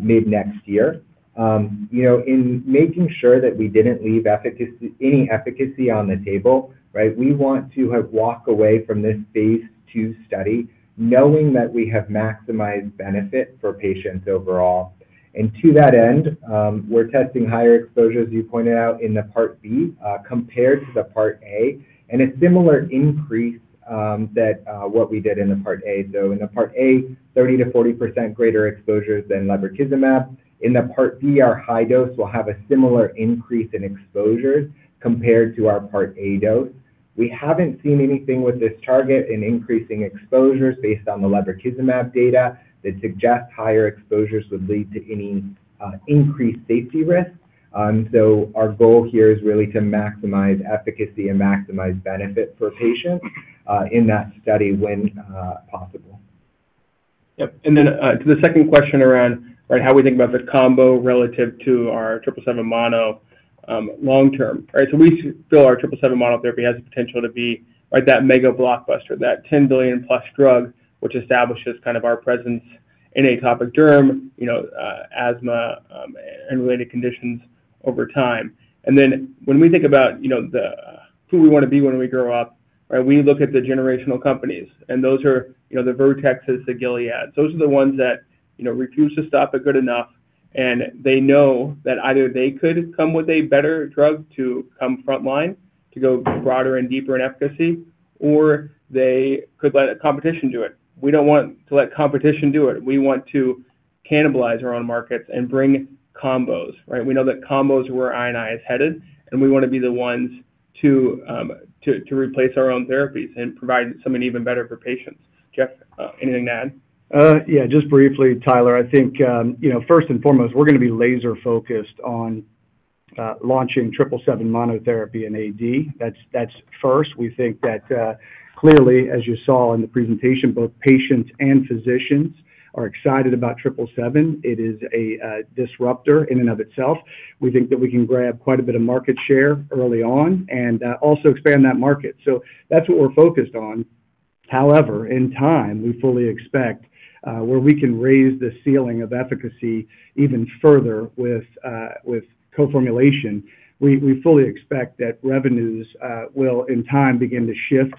mid-next year. In making sure that we didn't leave any efficacy on the table, right, we want to walk away from this phase 2 study knowing that we have maximized benefit for patients overall. To that end, we're testing higher exposures, as you pointed out, in the part B compared to the part A, and a similar increase that what we did in the part A. In the part A, 30%-40% greater exposures than lebrikizumab. In the part B, our high dose will have a similar increase in exposures compared to our part A dose. We haven't seen anything with this target in increasing exposures based on the lebrikizumab data that suggests higher exposures would lead to any increased safety risk. So our goal here is really to maximize efficacy and maximize benefit for patients in that study when possible. Yep. And then to the second question around, right, how we think about the combo relative to our 777 mono long-term, right? So we feel our 777 monotherapy has the potential to be, right, that mega blockbuster, that $10 billion-plus drug which establishes kind of our presence in atopic derm, asthma, and related conditions over time. And then when we think about who we want to be when we grow up, right, we look at the generational companies, and those are the Vertexes, the Gileads. Those are the ones that refuse to stop at good enough, and they know that either they could come with a better drug to come frontline to go broader and deeper in efficacy, or they could let competition do it. We don't want to let competition do it. We want to cannibalize our own markets and bring combos, right? We know that combos, innovators are headed, and we want to be the ones to replace our own therapies and provide something even better for patients. Jeff, anything to add? Yeah. Just briefly, Tyler, I think first and foremost, we're going to be laser-focused on launching 777 monotherapy in AD. That's first. We think that clearly, as you saw in the presentation, both patients and physicians are excited about 777. It is a disruptor in and of itself. We think that we can grab quite a bit of market share early on and also expand that market. So that's what we're focused on. However, in time, we fully expect where we can raise the ceiling of efficacy even further with co-formulation. We fully expect that revenues will, in time, begin to shift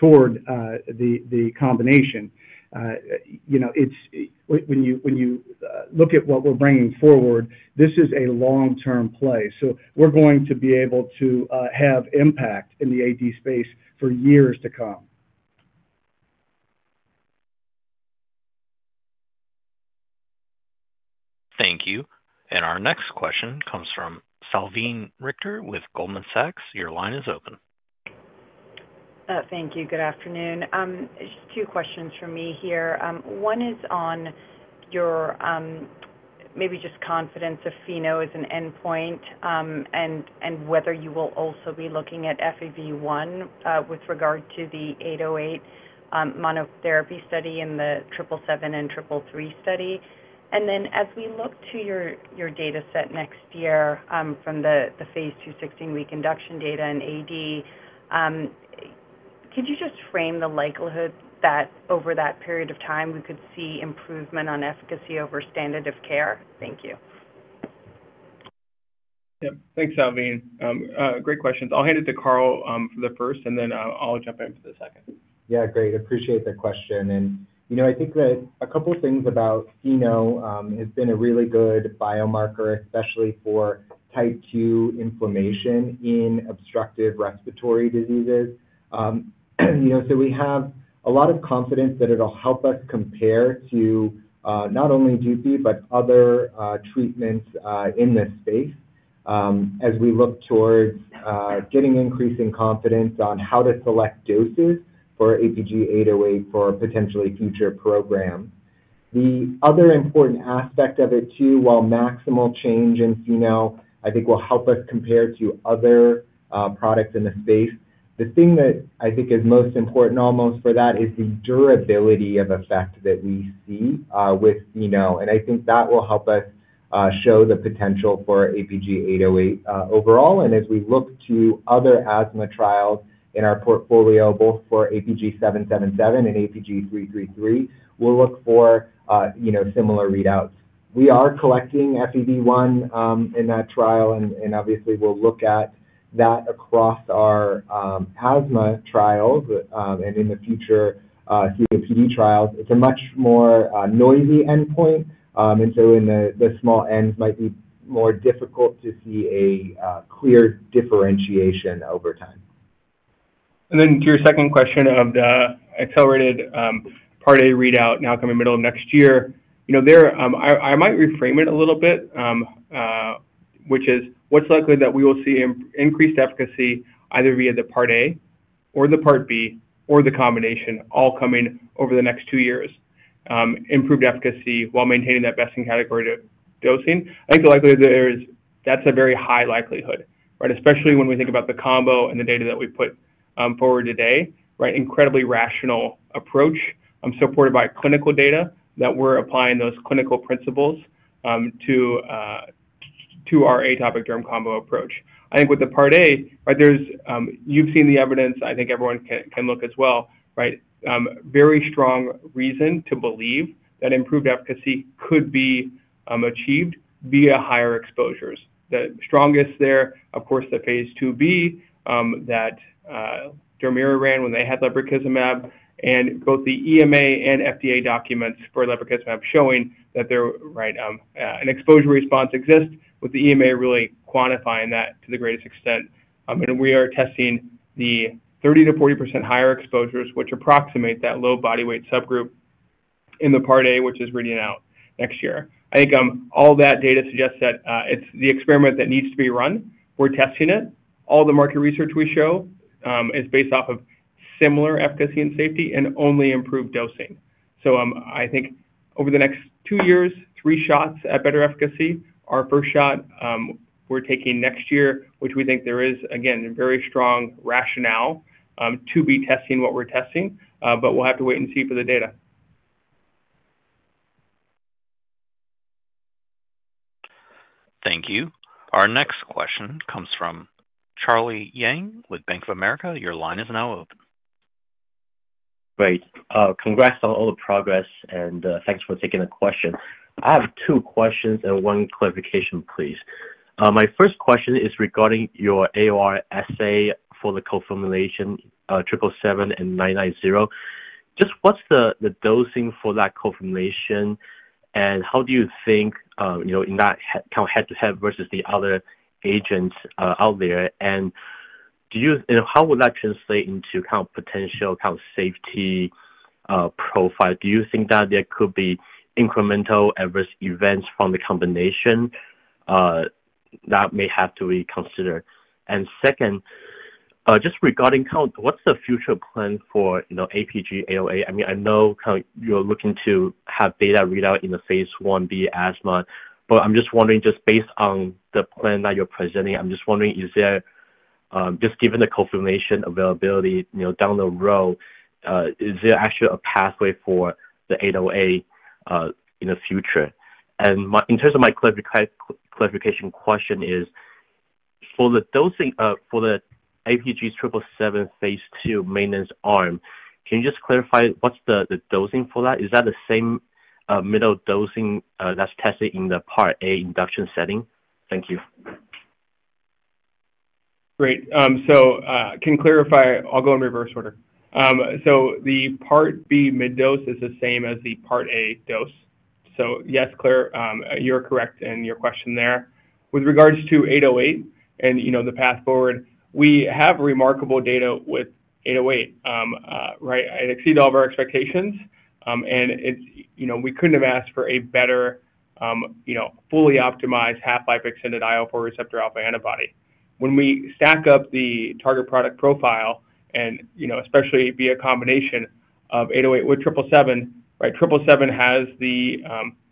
toward the combination. When you look at what we're bringing forward, this is a long-term play. So we're going to be able to have impact in the AD space for years to come. Thank you. And our next question comes from Salveen Richter with Goldman Sachs. Your line is open. Thank you. Good afternoon. Just two questions for me here. One is on your maybe just confidence of FeNO and endpoint and whether you will also be looking at FEV1 with regard to the 808 monotherapy study and the 777 and 333 study. And then as we look to your dataset next year from the phase 2 16-week induction data in AD, could you just frame the likelihood that over that period of time, we could see improvement on efficacy over standard of care? Thank you. Yep. Thanks, Salveen. Great questions. I'll hand it to Carl for the first, and then I'll jump in for the second. Yeah. Great. Appreciate the question. I think that a couple of things about FeNO has been a really good biomarker, especially for type 2 inflammation in obstructive respiratory diseases. So we have a lot of confidence that it'll help us compare to not only Dupi but other treatments in this space as we look towards getting increasing confidence on how to select doses for APG808 for potentially future programs. The other important aspect of it too, while maximal change in FeNO, I think, will help us compare to other products in the space, the thing that I think is most important almost for that is the durability of effect that we see with FeNO. And I think that will help us show the potential for APG808 overall. And as we look to other asthma trials in our portfolio, both for APG777 and APG333, we'll look for similar readouts. We are collecting FEV1 in that trial, and obviously, we'll look at that across our asthma trials and in the future COPD trials. It's a much more noisy endpoint, and so in the small n's might be more difficult to see a clear differentiation over time. Then to your second question of the accelerated part A readout now coming middle of next year, I might reframe it a little bit, which is what's likely that we will see increased efficacy either via the part A or the part B or the combination all coming over the next two years, improved efficacy while maintaining that best-in-category dosing. I think the likelihood there is that's a very high likelihood, right? Especially when we think about the combo and the data that we put forward today, right? Incredibly rational approach supported by clinical data that we're applying those clinical principles to our atopic derm combo approach. I think with the part A, right, you've seen the evidence. I think everyone can look as well, right? Very strong reason to believe that improved efficacy could be achieved via higher exposures. The strongest there, of course, the phase 2b that Dermira ran when they had lebrikizumab and both the EMA and FDA documents for lebrikizumab showing that there, right, an exposure response exists with the EMA really quantifying that to the greatest extent. And we are testing the 30% to 40% higher exposures, which approximate that low body weight subgroup in the part A, which is reading out next year. I think all that data suggests that it's the experiment that needs to be run. We're testing it. All the market research we show is based off of similar efficacy and safety and only improved dosing. So I think over the next two years, three shots at better efficacy. Our first shot we're taking next year, which we think there is, again, very strong rationale to be testing what we're testing, but we'll have to wait and see for the data. Thank you. Our next question comes from Charlie Yang with Bank of America. Your line is now open. Great. Congrats on all the progress, and thanks for taking the question. I have two questions and one clarification, please. My first question is regarding your IND for the co-formulation 777 and 990. Just what's the dosing for that co-formulation, and how do you think in that kind of head-to-head versus the other agents out there? And how would that translate into kind of potential kind of safety profile? Do you think that there could be incremental adverse events from the combination that may have to be considered? And second, just regarding kind of what's the future plan for APG808? I mean, I know kind of you're looking to have data readout in the phase 1b asthma, but I'm just wondering, just based on the plan that you're presenting, I'm just wondering, is there just given the co-formulation availability down the road, is there actually a pathway for the 808 in the future? And in terms of my clarification question is for the dosing for the APG777 phase 2 maintenance arm, can you just clarify what's the dosing for that? Is that the same mid-dose that's tested in the part A induction setting? Thank you. Great. So, to clarify, I'll go in reverse order. So the part B mid-dose is the same as the part A dose. So yes, Claire, you're correct in your question there. With regards to 808 and the path forward, we have remarkable data with 808, right? It exceeded all of our expectations, and we couldn't have asked for a better fully optimized half-life extended IL-4 receptor alpha antibody. When we stack up the target product profile, and especially via a combination of 808 with 777, right, 777 has the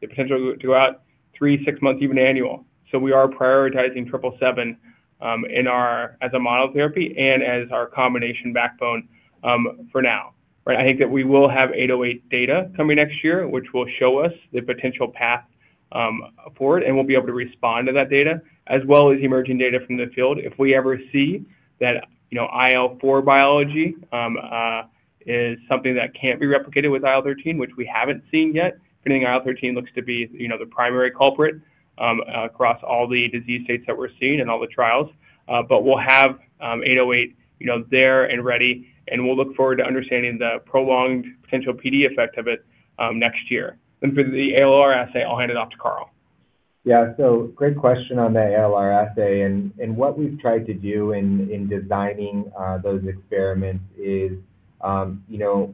potential to go out three, six months, even annual. So we are prioritizing 777 as a monotherapy and as our combination backbone for now, right? I think that we will have 808 data coming next year, which will show us the potential path forward, and we'll be able to respond to that data as well as emerging data from the field. If we ever see that IL-4 biology is something that can't be replicated with IL-13, which we haven't seen yet, if anything, IL-13 looks to be the primary culprit across all the disease states that we're seeing in all the trials. But we'll have 808 there and ready, and we'll look forward to understanding the prolonged potential PD effect of it next year. And for the ALR assay, I'll hand it off to Carl. Yeah. So great question on the ALR assay. And what we've tried to do in designing those experiments is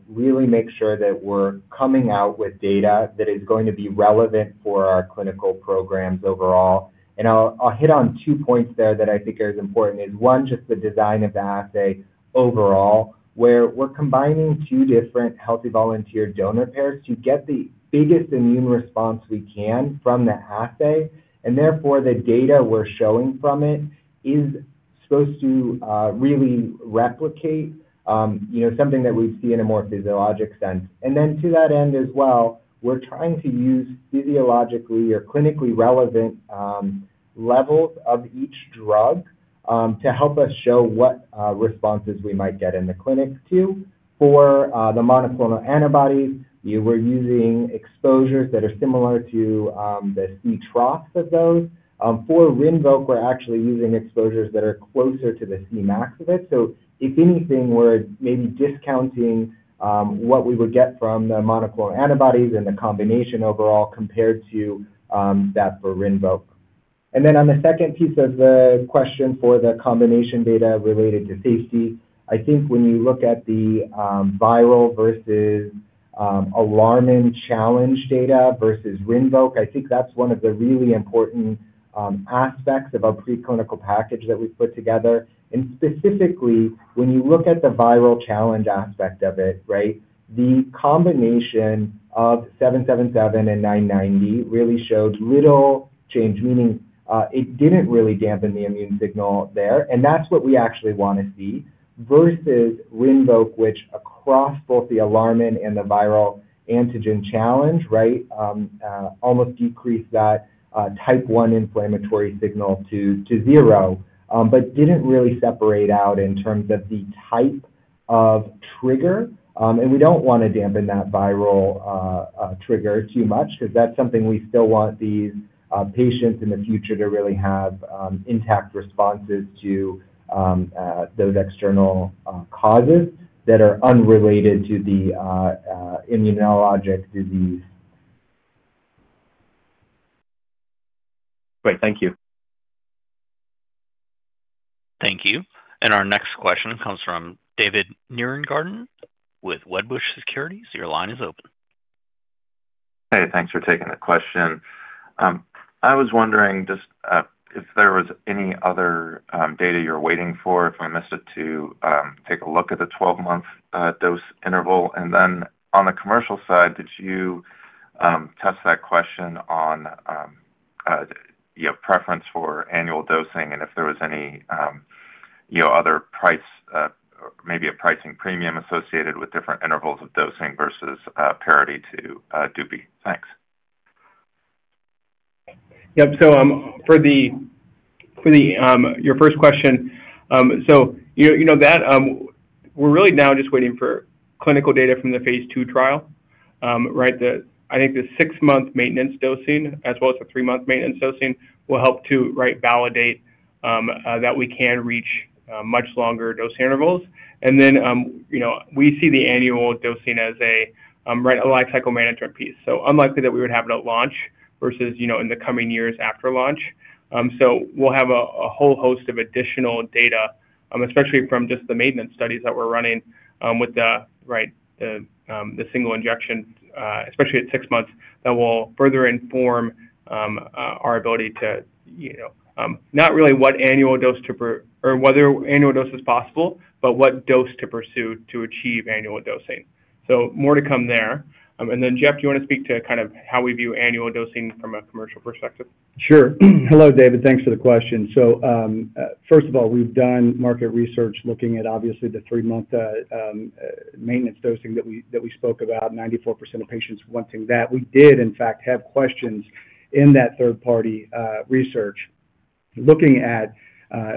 really make sure that we're coming out with data that is going to be relevant for our clinical programs overall. And I'll hit on two points there that I think are as important as one, just the design of the assay overall, where we're combining two different healthy volunteer donor pairs to get the biggest immune response we can from the assay. And therefore, the data we're showing from it is supposed to really replicate something that we'd see in a more physiologic sense. And then to that end as well, we're trying to use physiologically or clinically relevant levels of each drug to help us show what responses we might get in the clinic too. For the monoclonal antibodies, we're using exposures that are similar to the C troughs of those. For Rinvoq, we're actually using exposures that are closer to the Cmax of it. So if anything, we're maybe discounting what we would get from the monoclonal antibodies and the combination overall compared to that for Rinvoq. And then on the second piece of the question for the combination data related to safety, I think when you look at the viral versus alarmin challenge data versus Rinvoq, I think that's one of the really important aspects of our preclinical package that we've put together. And specifically, when you look at the viral challenge aspect of it, right, the combination of 777 and 990 really showed little change, meaning it didn't really dampen the immune insignal there. And that's what we actually want to see versus Rinvoq, which across both the alarmins and the viral antigen challenge, right, almost decreased that type 1 inflammatory signal to zero but didn't really separate out in terms of the type of trigger. And we don't want to dampen that viral trigger too much because that's something we still want these patients in the future to really have intact responses to those external causes that are unrelated to the immunologic disease. Great. Thank you. Thank you. And our next question comes from David Nierengarten with Wedbush Securities. Your line is open. Hey, thanks for taking the question. I was wondering just if there was any other data you're waiting for if we missed it to take a look at the 12-month dose interval, and then on the commercial side, did you test that question on your preference for annual dosing and if there was any other price, maybe a pricing premium associated with different intervals of dosing versus parity to Dupi? Thanks. Yep. So for your first question, so that we're really now just waiting for clinical data from the phase two trial, right? I think the six-month maintenance dosing as well as the three-month maintenance dosing will help to, right, validate that we can reach much longer dose intervals, and then we see the annual dosing as a, right, a lifecycle management piece, so unlikely that we would have it at launch versus in the coming years after launch. So we'll have a whole host of additional data, especially from just the maintenance studies that we're running with the, right, the single injection, especially at six months, that will further inform our ability to not really what annual dose to or whether annual dose is possible, but what dose to pursue to achieve annual dosing. So more to come there. And then, Jeff, do you want to speak to kind of how we view annual dosing from a commercial perspective? Sure. Hello, David. Thanks for the question. So first of all, we've done market research looking at obviously the three-month maintenance dosing that we spoke about, 94% of patients wanting that. We did, in fact, have questions in that third-party research looking at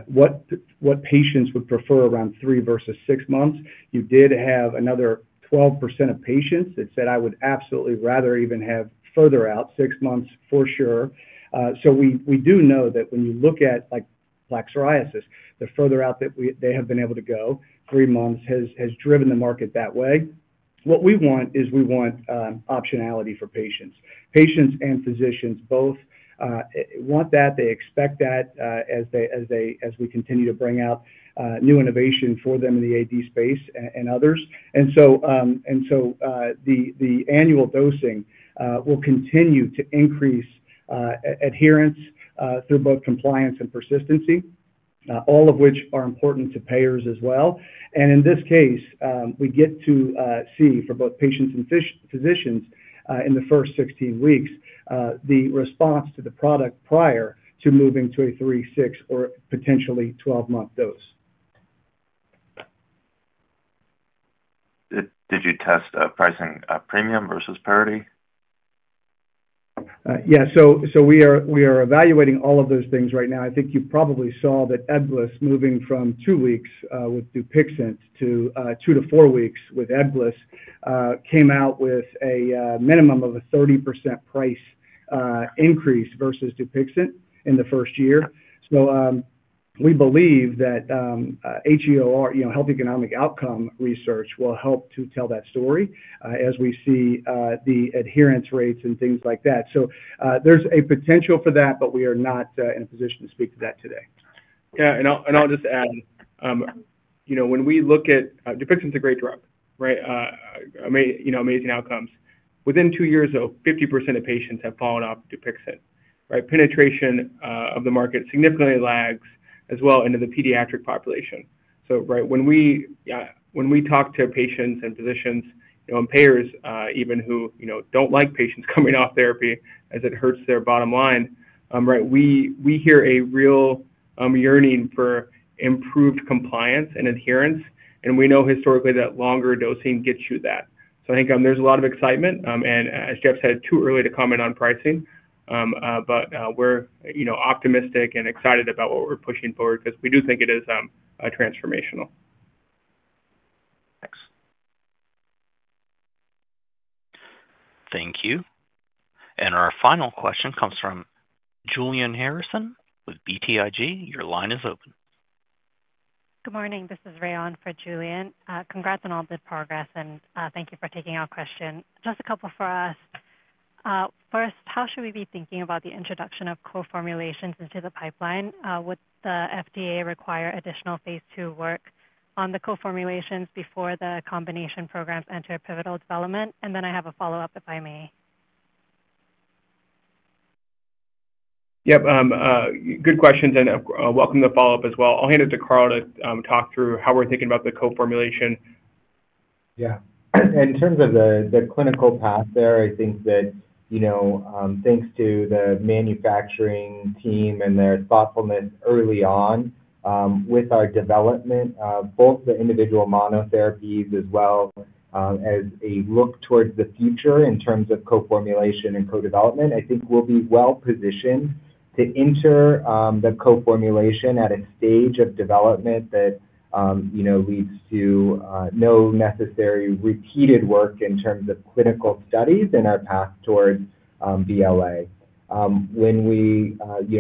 what patients would prefer around three versus six months. You did have another 12% of patients that said, "I would absolutely rather even have further out, six months for sure." So we do know that when you look at plaque psoriasis, the further out that they have been able to go, three months has driven the market that way. What we want is we want optionality for patients. Patients and physicians both want that. They expect that as we continue to bring out new innovation for them in the AD space and others. And so the annual dosing will continue to increase adherence through both compliance and persistency, all of which are important to payers as well. And in this case, we get to see for both patients and physicians in the first 16 weeks the response to the product prior to moving to a three, six, or potentially 12-month dose. Did you test pricing premium versus parity? Yeah. So we are evaluating all of those things right now. I think you probably saw that Ebgliss, moving from two weeks with Dupixent to two to four weeks with Ebgliss, came out with a minimum of a 30% price increase versus Dupixent in the first year. So we believe that HEOR, health economics and outcomes research, will help to tell that story as we see the adherence rates and things like that. So there's a potential for that, but we are not in a position to speak to that today. Yeah. And I'll just add, when we look at Dupixent's a great drug, right, amazing outcomes. Within two years, though, 50% of patients have fallen off Dupixent, right? Penetration of the market significantly lags as well into the pediatric population. So, right, when we talk to patients and physicians and payers even who don't like patients coming off therapy as it hurts their bottom line, right, we hear a real yearning for improved compliance and adherence. And we know historically that longer dosing gets you that. So I think there's a lot of excitement. And as Jeff said, too early to comment on pricing, but we're optimistic and excited about what we're pushing forward because we do think it is transformational. Thanks. Thank you. And our final question comes from Julian Harrison with BTIG. Your line is open. Good morning. This is Rayon for Julian. Congrats on all the progress, and thank you for taking our question. Just a couple for us. First, how should we be thinking about the introduction of co-formulations into the pipeline? Would the FDA require additional phase 2 work on the co-formulations before the combination programs enter pivotal development? And then I have a follow-up, if I may. Yep. Good questions. And welcome to follow up as well. I'll hand it to Carl to talk through how we're thinking about the co-formulation. Yeah. In terms of the clinical path there, I think that thanks to the manufacturing team and their thoughtfulness early on with our development, both the individual monotherapies as well as a look towards the future in terms of co-formulation and co-development, I think we'll be well positioned to enter the co-formulation at a stage of development that leads to no necessary repeated work in terms of clinical studies in our path towards BLA. When we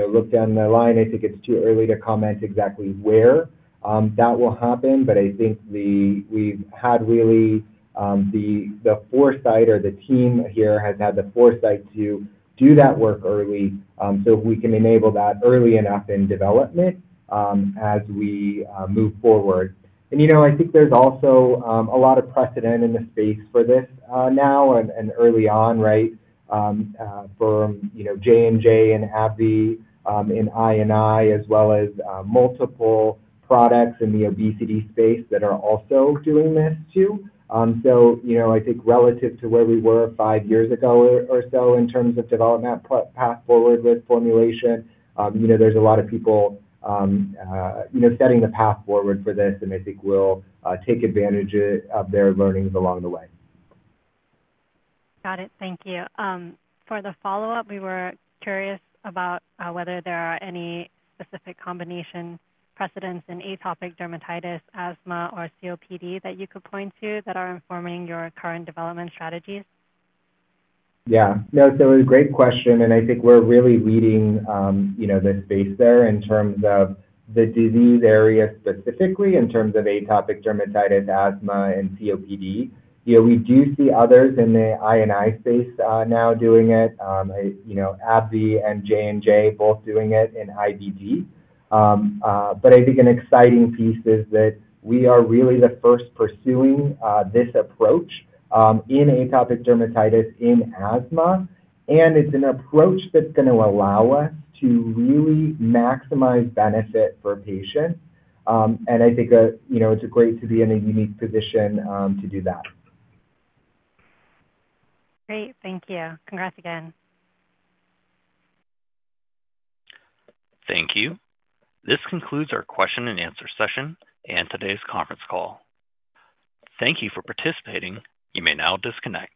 look down the line, I think it's too early to comment exactly where that will happen, but I think we've had really the foresight or the team here has had the foresight to do that work early so we can enable that early enough in development as we move forward, and I think there's also a lot of precedent in the space for this now and early on, right, for J&J and AbbVie and Lilly as well as multiple products in the obesity space that are also doing this too. So I think relative to where we were five years ago or so in terms of development path forward with formulation, there's a lot of people setting the path forward for this, and I think we'll take advantage of their learnings along the way. Got it. Thank you. For the follow-up, we were curious about whether there are any specific combination precedents in atopic dermatitis, asthma, or COPD that you could point to that are informing your current development strategies. Yeah. No, so it was a great question. And I think we're really leading the space there in terms of the disease area specifically, in terms of atopic dermatitis, asthma, and COPD. We do see others in the IBD space now doing it, AbbVie and J&J both doing it in IBD. But I think an exciting piece is that we are really the first pursuing this approach in atopic dermatitis and asthma. And it's an approach that's going to allow us to really maximize benefit for patients. And I think it's great to be in a unique position to do that. Great. Thank you. Congrats again. Thank you. This concludes our question-and-answer session and today's conference call. Thank you for participating. You may now disconnect.